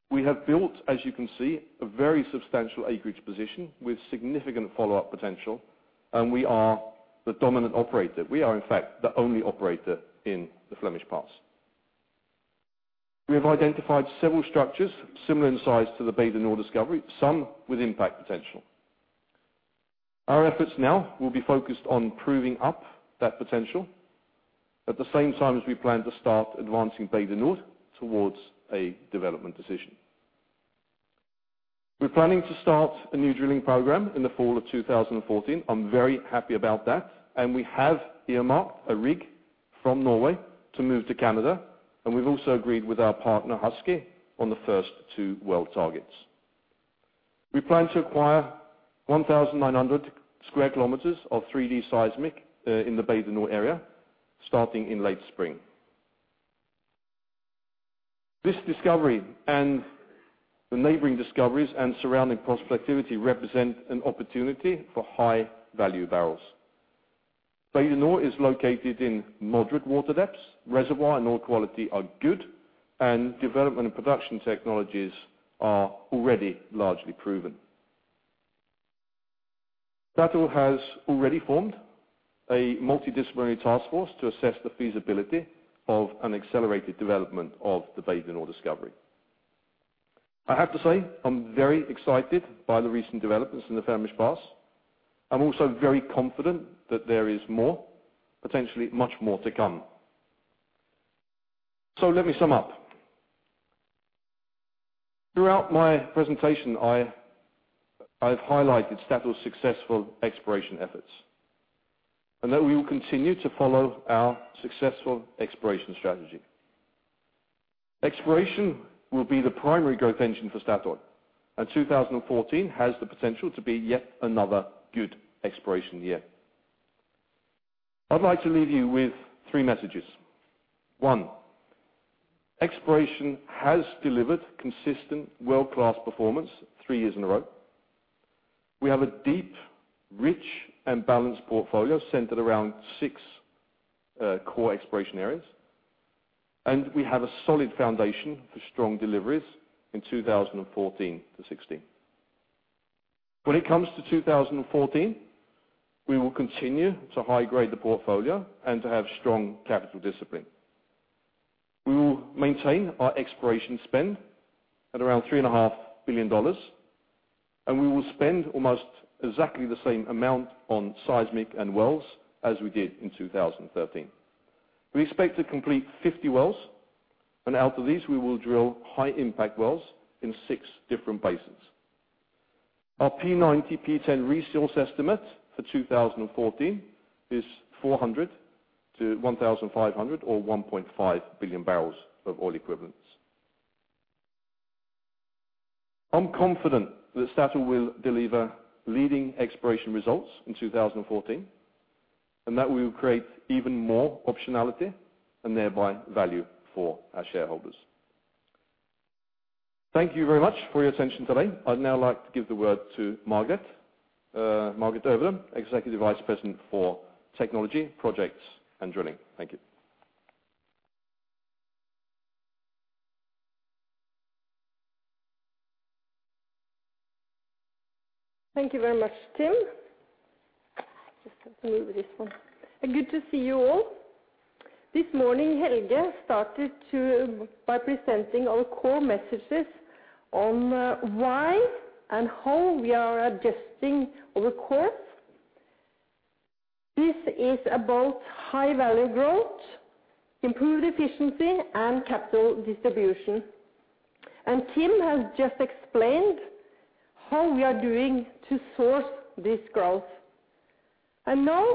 We have built, as you can see, a very substantial acreage position with significant follow-up potential, and we are the dominant operator. We are, in fact, the only operator in the Flemish Pass. We have identified several structures similar in size to the Bay du Nord discovery, some with impact potential. Our efforts now will be focused on proving up that potential at the same time as we plan to start advancing Bay du Nord towards a development decision. We're planning to start a new drilling program in the fall of 2014. I'm very happy about that. We have earmarked a rig from Norway to move to Canada, and we've also agreed with our partner Husky on the first two well targets. We plan to acquire 1,900 sq km of 3D seismic in the Bay du Nord area, starting in late spring. This discovery and the neighboring discoveries and surrounding prospectivity represent an opportunity for high-value barrels. Bay du Nord is located in moderate water depths. Reservoir and oil quality are good, and development and production technologies are already largely proven. Statoil has already formed a multidisciplinary task force to assess the feasibility of an accelerated development of the Bay du Nord discovery. I have to say, I'm very excited by the recent developments in the Flemish Pass. I'm also very confident that there is more, potentially much more to come. Let me sum up. Throughout my presentation, I've highlighted Statoil's successful exploration efforts and that we will continue to follow our successful exploration strategy. Exploration will be the primary growth engine for Statoil, and 2014 has the potential to be yet another good exploration year. I'd like to leave you with three messages. One, exploration has delivered consistent world-class performance three years in a row. We have a deep, rich, and balanced portfolio centered around six core exploration areas, and we have a solid foundation for strong deliveries in 2014 to 2016. When it comes to 2014, we will continue to high grade the portfolio and to have strong capital discipline. We will maintain our exploration spend at around $3.5 billion, and we will spend almost exactly the same amount on seismic and wells as we did in 2013. We expect to complete 50 wells, and out of these we will drill high impact wells in six different basins. Our P90, P10 resource estimate for 2014 is 400 to 1,500 or 1.5 billion barrels of oil equivalents. I'm confident that Statoil will deliver leading exploration results in 2014, and that we will create even more optionality and thereby value for our shareholders. Thank you very much for your attention today. I'd now like to give the word to Margareth Øvrum, Executive Vice President for Technology, Projects and Drilling. Thank you. Thank you very much, Tim. Just have to move this one. Good to see you all. This morning, Helge started to, by presenting our core messages on why and how we are adjusting our course. This is about high-value growth, improved efficiency, and capital distribution. Tim has just explained how we are doing to source this growth. Now,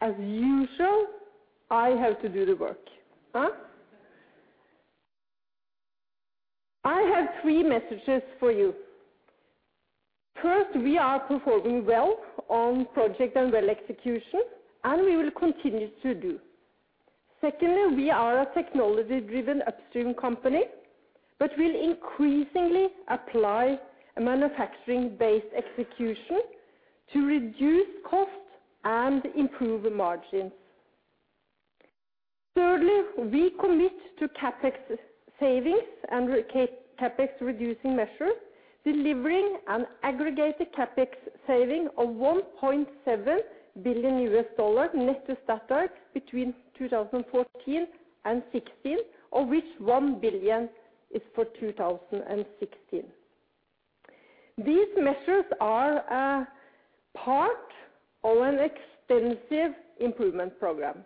as usual, I have to do the work, huh? I have three messages for you. First, we are performing well on project and well execution, and we will continue to do. Secondly, we are a technology-driven upstream company, but we'll increasingly apply a manufacturing-based execution to reduce costs and improve the margins. Thirdly, we commit to CapEx savings and CapEx-reducing measures, delivering an aggregated CapEx saving of $1.7 billion net to Statoil between 2014 and 2016, of which $1 billion is for 2016. These measures are a part of an extensive improvement program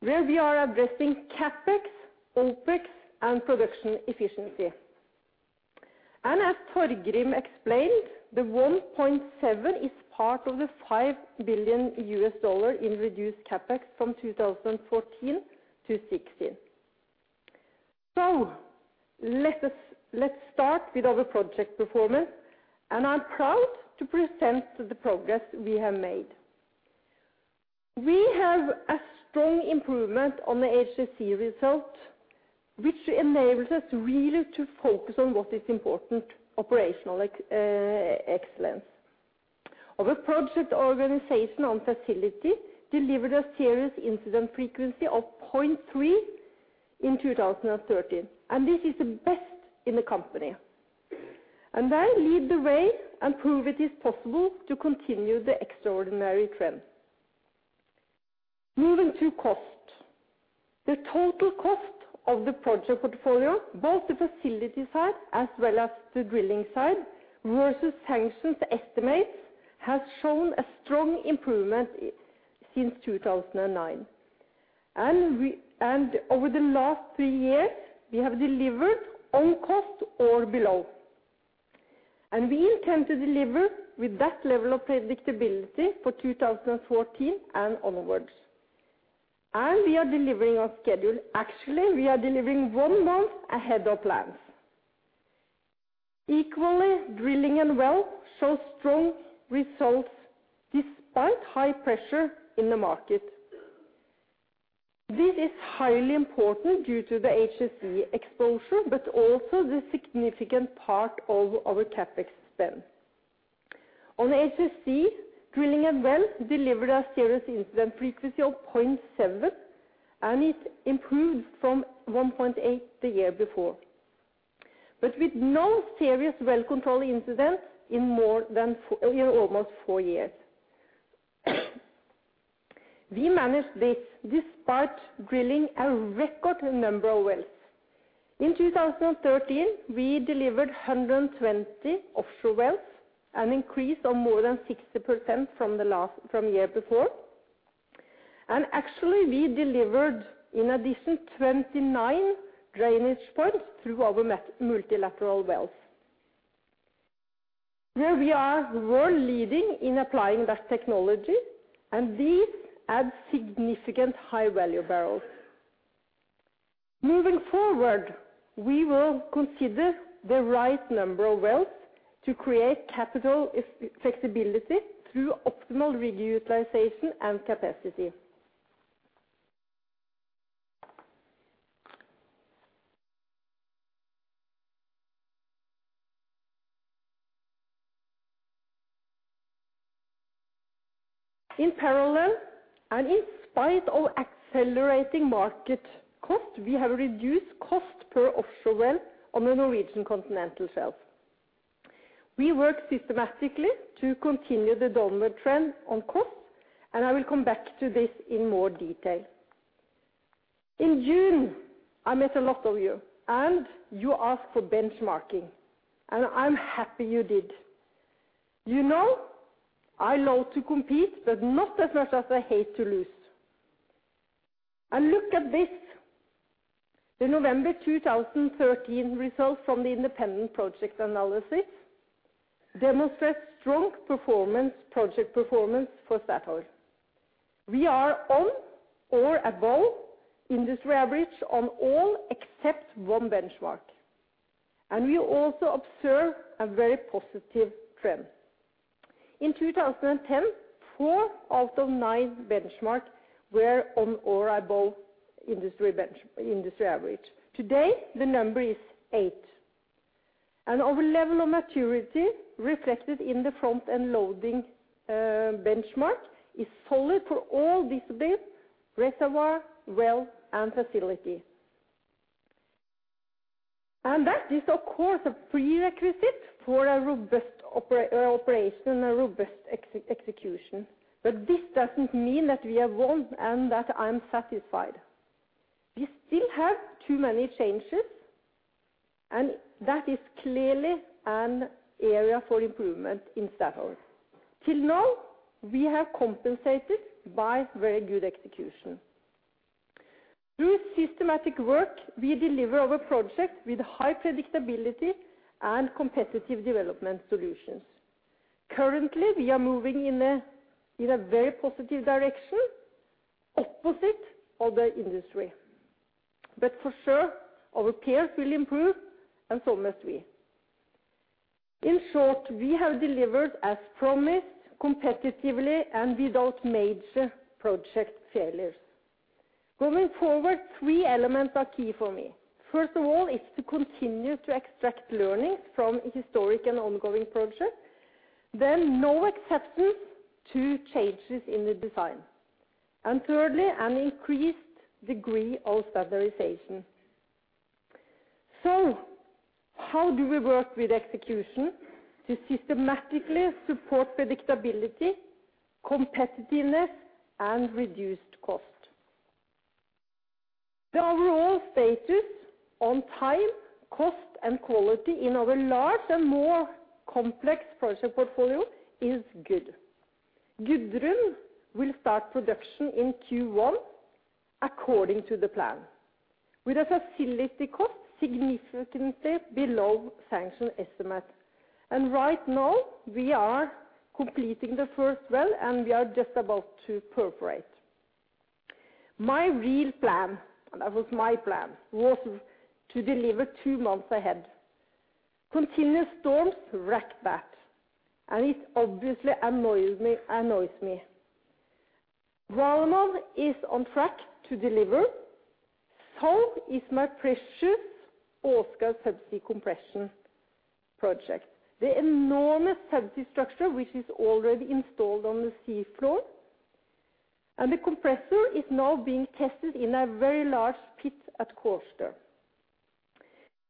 where we are addressing CapEx, OpEx, and production efficiency. As Torgrim explained, the $1.7 is part of the $5 billion in reduced CapEx from 2014 to 2016. Let us, let's start with our project performance, and I'm proud to present the progress we have made. We have a strong improvement on the HSE result, which enables us really to focus on what is important, operational excellence. Our project organization on facility delivered a serious incident frequency of 0.3 in 2013, and this is the best in the company. They lead the way and prove it is possible to continue the extraordinary trend. Moving to cost. The total cost of the project portfolio, both the facility side as well as the drilling side, versus sanctioned estimates, has shown a strong improvement since 2009. Over the last three years, we have delivered on cost or below. We intend to deliver with that level of predictability for 2014 and onwards. We are delivering on schedule. Actually, we are delivering one month ahead of plans. Equally, drilling and wells show strong results despite high pressure in the market. This is highly important due to the HSE exposure, but also the significant part of our CapEx spend. On HSE, drilling and wells delivered a serious incident frequency of 0.7, and it improved from 1.8 the year before. With no serious well control incidents in more than four, almost four years. We managed this despite drilling a record number of wells. In 2013, we delivered 120 offshore wells, an increase of more than 60% from the year before. Actually, we delivered an additional 29 drainage points through our multilateral wells. Where we are world leading in applying that technology, and these add significant high-value barrels. Moving forward, we will consider the right number of wells to create capital flexibility through optimal rig utilization and capacity. In parallel, and in spite of accelerating market cost, we have reduced cost per offshore well on the Norwegian Continental Shelf. We work systematically to continue the downward trend on cost, and I will come back to this in more detail. In June, I met a lot of you, and you asked for benchmarking, and I'm happy you did. You know, I love to compete, but not as much as I hate to lose. Look at this. The November 2013 results from the Independent Project Analysis demonstrate strong performance, project performance for Statoil. We are on or above industry average on all except one benchmark, and we also observe a very positive trend. In 2010, four out of nine benchmark were on or above industry average. Today, the number is eight. Our level of maturity reflected in the front-end loading benchmark is solid for all disciplines, reservoir, well, and facility. That is, of course, a prerequisite for a robust operation, a robust execution. This doesn't mean that we have won and that I'm satisfied. We still have too many changes, and that is clearly an area for improvement in Statoil. Till now, we have compensated by very good execution. Through systematic work, we deliver our project with high predictability and competitive development solutions. Currently, we are moving in a very positive direction opposite of the industry. For sure, our peers will improve, and so must we. In short, we have delivered as promised competitively and without major project failures. Going forward, three elements are key for me. First of all is to continue to extract learnings from historic and ongoing projects. No acceptance to changes in the design. Thirdly, an increased degree of standardization. How do we work with execution to systematically support predictability, competitiveness, and reduced cost? The overall status on time, cost, and quality in our large and more complex project portfolio is good. Gudrun will start production in Q1 according to the plan with a facility cost significantly below sanction estimates. Right now, we are completing the first well, and we are just about to perforate. My real plan, and that was my plan, was to deliver two months ahead. Continuous storms wrecked that, and it obviously annoys me. Valemon is on track to deliver. Is my precious Åsgard subsea compression project. The enormous subsea structure, which is already installed on the sea floor, and the compressor is now being tested in a very large pit at Kårstø.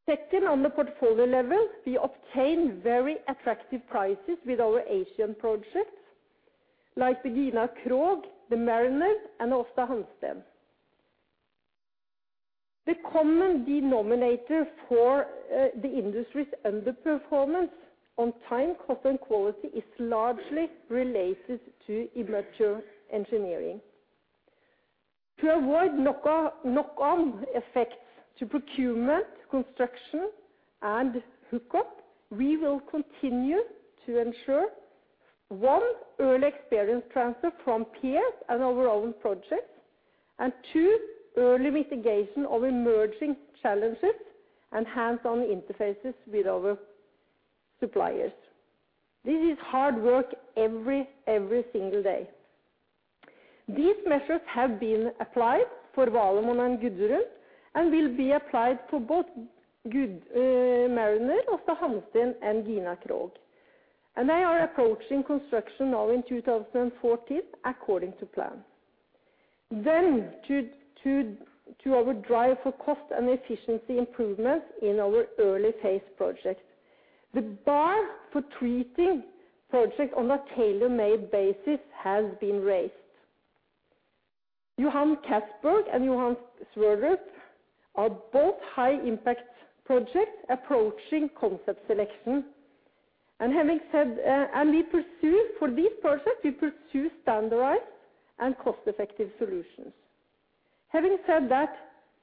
Second, on the portfolio level, we obtain very attractive prices with our Asian projects like Gina Krog, the Mariner, and Aasta Hansteen. The common denominator for the industry's underperformance on time, cost, and quality is largely related to immature engineering. To avoid knock-on effects to procurement, construction, and hookup, we will continue to ensure one, early experience transfer from peers and our own projects, two, early mitigation of emerging challenges and hands-on interfaces with our suppliers. This is hard work every single day. These measures have been applied for Valemon and Gudrun and will be applied for both Mariner, Aasta Hansteen, and Gina Krog. They are approaching construction now in 2014 according to plan. To our drive for cost and efficiency improvements in our early phase projects. The bar for treating projects on a tailor-made basis has been raised. Johan Castberg and Johan Sverdrup are both high-impact projects approaching concept selection. Having said that, we pursue standardized and cost-effective solutions for these projects. Having said that,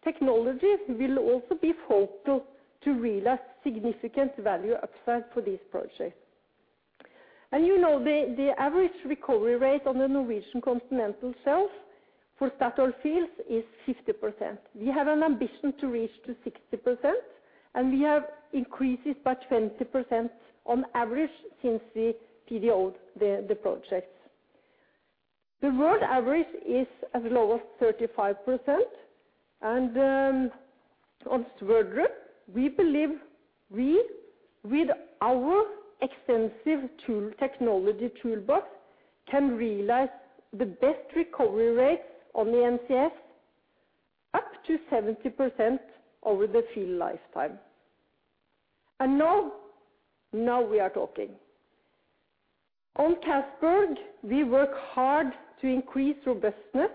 technologies will also be helpful to realize significant value upside for these projects. The average recovery rate on the Norwegian Continental Shelf for Statoil fields is 50%. We have an ambition to reach 60%, and we have increased it by 20% on average since we PDO'd the projects. The world average is as low as 35%. On Sverdrup, we believe, with our extensive technology toolbox, we can realize the best recovery rates on the NCS up to 70% over the field lifetime. Now we are talking. On Castberg, we work hard to increase robustness,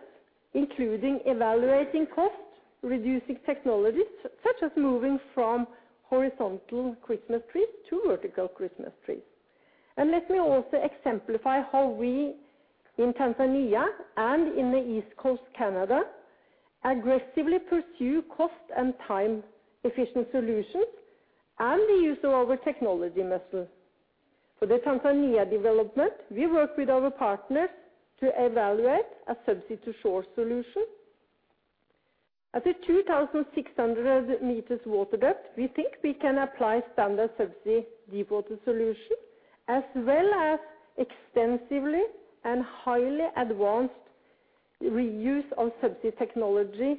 including evaluating costs, reducing technologies, such as moving from horizontal Christmas trees to vertical Christmas trees. Let me also exemplify how we in Tanzania and in the East Coast Canada aggressively pursue cost and time-efficient solutions and the use of our technology muscle. For the Tanzania development, we work with our partners to evaluate a subsea-to-shore solution. At a 2,600m water depth, we think we can apply standard subsea deepwater solution as well as extensive and highly advanced reuse of subsea technology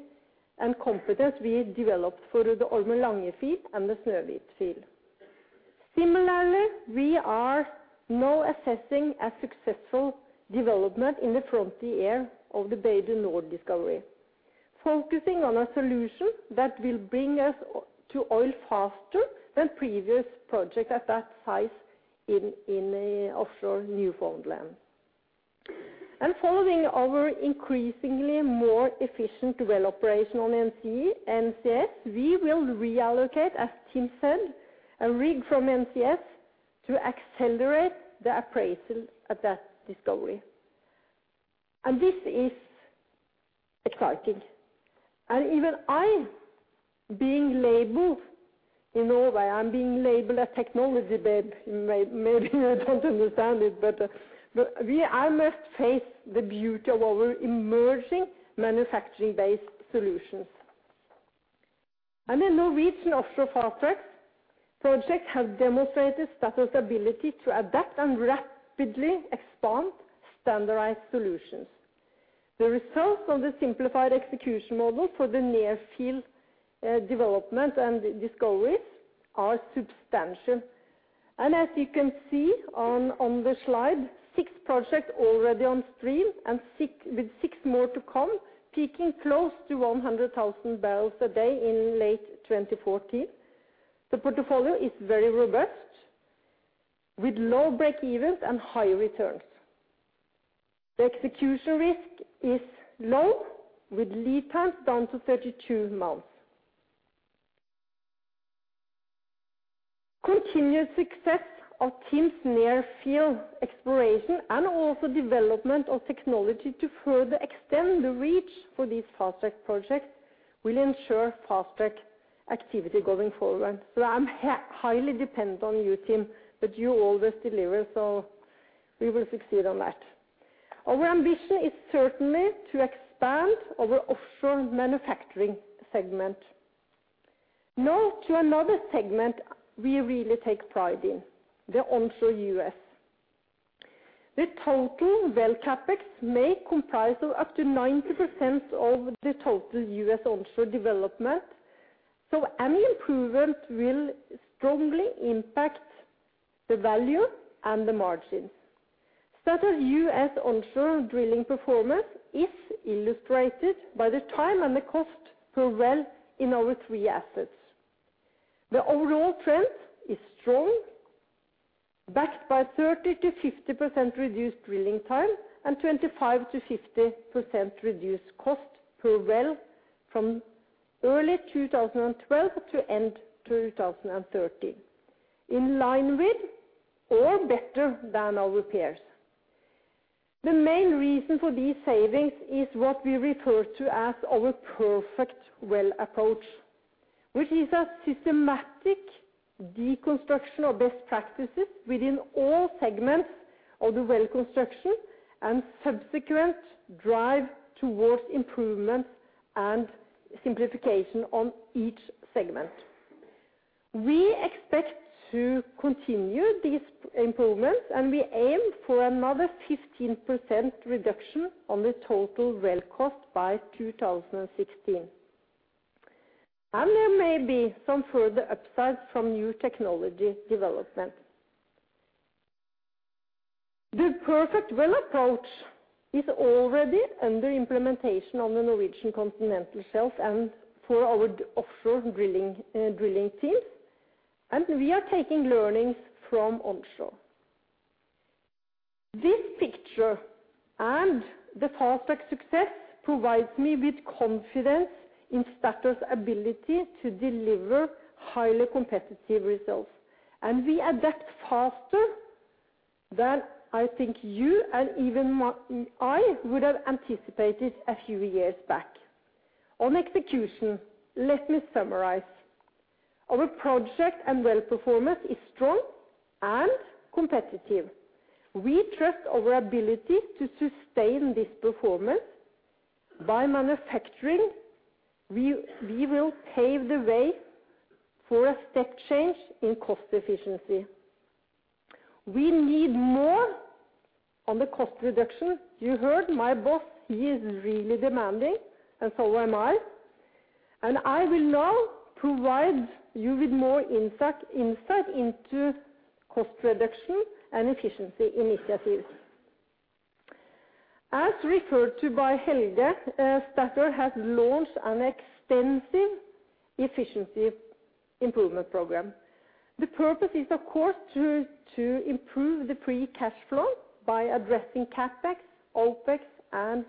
and competence we developed for the Ormen Lange field and the Snøhvit field. Similarly, we are now assessing a successful development in the frontier of the Bay du Nord discovery, focusing on a solution that will bring us o-to oil faster than previous projects at that site in offshore Newfoundland. Following our increasingly more efficient well operation on NCS, we will reallocate, as Tim said, a rig from NCS to accelerate the appraisal of that discovery. This is exciting. Even I, being labeled in Norway, I'm being labeled a technology babe, maybe I don't understand it, but I must face the beauty of our emerging manufacturing-based solutions. In Norwegian offshore fast-track projects have demonstrated Statoil's ability to adapt and rapidly expand standardized solutions. The results of the simplified execution model for the near-field development and discoveries are substantial. As you can see on the slide, six projects already on stream with six more to come, peaking close to 100,000 barrels a day in late 2014. The portfolio is very robust, with low break evens and high returns. The execution risk is low, with lead times down to 32 months. Continued success of Tim's near-field exploration and also development of technology to further extend the reach for these FastTrack projects will ensure FastTrack activity going forward. I'm highly dependent on you, Tim, but you always deliver, so we will succeed on that. Our ambition is certainly to expand our offshore manufacturing segment. Now to another segment we really take pride in, the onshore U.S. The total well CapEx may comprise of up to 90% of the total U.S. onshore development, so any improvement will strongly impact the value and the margins. Statoil U.S. onshore drilling performance is illustrated by the time and the cost per well in our three assets. The overall trend is strong, backed by 30%-50% reduced drilling time and 25%-50% reduced cost per well from early 2012 to end 2013, in line with or better than our peers. The main reason for these savings is what we refer to as our Perfect Well approach, which is a systematic deconstruction of best practices within all segments of the well construction and subsequent drive towards improvements and simplification on each segment. We expect to continue these improvements, and we aim for another 15% reduction on the total well cost by 2016. There may be some further upsides from new technology development. The Perfect Well approach is already under implementation on the Norwegian Continental Shelf and for our offshore drilling teams, and we are taking learnings from onshore. This picture and the fast-track success provides me with confidence in Statoil's ability to deliver highly competitive results. We adapt faster than I think you and even I would have anticipated a few years back. On execution, let me summarize. Our project and well performance is strong and competitive. We trust our ability to sustain this performance by manufacturing. We will pave the way for a step change in cost efficiency. We need more on the cost reduction. You heard my boss, he is really demanding, and so am I. I will now provide you with more insight into cost reduction and efficiency initiatives. As referred to by Helge, Statoil has launched an extensive efficiency improvement program. The purpose is, of course, to improve the free cash flow by addressing CapEx, OpEx, and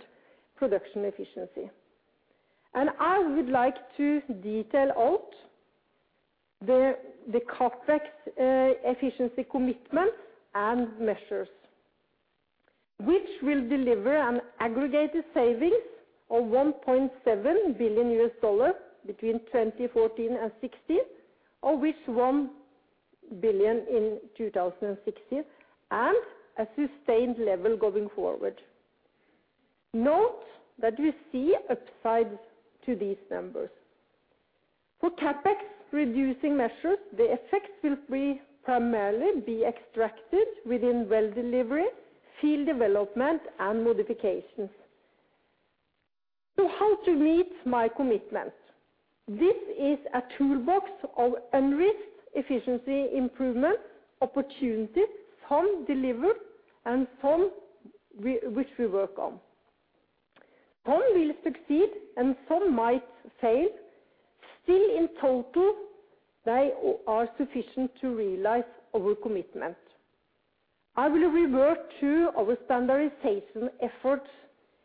production efficiency. I would like to detail out the CapEx efficiency commitment and measures, which will deliver an aggregated savings of $1.7 billion between 2014 and 2016. Of which $1 billion in 2016, and a sustained level going forward. Note that we see upsides to these numbers. For CapEx reducing measures, the effects will primarily be extracted within well delivery, field development, and modifications. How to meet my commitment? This is a toolbox of unrisked efficiency improvement opportunities, some delivered and some which we work on. Some will succeed and some might fail. Still, in total, they are sufficient to realize our commitment. I will revert to our standardization efforts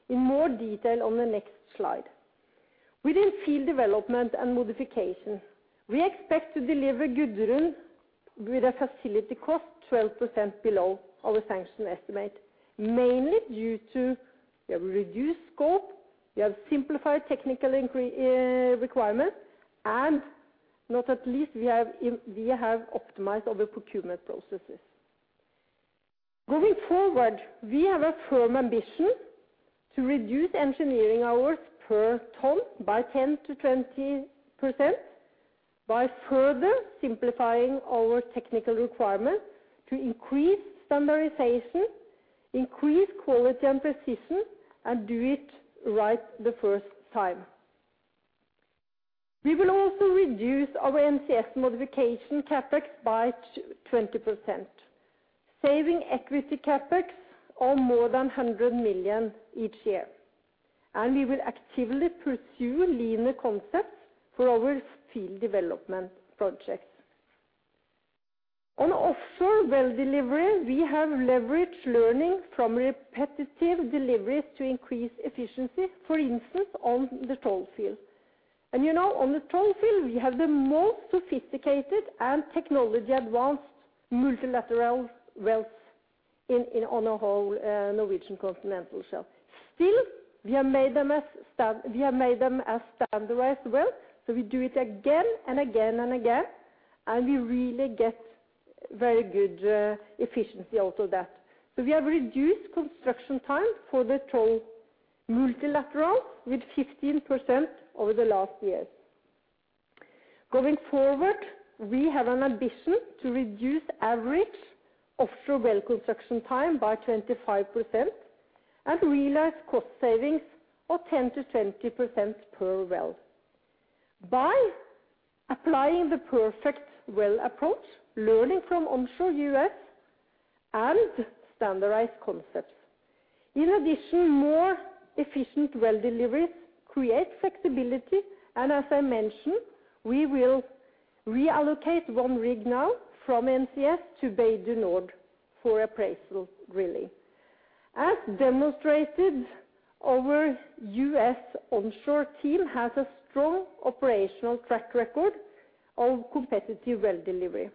in more detail on the next slide. Within field development and modification, we expect to deliver Gudrun with a facility cost 12% below our sanction estimate, mainly due to we have reduced scope, we have simplified technical requirement, and not least, we have optimized our procurement processes. Going forward, we have a firm ambition to reduce engineering hours per ton by 10%-20% by further simplifying our technical requirement to increase standardization, increase quality and precision, and do it right the first time. We will also reduce our NCS modification CapEx by 20%, saving equity CapEx of more than 100 million each year. We will actively pursue leaner concepts for our field development projects. On offshore well delivery, we have leveraged learning from repetitive deliveries to increase efficiency, for instance, on the Troll field. You know, on the Troll field, we have the most sophisticated and technology-advanced multilateral wells on the whole Norwegian Continental Shelf. Still, we have made them a standardized well, so we do it again and again, and we really get very good efficiency out of that. We have reduced construction time for the Troll multilateral by 15% over the last year. Going forward, we have an ambition to reduce average offshore well construction time by 25% and realize cost savings of 10%-20% per well. By applying the Perfect Well approach, learning from onshore U.S., and standardized concepts. In addition, more efficient well deliveries create flexibility. As I mentioned, we will reallocate one rig now from NCS to Bay du Nord for appraisal. As demonstrated, our U.S. onshore team has a strong operational track record of competitive well delivery.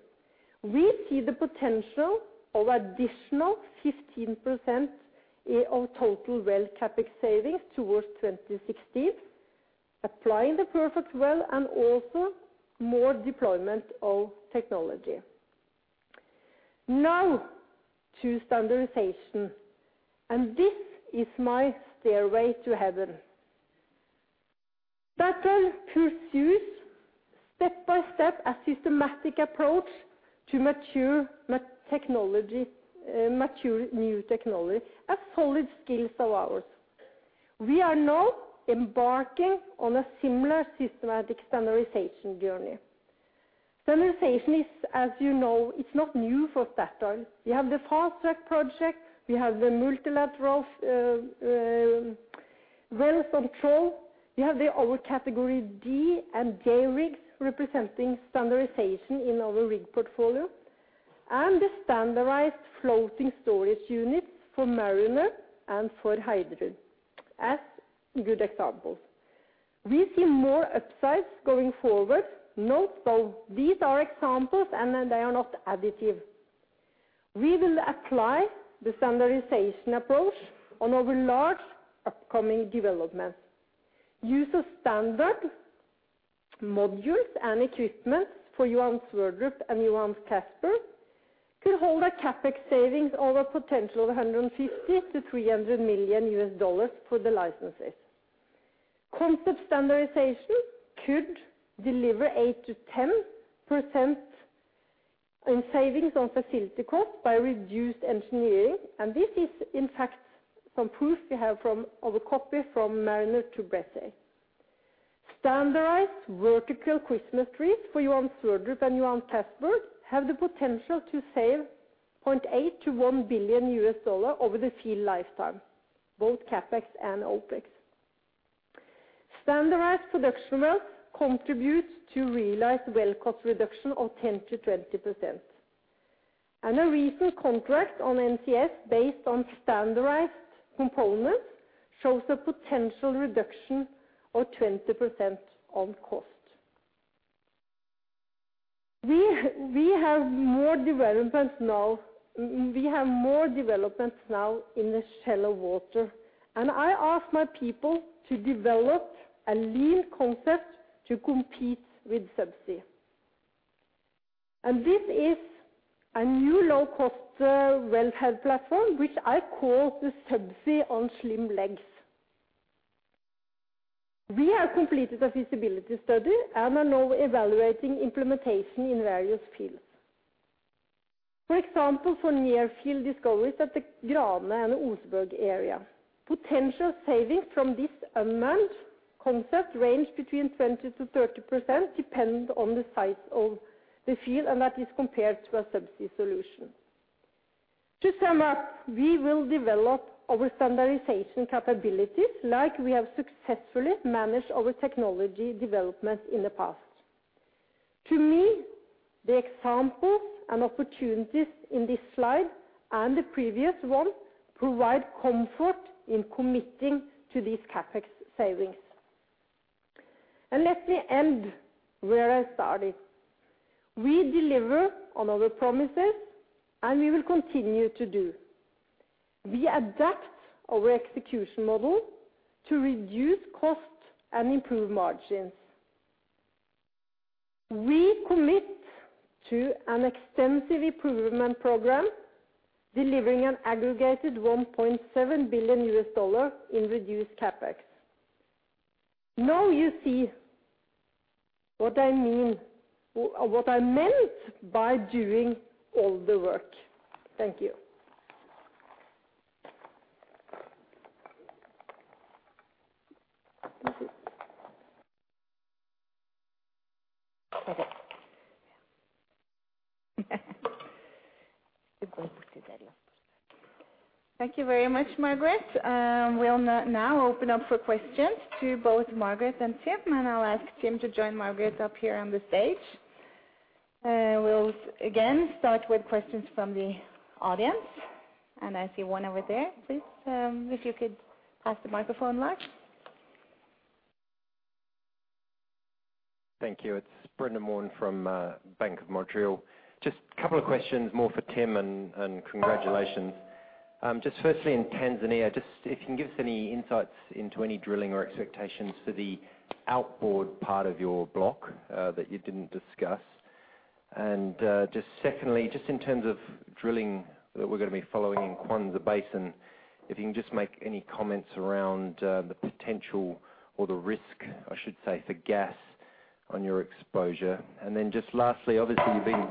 We see the potential of additional 15% of total well CapEx savings towards 2060. Applying the Perfect Well and also more deployment of technology. Now to standardization, this is my stairway to heaven. Statoil pursues step-by-step a systematic approach to mature new technology, a solid skills of ours. We are now embarking on a similar systematic standardization journey. Standardization is, as you know, it's not new for Statoil. We have the fast-track project, we have the multilateral wells on Troll. We have our category D and J rigs representing standardization in our rig portfolio. The standardized floating storage units for Mariner and for Hywind as good examples. We see more upsides going forward. Note though, these are examples and they are not additive. We will apply the standardization approach on our large upcoming developments. Use of standard modules and equipment for Johan Sverdrup and Johan Castberg could hold a CapEx savings of a potential of $150 million-$300 million for the licenses. Concept standardization could deliver 8%-10% in savings on facility cost by reduced engineering, and this is in fact some proof we have from a copy from Mariner to Bressay. Standardized vertical Christmas trees for Johan Sverdrup and Johan Castberg have the potential to save $0.8 billion-$1 billion over the field lifetime, both CapEx and OpEx. Standardized production wells contributes to realized well cost reduction of 10%-20%. A recent contract on NCS based on standardized components shows a potential reduction of 20% on cost. We have more developments now in the shallow water. I ask my people to develop a lean concept to compete with subsea. This is a new low-cost wellhead platform, which I call the subsea on slim legs. We have completed a feasibility study and are now evaluating implementation in various fields. For example, for near field discoveries at the Grane and Oseberg area. Potential savings from this unmanned concept range between 20%-30%, depend on the size of the field, and that is compared to a subsea solution. To sum up, we will develop our standardization capabilities like we have successfully managed our technology development in the past. To me, the examples and opportunities in this slide and the previous one provide comfort in committing to these CapEx savings. Let me end where I started. We deliver on our promises, and we will continue to do. We adapt our execution model to reduce costs and improve margins. We commit to an extensive improvement program, delivering an aggregated $1.7 billion in reduced CapEx. Now you see what I mean, or what I meant by doing all the work. Thank you. Thank you very much, Margareth. We'll now open up for questions to both Margareth and Tim, and I'll ask Tim to join Margareth up here on the stage. We'll again start with questions from the audience, and I see one over there. Please, if you could pass the microphone, Lars. Thank you. It's Brendan Warn from Bank of Montreal. Just couple of questions more for Tim, and congratulations. Just firstly in Tanzania, just if you can give us any insights into any drilling or expectations for the outboard part of your block that you didn't discuss. Just secondly, just in terms of drilling that we're gonna be following in Kwanza Basin, if you can just make any comments around the potential or the risk, I should say, for gas on your exposure. Just lastly, obviously you've been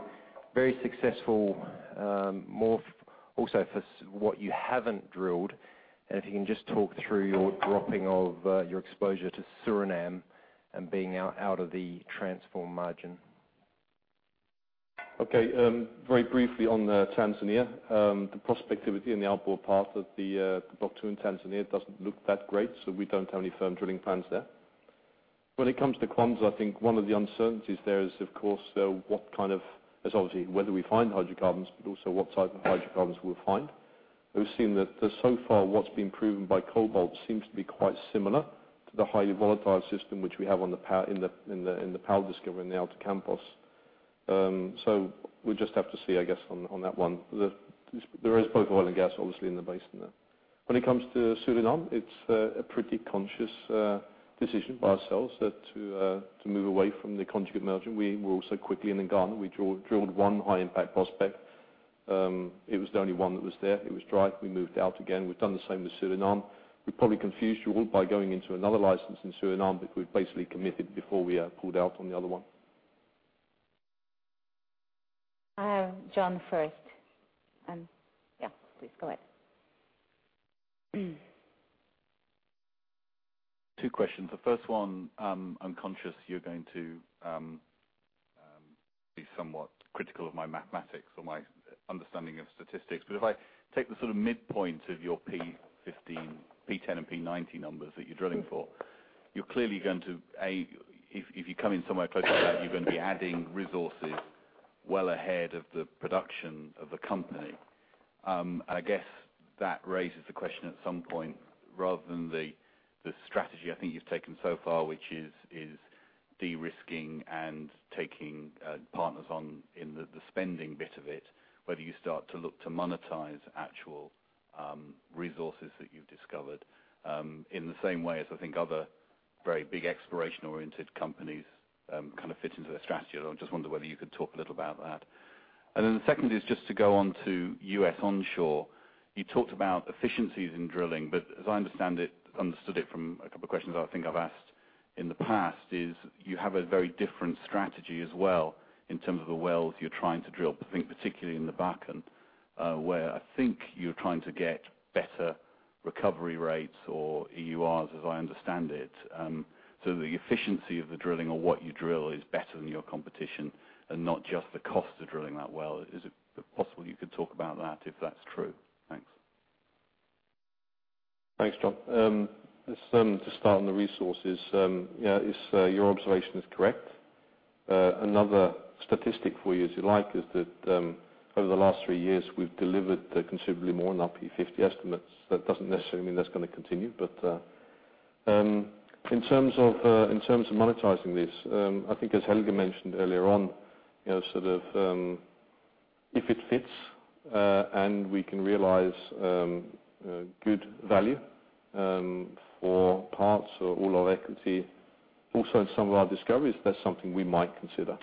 very successful more also for what you haven't drilled. If you can just talk through your dropping of your exposure to Suriname and being out of the transform margin. Okay. Very briefly on Tanzania. The prospectivity in the outboard part of the Block 2 in Tanzania doesn't look that great, so we don't have any firm drilling plans there. When it comes to Kwanza, I think one of the uncertainties there is, of course, it's obviously whether we find hydrocarbons, but also what type of hydrocarbons we'll find. We've seen that so far what's been proven by Cobalt seems to be quite similar to the highly volatile system which we have in the Pão de Açúcar discovery in the Campos Basin. So we'll just have to see, I guess, on that one. There is both oil and gas obviously in the basin there. When it comes to Suriname, it's a pretty conscious decision by ourselves to move away from the conjugate margin. We were also quickly in and gone. We drilled one high impact prospect. It was the only one that was there. It was dry. We moved out again. We've done the same with Suriname. We probably confused you all by going into another license in Suriname, but we'd basically committed before we pulled out on the other one. I have Jon first. Yeah, please go ahead. Two questions. The first one, I'm conscious you're going to be somewhat critical of my mathematics or my understanding of statistics. If I take the sort of midpoint of your P15, P10, and P90 numbers that you're drilling for, you're clearly going to add, if you come in somewhere close to that, you're gonna be adding resources well ahead of the production of the company. I guess that raises the question at some point, rather than the strategy I think you've taken so far, which is de-risking and taking partners on in the spending bit of it, whether you start to look to monetize actual resources that you've discovered, in the same way as I think other very big exploration-oriented companies kind of fit into their strategy. I just wonder whether you could talk a little about that. The second is just to go on to U.S. onshore. You talked about efficiencies in drilling, but as I understand it from a couple questions I think I've asked in the past, you have a very different strategy as well in terms of the wells you're trying to drill, I think particularly in the Bakken, where I think you're trying to get better recovery rates or EURs, as I understand it. The efficiency of the drilling or what you drill is better than your competition and not just the cost of drilling that well. Is it possible you could talk about that if that's true? Thanks. Thanks, Jon. Just starting the resources, your observation is correct. Another statistic for you, as you like, is that over the last three years, we've delivered considerably more than our P50 estimates. That doesn't necessarily mean that's gonna continue. In terms of monetizing this, I think as Helge mentioned earlier on, you know, sort of, if it fits and we can realize good value for parts or all our equity, also in some of our discoveries, that's something we might consider.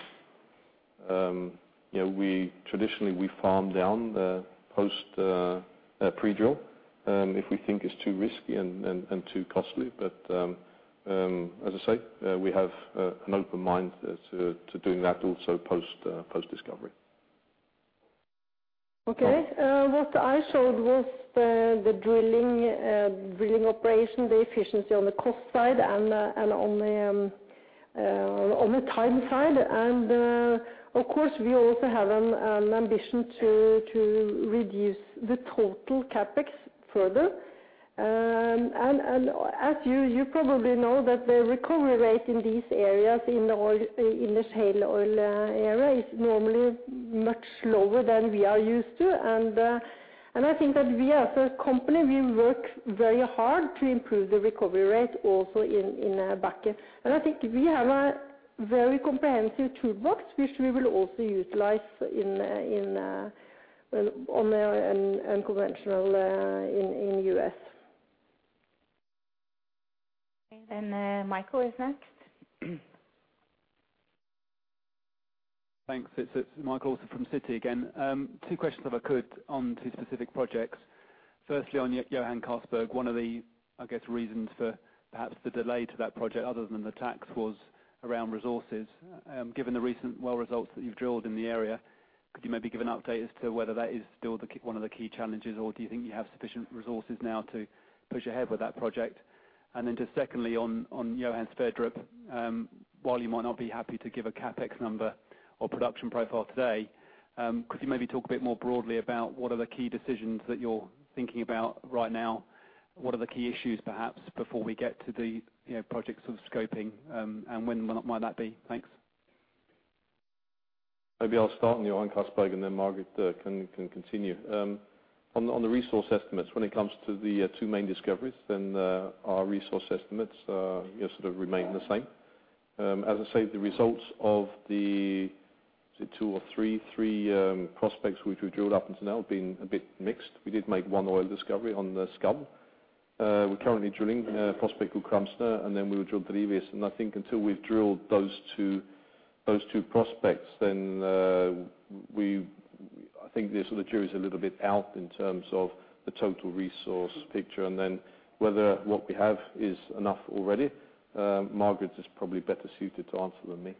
You know, we traditionally farm down pre-drill if we think it's too risky and too costly. As I say, we have an open mind to doing that also post-discovery. Okay. What I showed was the drilling operation, the efficiency on the cost side and on the time side. Of course, we also have an ambition to reduce the total CapEx further. As you probably know that the recovery rate in these areas, in the oil, in the shale oil area is normally much lower than we are used to. I think that we as a company, we work very hard to improve the recovery rate also in Bakken. I think we have a very comprehensive toolbox, which we will also utilize in unconventional in the U.S. Okay. Michael is next. Thanks. It's Michael Alsford from Citi again. Two questions if I could on two specific projects. Firstly, on Johan Castberg, one of the, I guess, reasons for perhaps the delay to that project other than the tax was around resources. Given the recent well results that you've drilled in the area, could you maybe give an update as to whether that is still the key, one of the key challenges, or do you think you have sufficient resources now to push ahead with that project? Just secondly, on Johan Sverdrup, while you might not be happy to give a CapEx number or production profile today, could you maybe talk a bit more broadly about what are the key decisions that you're thinking about right now? What are the key issues perhaps before we get to the, you know, project sort of scoping, and when might that be? Thanks. Maybe I'll start on Johan Castberg, and then Margareth can continue. On the resource estimates, when it comes to the two main discoveries, then our resource estimates sort of remain the same. As I say, the results of the two or three prospects which we've drilled up until now have been a bit mixed. We did make one oil discovery on the Skavl. We're currently drilling a prospect called Kramsnø, and then we will drill Drivis. I think until we've drilled those two prospects, then I think the sort of jury's a little bit out in terms of the total resource picture. Then whether what we have is enough already, Margareth is probably better suited to answer than me.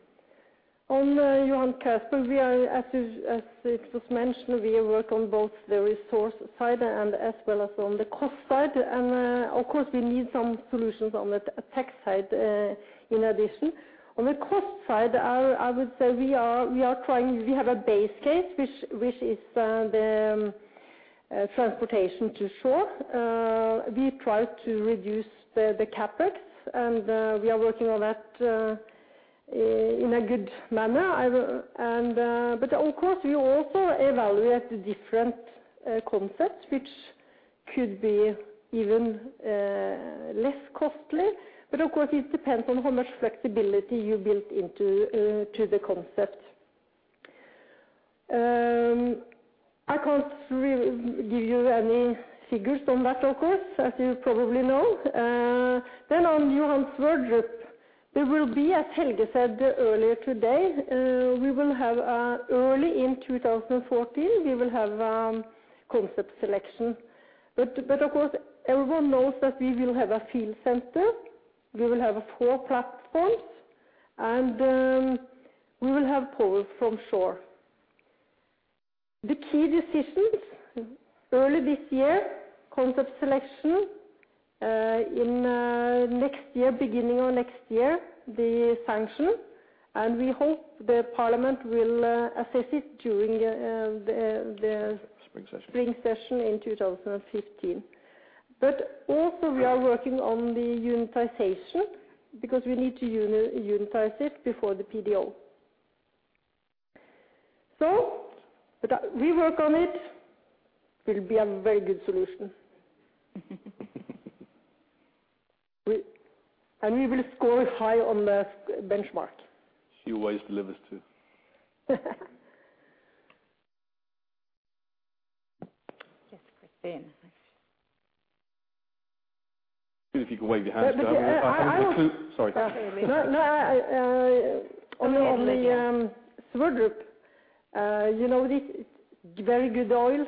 On Johan Castberg, we are, as it was mentioned, we work on both the resource side and as well as on the cost side. Of course, we need some solutions on the tech side in addition. On the cost side, I would say we are trying, we have a base case, which is the transportation to shore. We try to reduce the CapEx, and we are working on that in a good manner. But of course, we also evaluate the different concepts which could be even less costly. But of course, it depends on how much flexibility you built into the concept. I can't re-give you any figures on that, of course, as you probably know. On Johan Sverdrup, there will be, as Helge said earlier today, we will have early in 2014 concept selection. Of course, everyone knows that we will have a field center, we will have four platforms, and we will have power from shore. The key decisions early this year, concept selection, in next year, beginning of next year, the sanction, and we hope the parliament will assess it during the Spring session spring session in 2015. Also we are working on the unitization because we need to unitize it before the PDO. We work on it. Will be a very good solution. We will score high on the S-benchmark. She always delivers, too. Yes, Christine. Good if you can wave your hands. But I-I will- Sorry. Go ahead. No, no, I Okay. Yeah. On the Sverdrup, you know, this very good oil.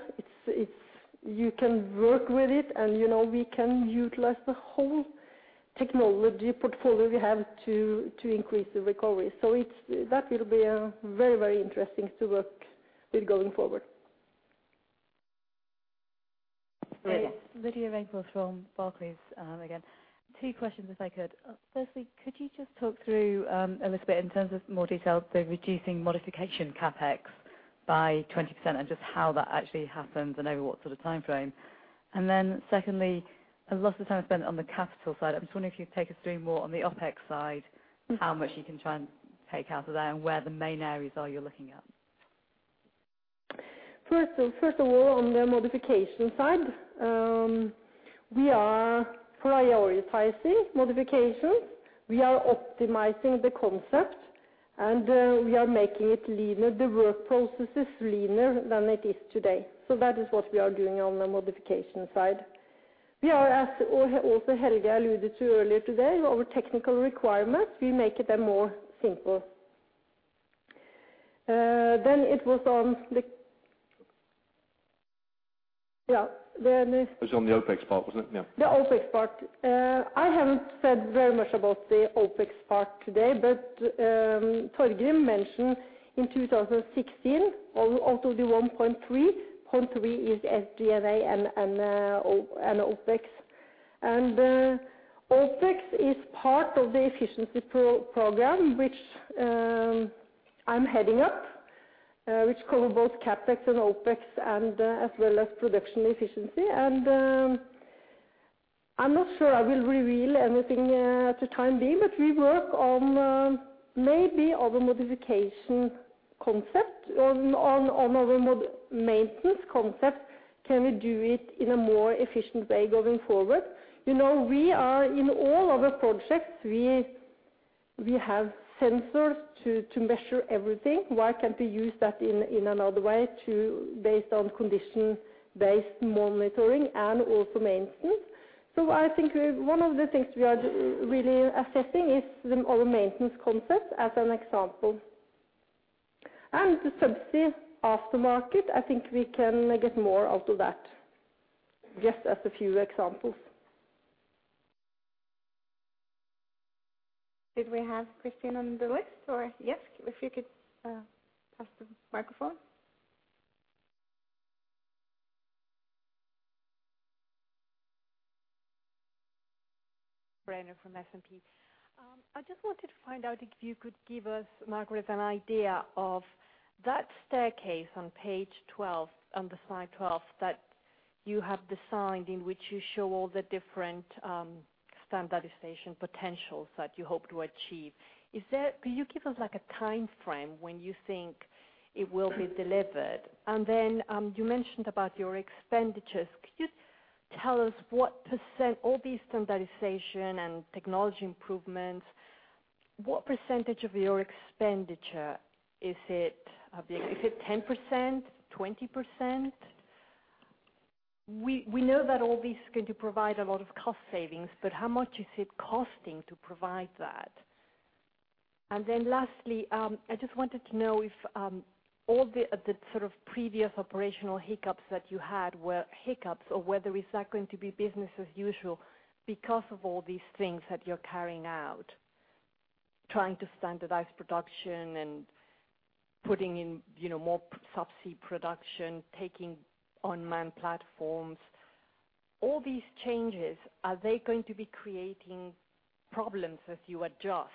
It's you can work with it and, you know, we can utilize the whole technology portfolio we have to increase the recovery. That will be very, very interesting to work with going forward. Great. Lydia Rainforth from Barclays, again. Two questions if I could. Firstly, could you just talk through a little bit in terms of more detail the reducing modification CapEx by 20% and just how that actually happens and over what sort of timeframe? Secondly, a lot of the time is spent on the capital side. I'm just wondering if you could take us through more on the OpEx side, how much you can try and take out of there and where the main areas are you're looking at. First of all, on the modification side, we are prioritizing modifications. We are optimizing the concept, and we are making it leaner, the work processes leaner than it is today. That is what we are doing on the modification side. We are also, as Helge alluded to earlier today, making our technical requirements more simple. It was on the OpEx part, wasn't it? Yeah. The OpEx part. I haven't said very much about the OpEx part today, but Torgrim mentioned in 2016 out of the 1.3, 0.3 is SG&A and OpEx. OpEx is part of the efficiency program which I'm heading up, which cover both CapEx and OpEx as well as production efficiency. I'm not sure I will reveal anything at the time being, but we work on maybe on the modification concept on our maintenance concept. Can we do it in a more efficient way going forward? You know, we are in all of our projects, we have sensors to measure everything. Why can't we use that in another way to based on condition-based monitoring and also maintenance? I think one of the things we are really assessing is our maintenance concept as an example. The subsea aftermarket, I think we can get more out of that, just as a few examples. Did we have Christine on the list or? Yes. If you could, pass the microphone. Breiner from S&P. I just wanted to find out if you could give us, Margareth, an idea of that staircase on page 12, on the slide 12, that you have designed in which you show all the different standardization potentials that you hope to achieve. Can you give us like a timeframe when you think it will be delivered? Then you mentioned about your expenditures. Could you tell us what percent all the standardization and technology improvements, what percentage of your expenditure is it, is it 10%, 20%? We know that all this is going to provide a lot of cost savings, but how much is it costing to provide that? Lastly, I just wanted to know if all the sort of previous operational hiccups that you had were hiccups or whether is that going to be business as usual because of all these things that you're carrying out, trying to standardize production and putting in, you know, more subsea production, taking unmanned platforms. All these changes, are they going to be creating problems as you adjust?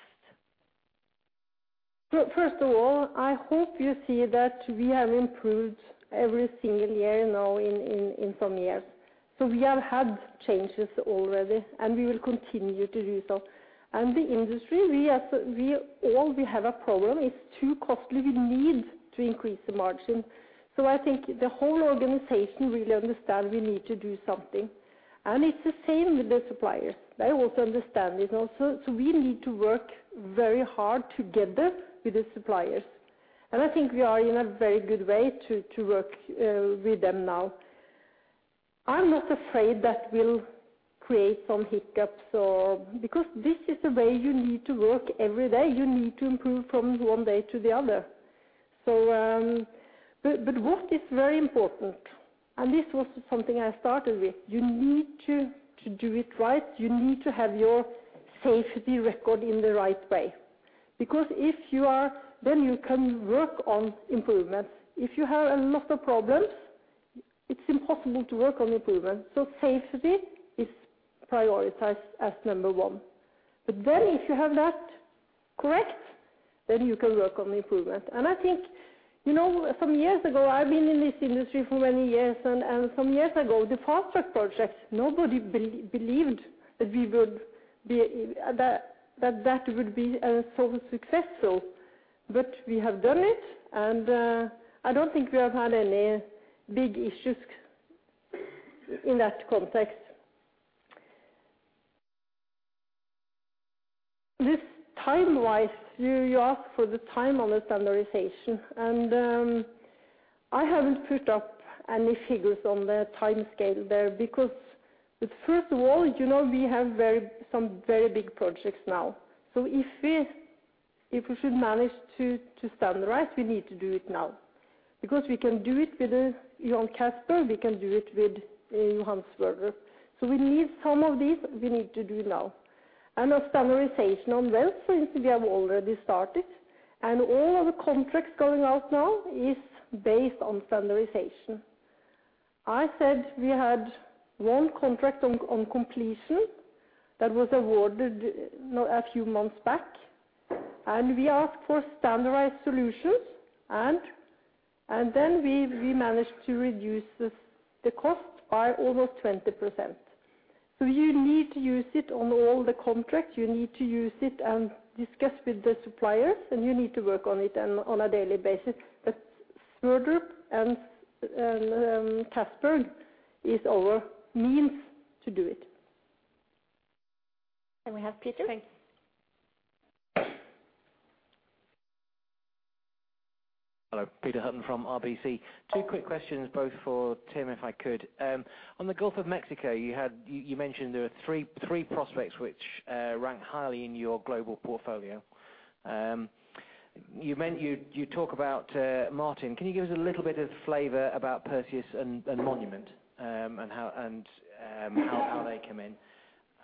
First of all, I hope you see that we have improved every single year now in some years. We have had changes already, and we will continue to do so. The industry, we all have a problem. It's too costly. We need to increase the margin. I think the whole organization really understand we need to do something. It's the same with the suppliers. They also understand it. We need to work very hard together with the suppliers. I think we are in a very good way to work with them now. I'm not afraid that will create some hiccups because this is the way you need to work every day. You need to improve from one day to the other. But what is very important, and this was something I started with, you need to do it right. You need to have your safety record in the right way. Because if you are, then you can work on improvements. If you have a lot of problems, it's impossible to work on improvement. Safety is prioritized as number one. But then if you have that correct. Then you can work on the improvement. I think, you know, some years ago, I've been in this industry for many years, and some years ago, the fast-track projects, nobody believed that we would be, that that would be so successful. But we have done it, and I don't think we have had any big issues in that context. This time-wise, you ask for the time on the standardization. I haven't put up any figures on the timescale there because, first of all, you know, we have some very big projects now. If we should manage to standardize, we need to do it now. Because we can do it with Johan Castberg, we can do it with Johan Sverdrup. We need some of these, we need to do now. Our standardization on wells, for instance, we have already started, and all of the contracts going out now is based on standardization. I said we had one contract on completion that was awarded a few months back, and we asked for standardized solutions, and then we managed to reduce the cost by almost 20%. You need to use it on all the contracts. You need to use it and discuss with the suppliers, and you need to work on it and on a daily basis. Sverdrup and Castberg is our means to do it. We have Peter. Thanks. Hello. Peter Hutton from RBC. Two quick questions, both for Tim, if I could. On the Gulf of Mexico, you mentioned there were three prospects which rank highly in your global portfolio. You talk about Martin. Can you give us a little bit of flavor about Perseus and Monument, and how they come in?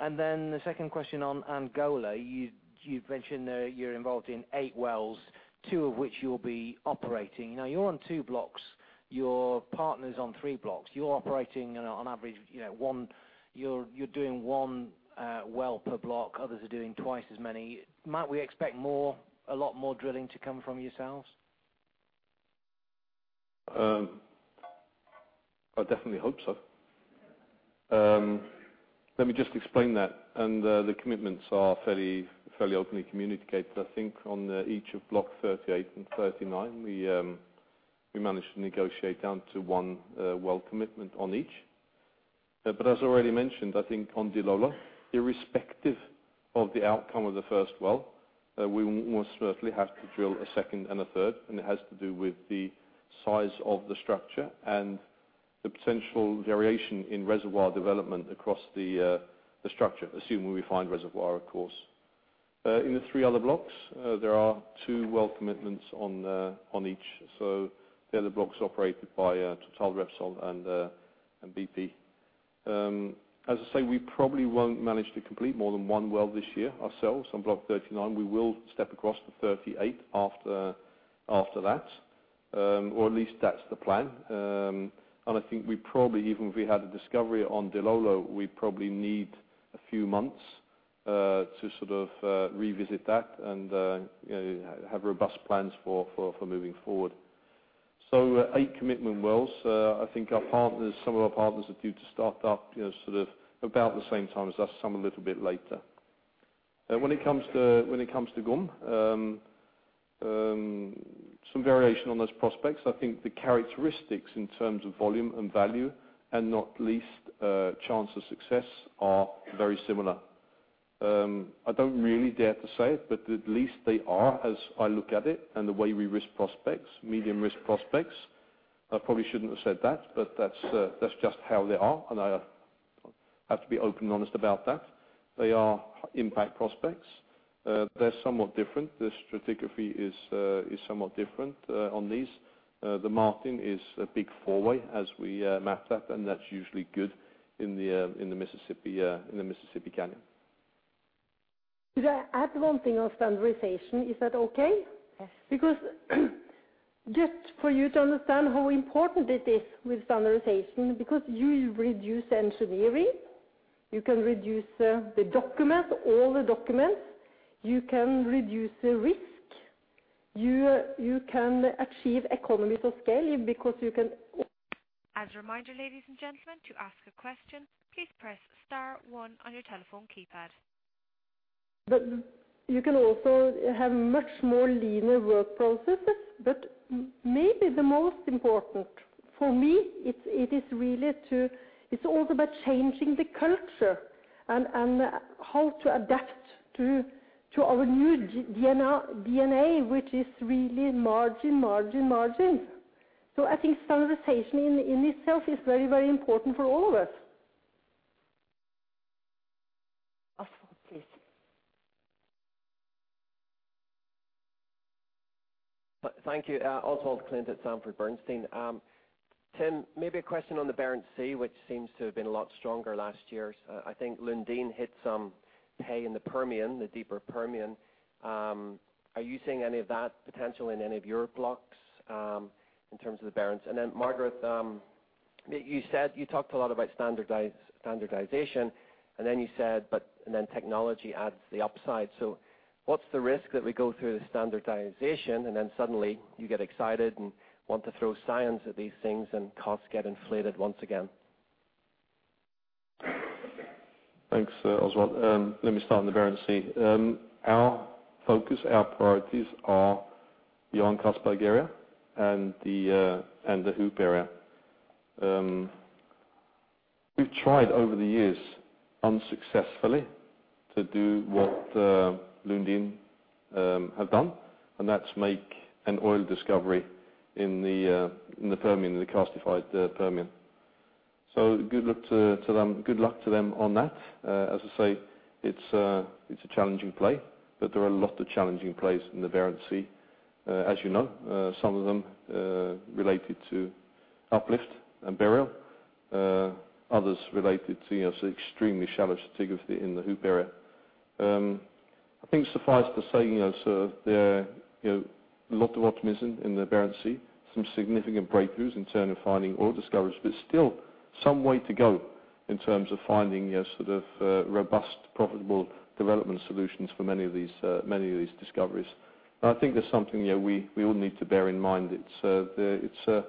Then the second question on Angola, you've mentioned you're involved in eight wells, two of which you'll be operating. Now, you're on two blocks. Your partner's on three blocks. You're operating on average, you know, one. You're doing one well per block. Others are doing twice as many. Might we expect more, a lot more drilling to come from yourselves? I definitely hope so. Let me just explain that, and the commitments are fairly openly communicated. I think on each of Block 38 and 39, we managed to negotiate down to one well commitment on each. But as already mentioned, I think on Dilolo, irrespective of the outcome of the first well, we will most certainly have to drill a second and a third, and it has to do with the size of the structure and the potential variation in reservoir development across the structure, assuming we find reservoir, of course. In the three other blocks, there are two well commitments on each. The other blocks are operated by Total, Repsol, and BP. As I say, we probably won't manage to complete more than one well this year ourselves on Block 39. We will step across to 38 after that, or at least that's the plan. I think we probably, even if we had a discovery on Dilolo, we probably need a few months to sort of revisit that and, you know, have robust plans for moving forward. Eight commitment wells. I think our partners, some of our partners are due to start up, you know, sort of about the same time as us, some a little bit later. When it comes to GOM, some variation on those prospects. I think the characteristics in terms of volume and value, and not least, chance of success are very similar. I don't really dare to say it, but at least they are, as I look at it, and the way we risk prospects, medium risk prospects. I probably shouldn't have said that, but that's just how they are, and I have to be open and honest about that. They are impact prospects. They're somewhat different. The stratigraphy is somewhat different on these. The Martin is a big four-way as we map that, and that's usually good in the Mississippi Canyon. Could I add one thing on standardization? Is that okay? Yes. Because just for you to understand how important it is with standardization, because you reduce engineering, you can reduce, the documents, all the documents. You can reduce the risk. You can achieve economies of scale because you can- As a reminder, ladies and gentlemen, to ask a question, please press star one on your telephone keypad. You can also have much more leaner work processes, but maybe the most important for me. It's also about changing the culture and how to adapt to our new DNA, which is really margin. I think standardization in itself is very important for all of us. Oswald, please. Thank you. Oswald Clint at Sanford Bernstein. Tim, maybe a question on the Barents Sea, which seems to have been a lot stronger last year. I think Lundin hit some pay in the Permian, the deeper Permian. Are you seeing any of that potential in any of your blocks, in terms of the Barents? And then Margareth, you said, you talked a lot about standardization, and then you said, and then technology adds the upside. What's the risk that we go through the standardization, and then suddenly you get excited and want to throw science at these things and costs get inflated once again? Thanks, Oswald. Let me start on the Barents Sea. Our focus, our priorities are the Omkast area and the Hoop area. We've tried over the years unsuccessfully to do what Lundin have done, and that's make an oil discovery in the Permian, in the karstified Permian. Good luck to them on that. As I say, it's a challenging play, but there are a lot of challenging plays in the Barents Sea. As you know, some of them related to uplift and burial, others related to, you know, sort of extremely shallow stratigraphy in the Hoop area. I think suffice to say, you know, sort of there, you know, a lot of optimism in the Barents Sea, some significant breakthroughs in terms of finding oil discoveries, but still some way to go in terms of finding, you know, sort of, robust, profitable development solutions for many of these discoveries. I think that's something, you know, we all need to bear in mind. It's a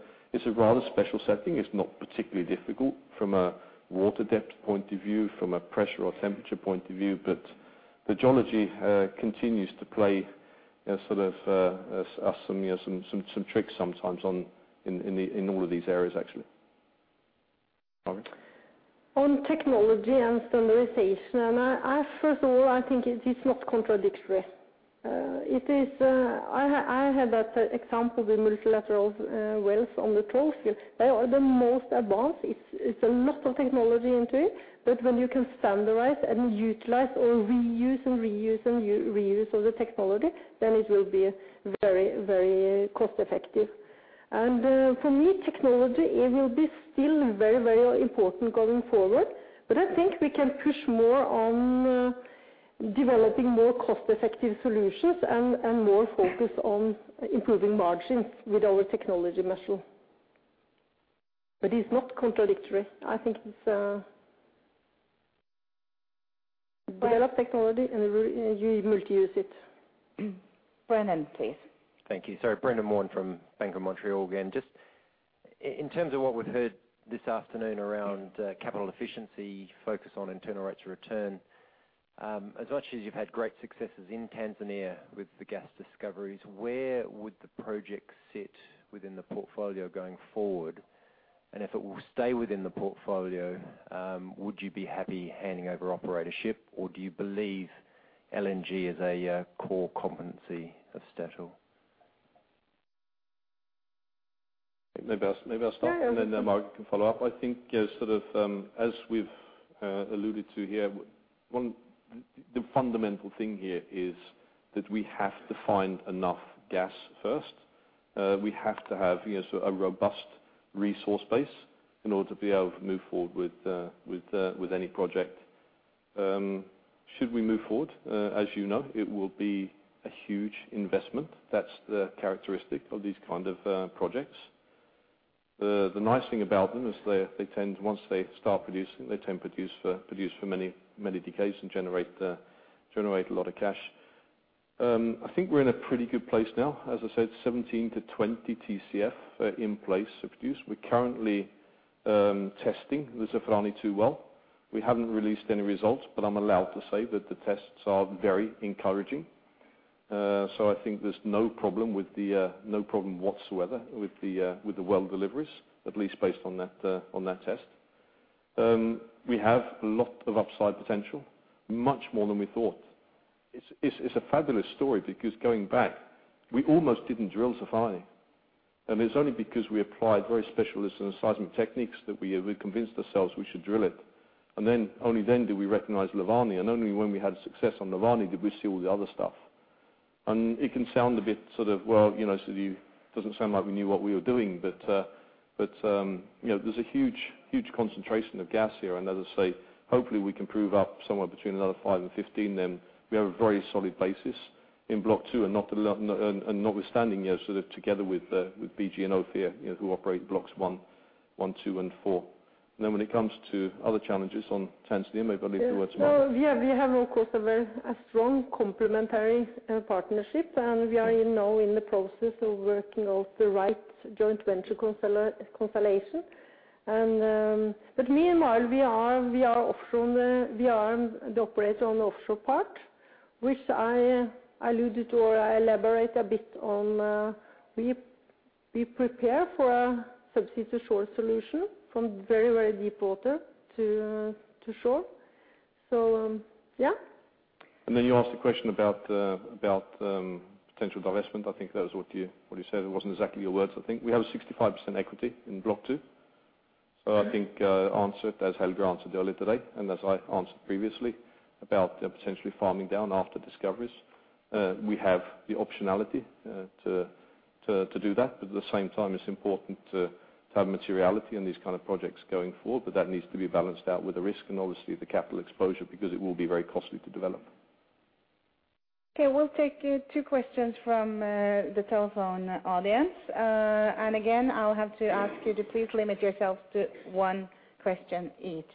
rather special setting. It's not particularly difficult from a water depth point of view, from a pressure or temperature point of view, but the geology continues to play, you know, sort of, some tricks sometimes in all of these areas, actually. Margareth Øvrum? On technology and standardization, I first of all think it is not contradictory. I had that example, the multilateral wells on the Troll field. They are the most advanced. It's a lot of technology into it, but when you can standardize and utilize or reuse all the technology, then it will be very, very cost-effective. For me, technology, it will be still very, very important going forward. I think we can push more on developing more cost-effective solutions and more focus on improving margins with our technology measure. It's not contradictory. I think it's develop technology and reuse it. Brendan, please. Thank you. Sorry, Brendan Warn from Bank of Montreal again. Just in terms of what we've heard this afternoon around capital efficiency, focus on internal rates of return, as much as you've had great successes in Tanzania with the gas discoveries, where would the project sit within the portfolio going forward? If it will stay within the portfolio, would you be happy handing over operatorship, or do you believe LNG is a core competency of Statoil? Maybe I'll start. No, no Margareth can follow up. I think, you know, sort of, as we've alluded to here, one, the fundamental thing here is that we have to find enough gas first. We have to have, you know, sort of a robust resource base in order to be able to move forward with any project. Should we move forward, as you know, it will be a huge investment. That's the characteristic of these kind of projects. The nice thing about them is they tend, once they start producing, to produce for many, many decades and generate a lot of cash. I think we're in a pretty good place now. As I said, 17-20 TCF in place to produce. We're currently testing the Zafarani-2 well. We haven't released any results, but I'm allowed to say that the tests are very encouraging. I think there's no problem whatsoever with the well deliveries, at least based on that test. We have a lot of upside potential, much more than we thought. It's a fabulous story because going back, we almost didn't drill Zafarani. It's only because we applied very specialized seismic techniques that we convinced ourselves we should drill it. Only then did we recognize Lavani, and only when we had success on Lavani did we see all the other stuff. It can sound a bit sort of, well, you know, sort of, you doesn't sound like we knew what we were doing, but you know, there's a huge concentration of gas here. As I say, hopefully we can prove up somewhere between another 5-15 TCF, then we have a very solid basis in Block 2 and notwithstanding, you know, sort of together with BG and Ophir, you know, who operate Blocks 1, 2, and 4. Then when it comes to other challenges on Tanzania, maybe I'll leave the word to Margareth. Well, yeah, we have, of course, a very strong complementary partnership. We are now in the process of working out the right joint venture consolidation. Me and Margareth Øvrum, we are the operator on the offshore part, which I alluded to or I elaborate a bit on. We prepare for a subsea-to-shore solution from very deep water to shore. Yeah. You asked a question about potential divestment. I think that was what you said. It wasn't exactly your words, I think. We have a 65% equity in Block 2. I think answer it as Helge answered earlier today, and as I answered previously about potentially farming down after discoveries. We have the optionality to do that, but at the same time, it's important to have materiality in these kind of projects going forward, but that needs to be balanced out with the risk and obviously the capital exposure because it will be very costly to develop. Okay, we'll take two questions from the telephone audience. Again, I'll have to ask you to please limit yourself to one question each.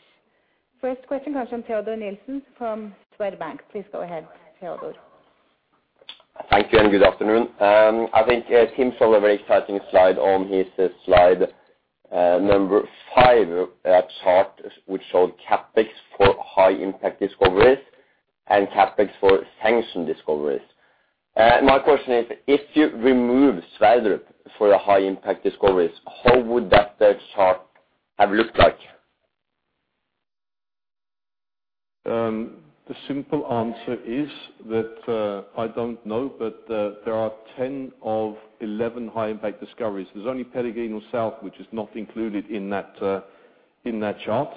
First question comes from Teodor Sveen-Nilsen from Swedbank. Please go ahead, Teodor. Thank you, and good afternoon. I think Tim showed a very exciting slide on his slide number five chart which showed CapEx for high impact discoveries and CapEx for sanctioned discoveries. My question is, if you remove Sverdrup for the high impact discoveries, how would that chart have looked like? The simple answer is that I don't know, but there are 10 of 11 high impact discoveries. There's only Peregrino South which is not included in that chart.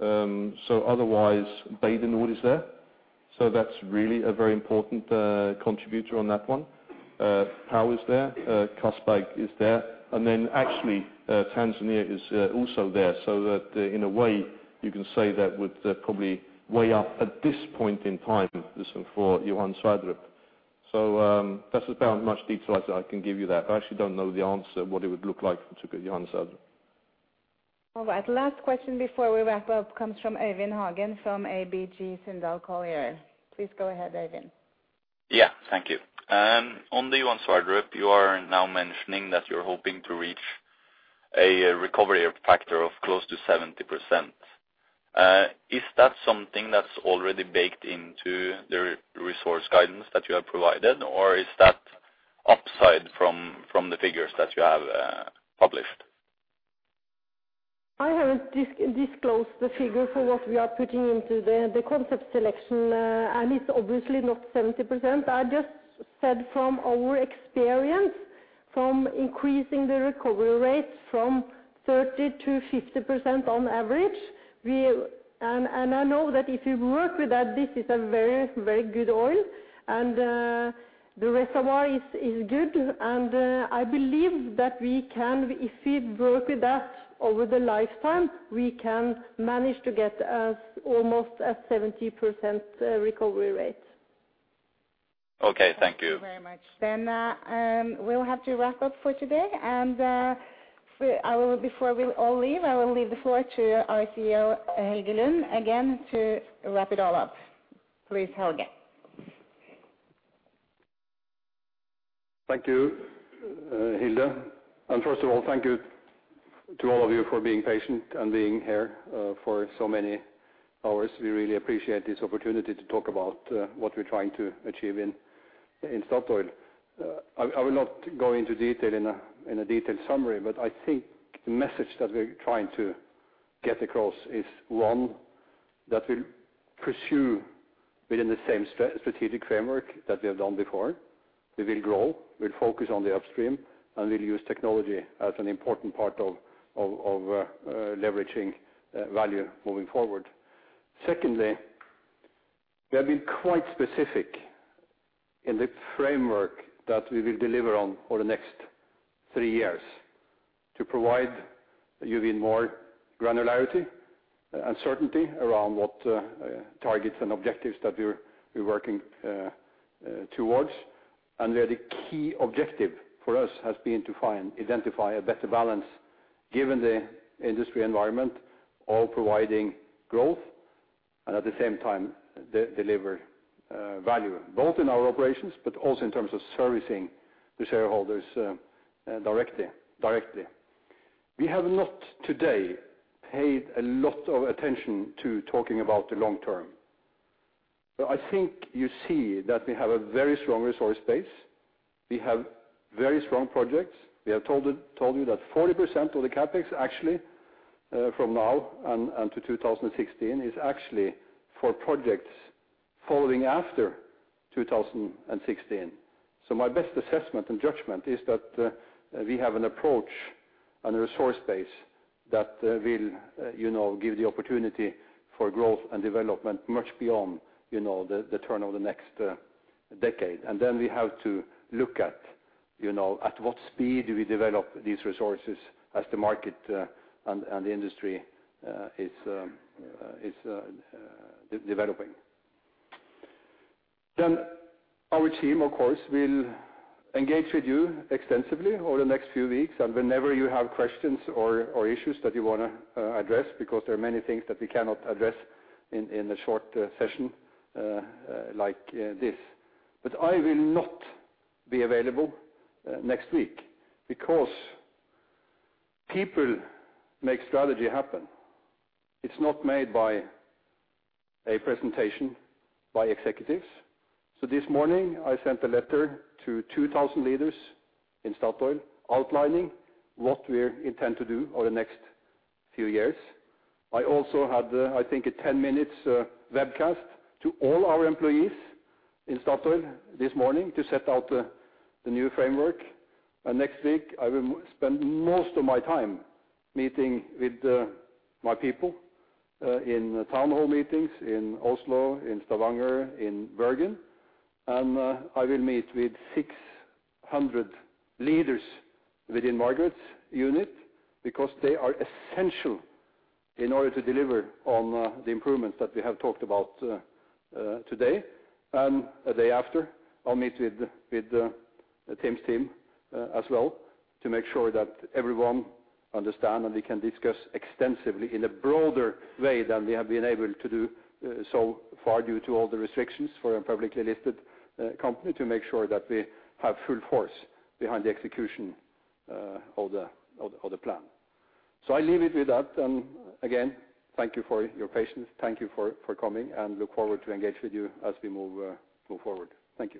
Otherwise Bay du Nord is there, so that's really a very important contributor on that one. Pão de Açúcar is there, Johan Castberg is there. Actually, Tanzania is also there. That in a way you can say that would probably weigh up at this point in time. This is for Johan Sverdrup. That's about as much detail as I can give you that. I actually don't know the answer, what it would look like to get Johan Sverdrup. All right. Last question before we wrap up comes from Eivin Hagen from ABG Sundal Collier. Please go ahead, Eivin. Thank you. On the Johan Sverdrup, you are now mentioning that you're hoping to reach a recovery factor of close to 70%. Is that something that's already baked into the resource guidance that you have provided, or is that upside from the figures that you have published? I haven't disclosed the figure for what we are putting into the concept selection. It's obviously not 70%. I just said from our experience from increasing the recovery rates from 30%-50% on average. I know that if you work with that, this is a very, very good oil. The reservoir is good. I believe that we can, if we work with that over the lifetime, we can manage to get almost a 70% recovery rate. Okay. Thank you. Thank you very much. We'll have to wrap up for today. I will, before we all leave, I will leave the floor to our CEO, Helge Lund, again to wrap it all up. Please, Helge. Thank you, Hilde. First of all, thank you to all of you for being patient and being here for so many hours. We really appreciate this opportunity to talk about what we're trying to achieve in Statoil. I will not go into detail in a detailed summary, but I think the message that we're trying to get across is, one, that we'll pursue within the same strategic framework that we have done before. We will grow, we'll focus on the upstream, and we'll use technology as an important part of leveraging value moving forward. Secondly, we have been quite specific in the framework that we will deliver on for the next three years to provide even more granularity and certainty around what targets and objectives that we're working towards. Where the key objective for us has been to find, identify a better balance given the industry environment of providing growth and at the same time, deliver value, both in our operations, but also in terms of servicing the shareholders, directly. We have not today paid a lot of attention to talking about the long term. I think you see that we have a very strong resource base. We have very strong projects. We have told you that 40% of the CapEx actually from now until 2016 is actually for projects following after 2016. My best assessment and judgment is that we have an approach and a resource base that will, you know, give the opportunity for growth and development much beyond, you know, the turn of the next decade. We have to look at, you know, at what speed we develop these resources as the market and the industry is developing. Our team, of course, will engage with you extensively over the next few weeks and whenever you have questions or issues that you wanna address, because there are many things that we cannot address in a short session like this. I will not be available next week because people make strategy happen. It's not made by a presentation by executives. This morning I sent a letter to 2,000 leaders in Statoil outlining what we intend to do over the next few years. I also had, I think, a 10-minute webcast to all our employees in Statoil this morning to set out the new framework. Next week I will spend most of my time meeting with my people in town hall meetings in Oslo, in Stavanger, in Bergen. I will meet with 600 leaders within Margareth's unit because they are essential in order to deliver on the improvements that we have talked about today. A day after, I'll meet with Tim's team as well to make sure that everyone understand and we can discuss extensively in a broader way than we have been able to do so far due to all the restrictions for a publicly listed company to make sure that we have full force behind the execution of the plan. I leave it with that. Again, thank you for your patience. Thank you for coming, and look forward to engage with you as we move forward. Thank you.